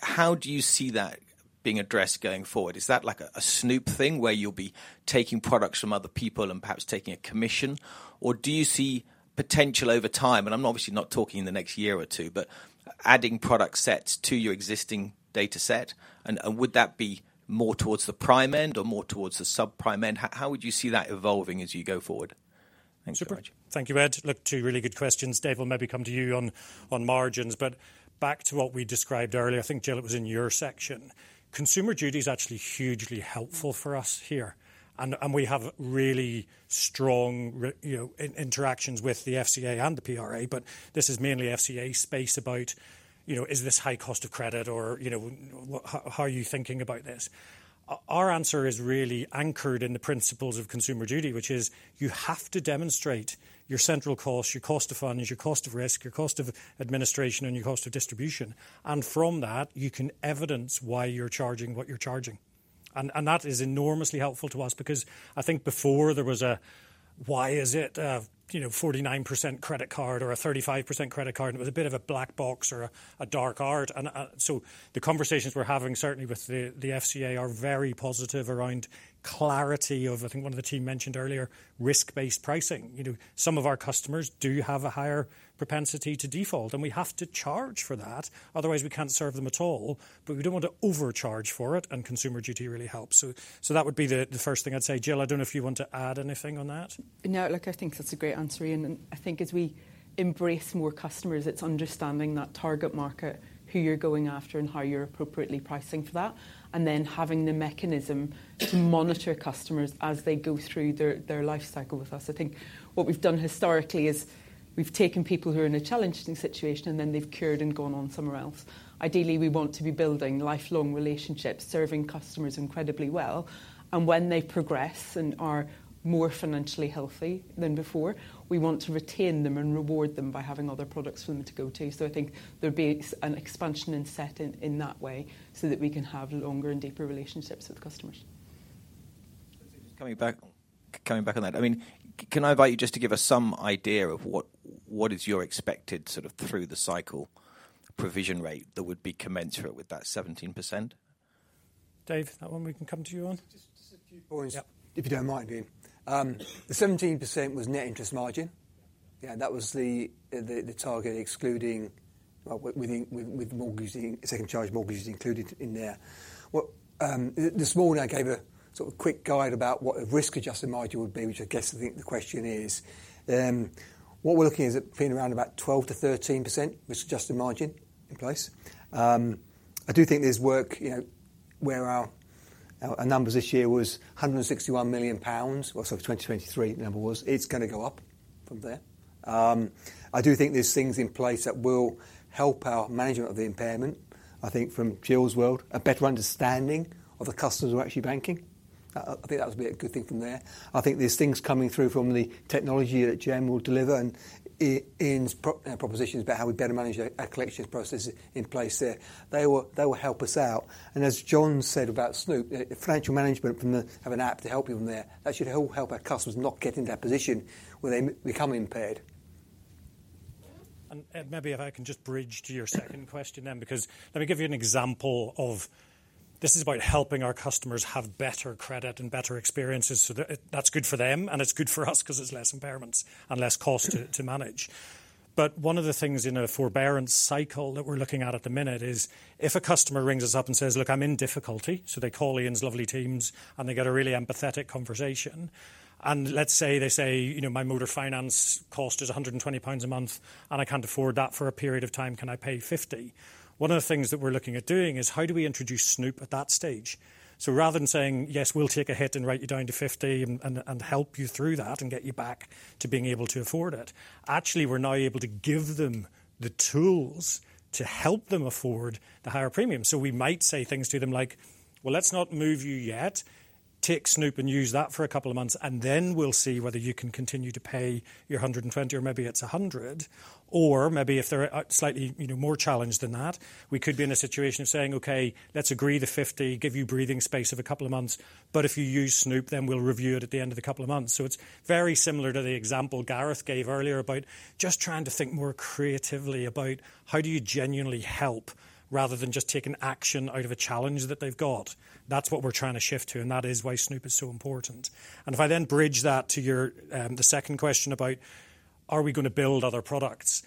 how do you see that being addressed going forward? Is that like a Snoop thing where you'll be taking products from other people and perhaps taking a commission? Or do you see potential over time? And I'm obviously not talking in the next year or two, but adding product sets to your existing data set. And would that be more towards the prime end or more towards the sub-prime end? How would you see that evolving as you go forward? Thanks so much. Super. Thank you, Ed. Look, two really good questions. Dave, I'll maybe come to you on margins. But back to what we described earlier. I think, Jill, it was in your section. Consumer Duty is actually hugely helpful for us here. And we have really strong interactions with the FCA and the PRA. But this is mainly FCA space about, is this high cost of credit? Or how are you thinking about this? Our answer is really anchored in the principles of Consumer Duty, which is you have to demonstrate your central cost, your cost of funds, your cost of risk, your cost of administration, and your cost of distribution. And from that, you can evidence why you're charging what you're charging. And that is enormously helpful to us. Because I think before there was a, "Why is it a 49% credit card or a 35% credit card?" It was a bit of a black box or a dark art. So the conversations we're having, certainly with the FCA, are very positive around clarity of, I think one of the team mentioned earlier, risk-based pricing. Some of our customers do have a higher propensity to default. We have to charge for that. Otherwise, we can't serve them at all. But we don't want to overcharge for it. Consumer Duty really helps. So that would be the first thing I'd say. Jill, I don't know if you want to add anything on that. No. Look, I think that's a great answer. I think as we embrace more customers, it's understanding that target market, who you're going after, and how you're appropriately pricing for that. And then having the mechanism to monitor customers as they go through their lifecycle with us. I think what we've done historically is we've taken people who are in a challenging situation. And then they've cured and gone on somewhere else. Ideally, we want to be building lifelong relationships, serving customers incredibly well. And when they progress and are more financially healthy than before, we want to retain them and reward them by having other products for them to go to. So I think there'll be an expansion and set in that way so that we can have longer and deeper relationships with customers. Just coming back on that. I mean, can I invite you just to give us some idea of what is your expected sort of through-the-cycle provision rate that would be commensurate with that 17%? Dave, that one, we can come to you on. Just a few points, if you don't mind, Ian. The 17% was net interest margin. Yeah. That was the target excluding with the second charge mortgages included in there. This morning, I gave a sort of quick guide about what a risk-adjusted margin would be, which I guess I think the question is. What we're looking at is it being around about 12%-13% risk-adjusted margin in place. I do think there's work where our numbers this year was 161 million pounds. Well, so 2023 number was. It's going to go up from there. I do think there's things in place that will help our management of the impairment. I think from Jill's world, a better understanding of the customers we're actually banking. I think that would be a good thing from there. I think there's things coming through from the technology that Jem will deliver and Ian's propositions about how we better manage our collections processes in place there. They will help us out. And as John said about Snoop, financial management from the. Have an app to help you from there. That should all help our customers not get in that position where they become impaired. Ed, maybe if I can just bridge to your second question then. Because let me give you an example of this is about helping our customers have better credit and better experiences. So that's good for them. And it's good for us because it's less impairments and less cost to manage. But one of the things in a forbearance cycle that we're looking at at the minute is if a customer rings us up and says, "Look, I'm in difficulty." So they call Ian's lovely teams. And they get a really empathetic conversation. And let's say they say, "My motor finance cost is 120 pounds a month. And I can't afford that for a period of time. Can I pay 50?" One of the things that we're looking at doing is how do we introduce Snoop at that stage? So rather than saying, "Yes, we'll take a hit and write you down to 50 and help you through that and get you back to being able to afford it," actually, we're now able to give them the tools to help them afford the higher premium. So we might say things to them like, "Well, let's not move you yet. Take Snoop and use that for a couple of months. And then we'll see whether you can continue to pay your 120 or maybe it's 100." Or maybe if they're slightly more challenged than that, we could be in a situation of saying, "Okay. Let's agree to 50, give you breathing space of a couple of months. But if you use Snoop, then we'll review it at the end of the couple of months." So it's very similar to the example Gareth gave earlier about just trying to think more creatively about how do you genuinely help rather than just take an action out of a challenge that they've got. That's what we're trying to shift to. And that is why Snoop is so important. And if I then bridge that to your second question about, "Are we going to build other products?"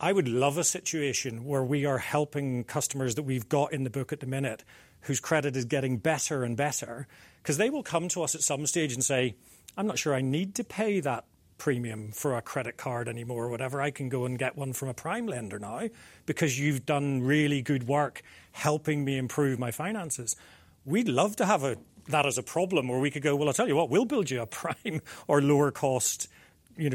I would love a situation where we are helping customers that we've got in the book at the minute whose credit is getting better and better. Because they will come to us at some stage and say, "I'm not sure I need to pay that premium for a credit card anymore or whatever. I can go and get one from a prime lender now because you've done really good work helping me improve my finances." We'd love to have that as a problem where we could go, "Well, I'll tell you what. We'll build you a prime or lower-cost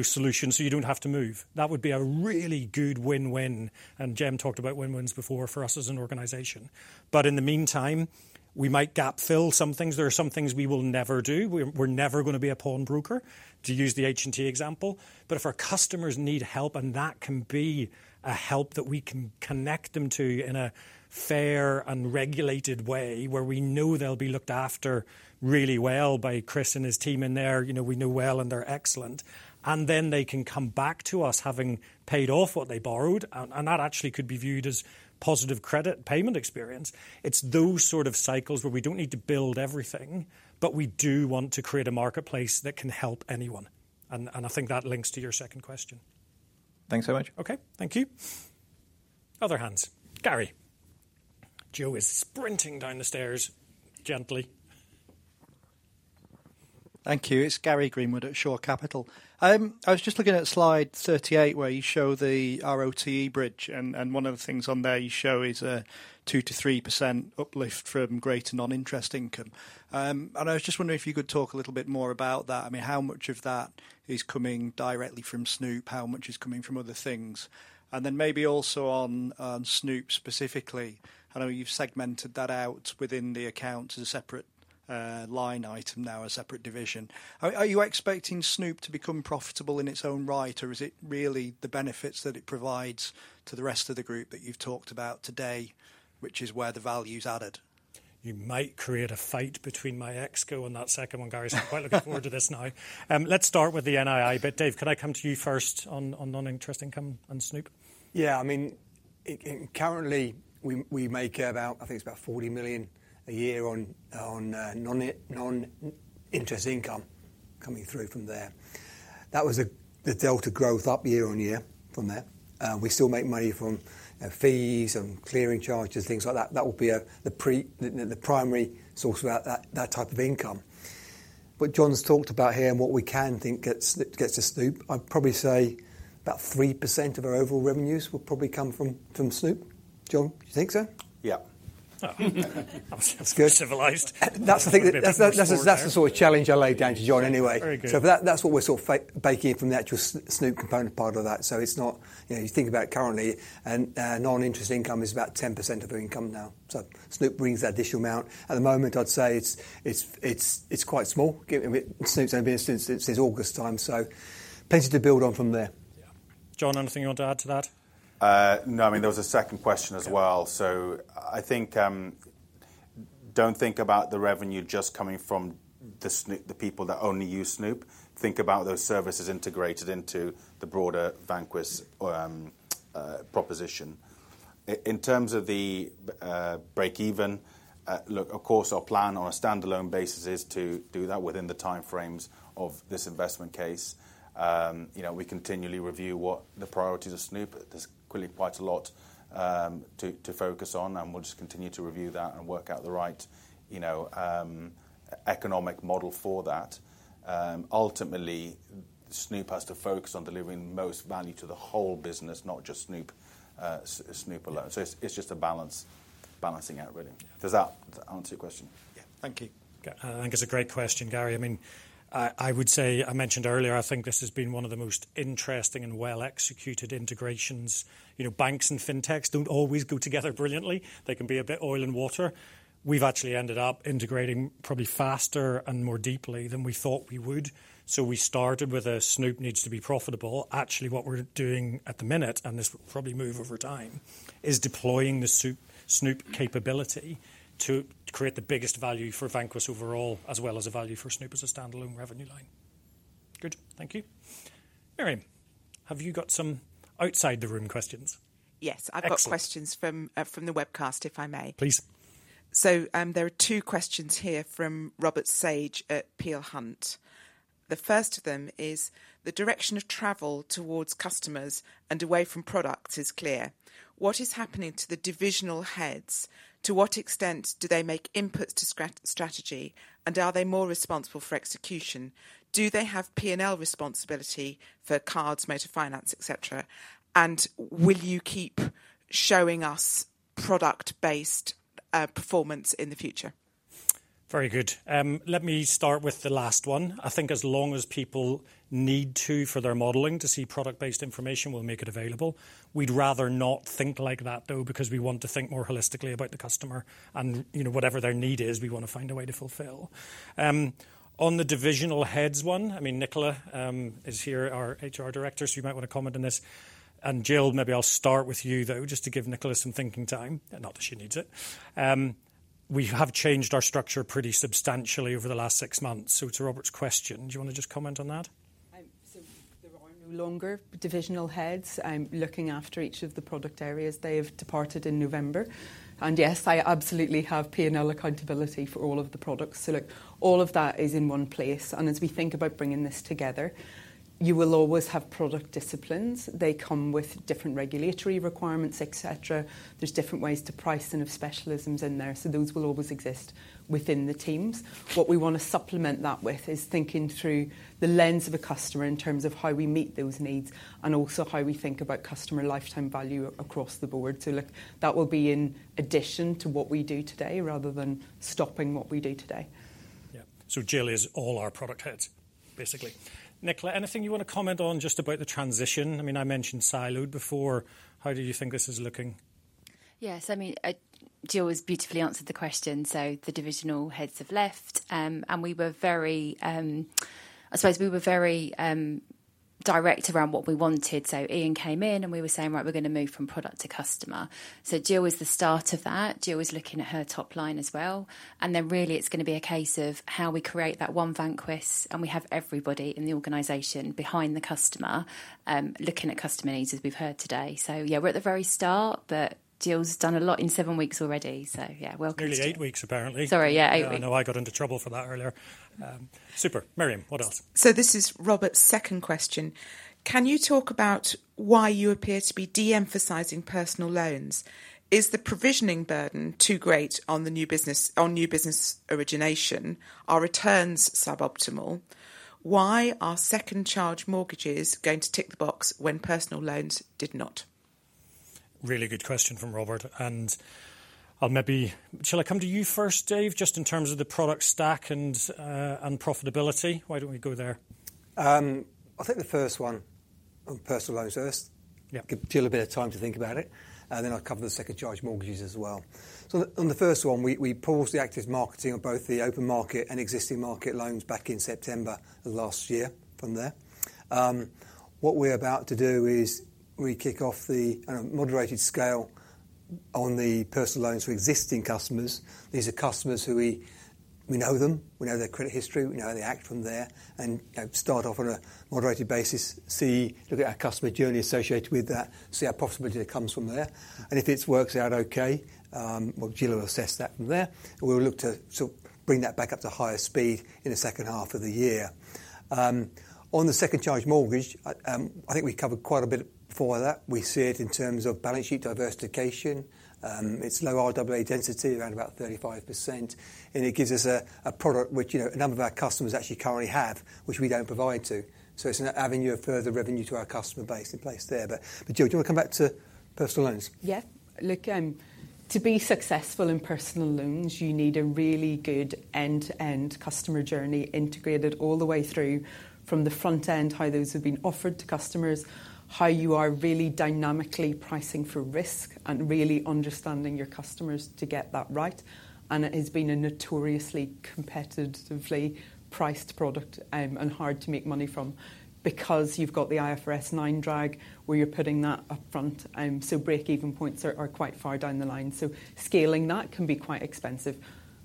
solution so you don't have to move." That would be a really good win-win. Jem talked about win-wins before for us as an organization. In the meantime, we might gap-fill some things. There are some things we will never do. We're never going to be a pawn broker, to use the H&T example. But if our customers need help and that can be a help that we can connect them to in a fair and regulated way where we know they'll be looked after really well by Chris and his team in there, we know well and they're excellent, and then they can come back to us having paid off what they borrowed and that actually could be viewed as positive credit payment experience, it's those sort of cycles where we don't need to build everything. But we do want to create a marketplace that can help anyone. And I think that links to your second question. Thanks so much. Okay. Thank you. Other hands. Gary. Jill is sprinting down the stairs gently. Thank you. It's Gary Greenwood at Shore Capital. I was just looking at slide 38 where you show the ROTE bridge. One of the things on there you show is a 2%-3% uplift from greater non-interest income. I was just wondering if you could talk a little bit more about that. I mean, how much of that is coming directly from Snoop? How much is coming from other things? And then maybe also on Snoop specifically. I know you've segmented that out within the accounts as a separate line item now, a separate division. Are you expecting Snoop to become profitable in its own right? Or is it really the benefits that it provides to the rest of the group that you've talked about today, which is where the value's added? You might create a fight between my ExCo and that second one. Gary, I'm quite looking forward to this now. Let's start with the NII. But Dave, can I come to you first on non-interest income and Snoop? Yeah. I mean, currently, we make about I think it's about 40 million a year on non-interest income coming through from there. That was the delta growth up year-on-year from there. We still make money from fees and clearing charges and things like that. That will be the primary source of that type of income. But John's talked about here and what we can think gets to Snoop. I'd probably say about 3% of our overall revenues will probably come from Snoop. John, do you think so? Yeah. That's good. That's civilised. That's the sort of challenge I laid down to John anyway. So that's what we're sort of baking in from the actual Snoop component part of that. So it's not you think about it currently. Non-interest income is about 10% of our income now. So Snoop brings that additional amount. At the moment, I'd say it's quite small. Snoop's only been since August time. So plenty to build on from there. John, anything you want to add to that? No. I mean, there was a second question as well. So I think don't think about the revenue just coming from the people that only use Snoop. Think about those services integrated into the broader Vanquis proposition. In terms of the break-even, look, of course, our plan on a standalone basis is to do that within the time frames of this investment case. We continually review what the priorities of Snoop. There's clearly quite a lot to focus on. And we'll just continue to review that and work out the right economic model for that. Ultimately, Snoop has to focus on delivering most value to the whole business, not just Snoop alone. So it's just a balance balancing out, really. Does that answer your question? Yeah. Thank you. I think it's a great question, Gary. I mean, I would say I mentioned earlier, I think this has been one of the most interesting and well-executed integrations. Banks and fintechs don't always go together brilliantly. They can be a bit oil and water. We've actually ended up integrating probably faster and more deeply than we thought we would. So we started with a Snoop needs to be profitable. Actually, what we're doing at the minute, and this will probably move over time, is deploying the Snoop capability to create the biggest value for Vanquis overall as well as a value for Snoop as a standalone revenue line. Good. Thank you. Miriam, have you got some outside-the-room questions? Yes. I've got questions from the webcast, if I may. Please. So there are two questions here from Robert Sage at Peel Hunt. The first of them is, "The direction of travel towards customers and away from products is clear. What is happening to the divisional heads? To what extent do they make inputs to strategy? And are they more responsible for execution? Do they have P&L responsibility for cards, motor finance, etc.? And will you keep showing us product-based performance in the future? Very good. Let me start with the last one. I think as long as people need to for their modeling to see product-based information, we'll make it available. We'd rather not think like that, though, because we want to think more holistically about the customer. Whatever their need is, we want to find a way to fulfill. On the divisional heads one, I mean, Nicola is here, our HR Director. So you might want to comment on this. Jill, maybe I'll start with you, though, just to give Nicola some thinking time. Not that she needs it. We have changed our structure pretty substantially over the last six months. To Robert's question, do you want to just comment on that? There are no longer divisional heads. I'm looking after each of the product areas. They have departed in November. Yes, I absolutely have P&L accountability for all of the products. Look, all of that is in one place. As we think about bringing this together, you will always have product disciplines. They come with different regulatory requirements, etc. There's different ways to price and have specialisms in there. Those will always exist within the teams. What we want to supplement that with is thinking through the lens of a customer in terms of how we meet those needs and also how we think about customer lifetime value across the board. Look, that will be in addition to what we do today rather than stopping what we do today. Yeah. So Jill is all our product heads, basically. Nicola, anything you want to comment on just about the transition? I mean, I mentioned siloed before. How do you think this is looking? Yes. I mean, Jill has beautifully answered the question. So the divisional heads have left. And we were very, I suppose, direct around what we wanted. So Ian came in. And we were saying, "Right. We're going to move from product to customer." So Jill is the start of that. Jill is looking at her top line as well. And then really, it's going to be a case of how we create that one Vanquis. And we have everybody in the organization behind the customer looking at customer needs as we've heard today. So yeah, we're at the very start. But Jill's done a lot in seven weeks already. So yeah, welcome. Nearly 8 weeks, apparently. Sorry. Yeah. 8 weeks. I know I got into trouble for that earlier. Super. Miriam, what else? This is Robert's second question. "Can you talk about why you appear to be de-emphasising personal loans? Is the provisioning burden too great on new business origination? Are returns suboptimal? Why are second charge mortgages going to tick the box when personal loans did not? Really good question from Robert. And I'll maybe shall I come to you first, Dave, just in terms of the product stack and profitability? Why don't we go there? I think the first one, personal loans first. Give Jill a bit of time to think about it. Then I'll cover the second charge mortgages as well. So on the first one, we paused the active marketing of both the open market and existing market loans back in September of last year from there. What we're about to do is we kick off the moderated scale on the personal loans for existing customers. These are customers who we know them. We know their credit history. We know how they act from there. And start off on a moderated basis, look at our customer journey associated with that, see how possibility that comes from there. And if it works out okay, well, Jill will assess that from there. We'll look to sort of bring that back up to higher speed in the second half of the year. On the second charge mortgages, I think we covered quite a bit before that. We see it in terms of balance sheet diversification. It's low RWA density, around about 35%. And it gives us a product which a number of our customers actually currently have, which we don't provide to. So it's an avenue of further revenue to our customer base in place there. But Jill, do you want to come back to personal loans? Yeah. Look, to be successful in personal loans, you need a really good end-to-end customer journey integrated all the way through from the front end, how those have been offered to customers, how you are really dynamically pricing for risk and really understanding your customers to get that right. It has been a notoriously competitively priced product and hard to make money from because you've got the IFRS 9 drag where you're putting that up front. Break-even points are quite far down the line. Scaling that can be quite expensive.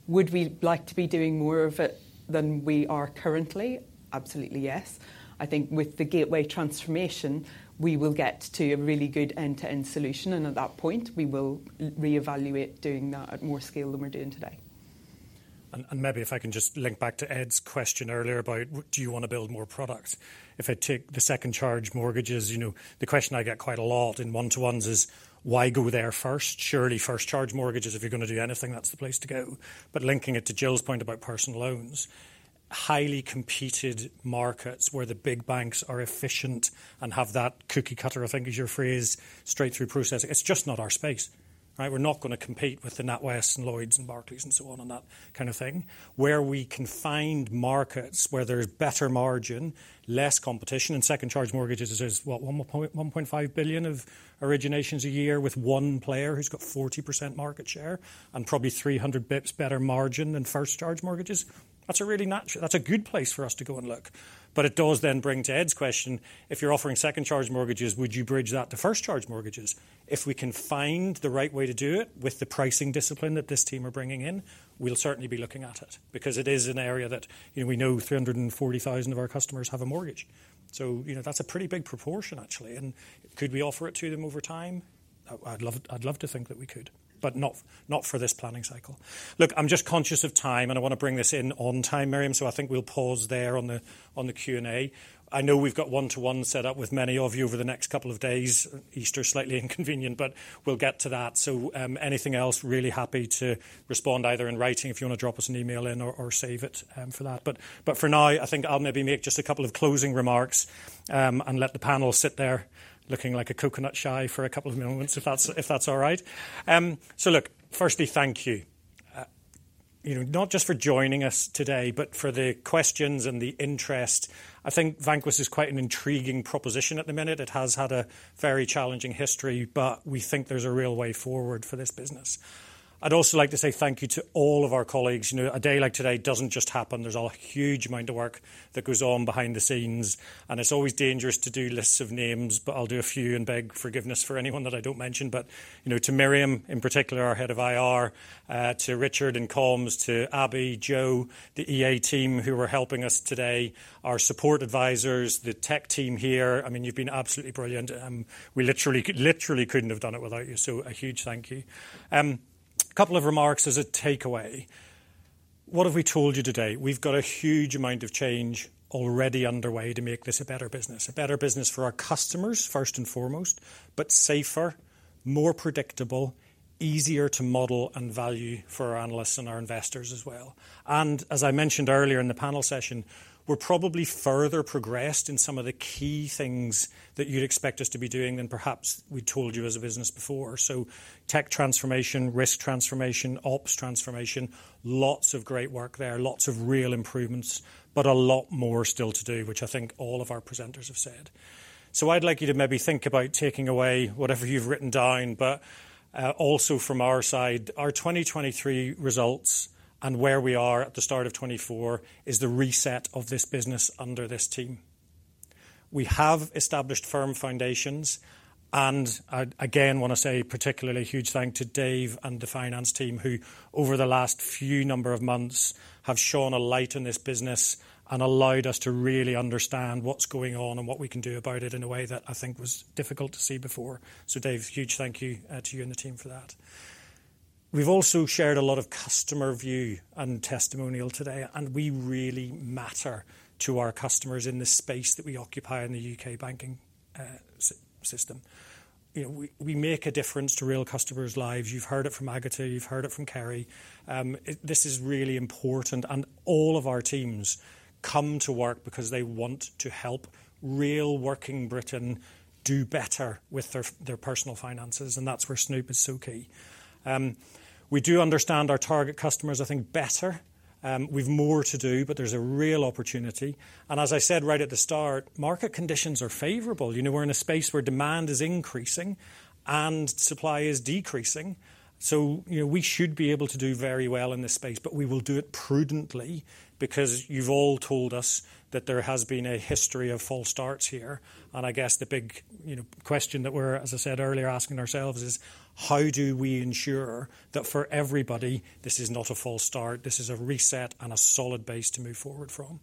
Would we like to be doing more of it than we are currently? Absolutely, yes. I think with the Gateway transformation, we will get to a really good end-to-end solution. At that point, we will reevaluate doing that at more scale than we're doing today. Maybe if I can just link back to Ed's question earlier about, "Do you want to build more product?" If I take the second charge mortgages, the question I get quite a lot in one-to-ones is, "Why go there first? Surely first-charge mortgages, if you're going to do anything, that's the place to go." But linking it to Jill's point about personal loans, highly competed markets where the big banks are efficient and have that cookie-cutter, I think is your phrase, straight-through processing, it's just not our space, right? We're not going to compete with the NatWest and Lloyds and Barclays and so on and that kind of thing. Where we can find markets where there's better margin, less competition and second charge mortgages is, what, 1.5 billion of originations a year with one player who's got 40% market share and probably 300 bps better margin than first-charge mortgages, that's a good place for us to go and look. But it does then bring to Ed's question, "If you're offering second charge mortgages, would you bridge that to first-charge mortgages?" If we can find the right way to do it with the pricing discipline that this team are bringing in, we'll certainly be looking at it because it is an area that we know 340,000 of our customers have a mortgage. So that's a pretty big proportion, actually. And could we offer it to them over time? I'd love to think that we could, but not for this planning cycle. Look, I'm just conscious of time. I want to bring this in on time, Miriam. I think we'll pause there on the Q&A. I know we've got one-to-one set up with many of you over the next couple of days. Easter's slightly inconvenient. We'll get to that. Anything else, really happy to respond either in writing if you want to drop us an email in or save it for that. But for now, I think I'll maybe make just a couple of closing remarks and let the panel sit there looking like a coconut shy for a couple of moments, if that's all right. Look, firstly, thank you. Not just for joining us today, but for the questions and the interest. I think Vanquis is quite an intriguing proposition at the minute. It has had a very challenging history. We think there's a real way forward for this business. I'd also like to say thank you to all of our colleagues. A day like today doesn't just happen. There's a huge amount of work that goes on behind the scenes. It's always dangerous to do lists of names. I'll do a few and beg forgiveness for anyone that I don't mention. To Miriam in particular, our head of IR, to Richard in comms, to Abby, Joe, the EA team who were helping us today, our support advisors, the tech team here, I mean, you've been absolutely brilliant. We literally couldn't have done it without you. So a huge thank you. A couple of remarks as a takeaway. What have we told you today? We've got a huge amount of change already underway to make this a better business, a better business for our customers, first and foremost, but safer, more predictable, easier to model and value for our analysts and our investors as well. As I mentioned earlier in the panel session, we're probably further progressed in some of the key things that you'd expect us to be doing than perhaps we told you as a business before. Tech transformation, risk transformation, ops transformation, lots of great work there, lots of real improvements, but a lot more still to do, which I think all of our presenters have said. I'd like you to maybe think about taking away whatever you've written down. But also from our side, our 2023 results and where we are at the start of 2024 is the reset of this business under this team. We have established firm foundations. And again, want to say particularly huge thanks to Dave and the finance team who, over the last few number of months, have shone a light on this business and allowed us to really understand what's going on and what we can do about it in a way that I think was difficult to see before. So Dave, huge thank you to you and the team for that. We've also shared a lot of customer view and testimonial today. And we really matter to our customers in this space that we occupy in the U.K. banking system. We make a difference to real customers' lives. You've heard it from Agata. You've heard it from Kerry. This is really important. And all of our teams come to work because they want to help real working Britain do better with their personal finances. And that's where Snoop is so key. We do understand our target customers, I think, better. We've more to do. But there's a real opportunity. And as I said right at the start, market conditions are favorable. We're in a space where demand is increasing and supply is decreasing. So we should be able to do very well in this space. But we will do it prudently because you've all told us that there has been a history of false starts here. And I guess the big question that we're, as I said earlier, asking ourselves is, how do we ensure that for everybody, this is not a false start? This is a reset and a solid base to move forward from?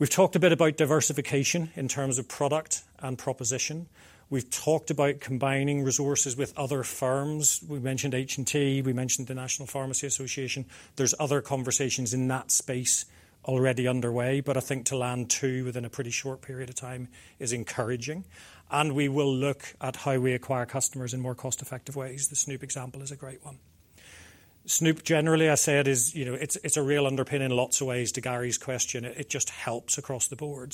We've talked a bit about diversification in terms of product and proposition. We've talked about combining resources with other firms. We mentioned H&T. We mentioned the National Pharmacy Association. There's other conversations in that space already underway. But I think to land two within a pretty short period of time is encouraging. We will look at how we acquire customers in more cost-effective ways. The Snoop example is a great one. Snoop, generally, I say it's a real underpinning in lots of ways to Gary's question. It just helps across the board.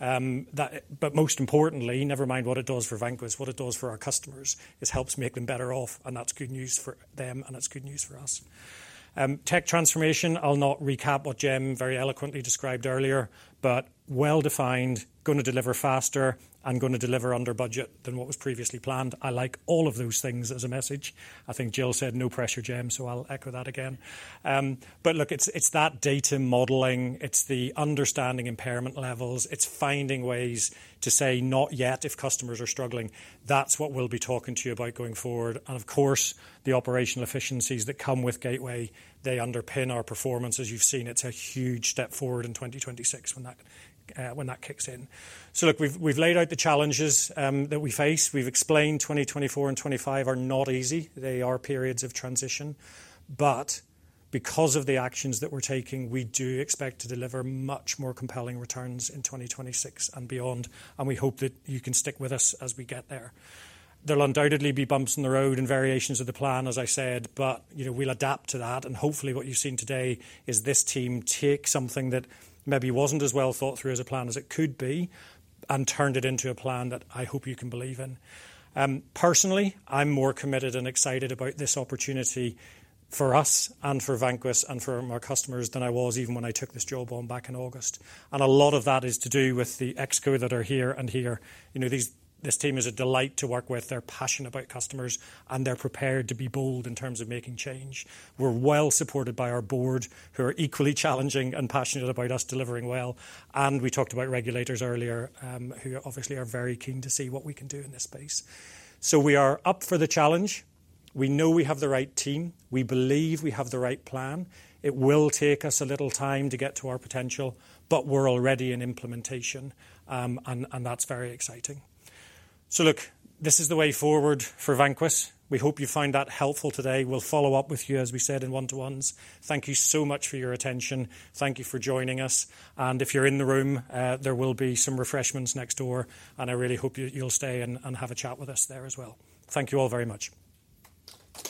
But most importantly, never mind what it does for Vanquis, what it does for our customers, it helps make them better off. That's good news for them. That's good news for us. Tech transformation, I'll not recap what Jem very eloquently described earlier, but well-defined, going to deliver faster and going to deliver under budget than what was previously planned. I like all of those things as a message. I think Jill said, "No pressure, Jem." So I'll echo that again. But look, it's that data modeling. It's the understanding impairment levels. It's finding ways to say, "Not yet," if customers are struggling. That's what we'll be talking to you about going forward. And of course, the operational efficiencies that come with Gateway, they underpin our performance. As you've seen, it's a huge step forward in 2026 when that kicks in. So look, we've laid out the challenges that we face. We've explained 2024 and 2025 are not easy. They are periods of transition. But because of the actions that we're taking, we do expect to deliver much more compelling returns in 2026 and beyond. And we hope that you can stick with us as we get there. There'll undoubtedly be bumps in the road and variations of the plan, as I said. But we'll adapt to that. Hopefully, what you've seen today is this team take something that maybe wasn't as well thought through as a plan as it could be and turn it into a plan that I hope you can believe in. Personally, I'm more committed and excited about this opportunity for us and for Vanquis and for our customers than I was even when I took this job on back in August. A lot of that is to do with the ExCo that are here and here. This team is a delight to work with. They're passionate about customers. They're prepared to be bold in terms of making change. We're well-supported by our board who are equally challenging and passionate about us delivering well. We talked about regulators earlier who obviously are very keen to see what we can do in this space. We are up for the challenge. We know we have the right team. We believe we have the right plan. It will take us a little time to get to our potential. But we're already in implementation. And that's very exciting. So look, this is the way forward for Vanquis. We hope you find that helpful today. We'll follow up with you, as we said, in one-to-ones. Thank you so much for your attention. Thank you for joining us. And if you're in the room, there will be some refreshments next door. And I really hope you'll stay and have a chat with us there as well. Thank you all very much.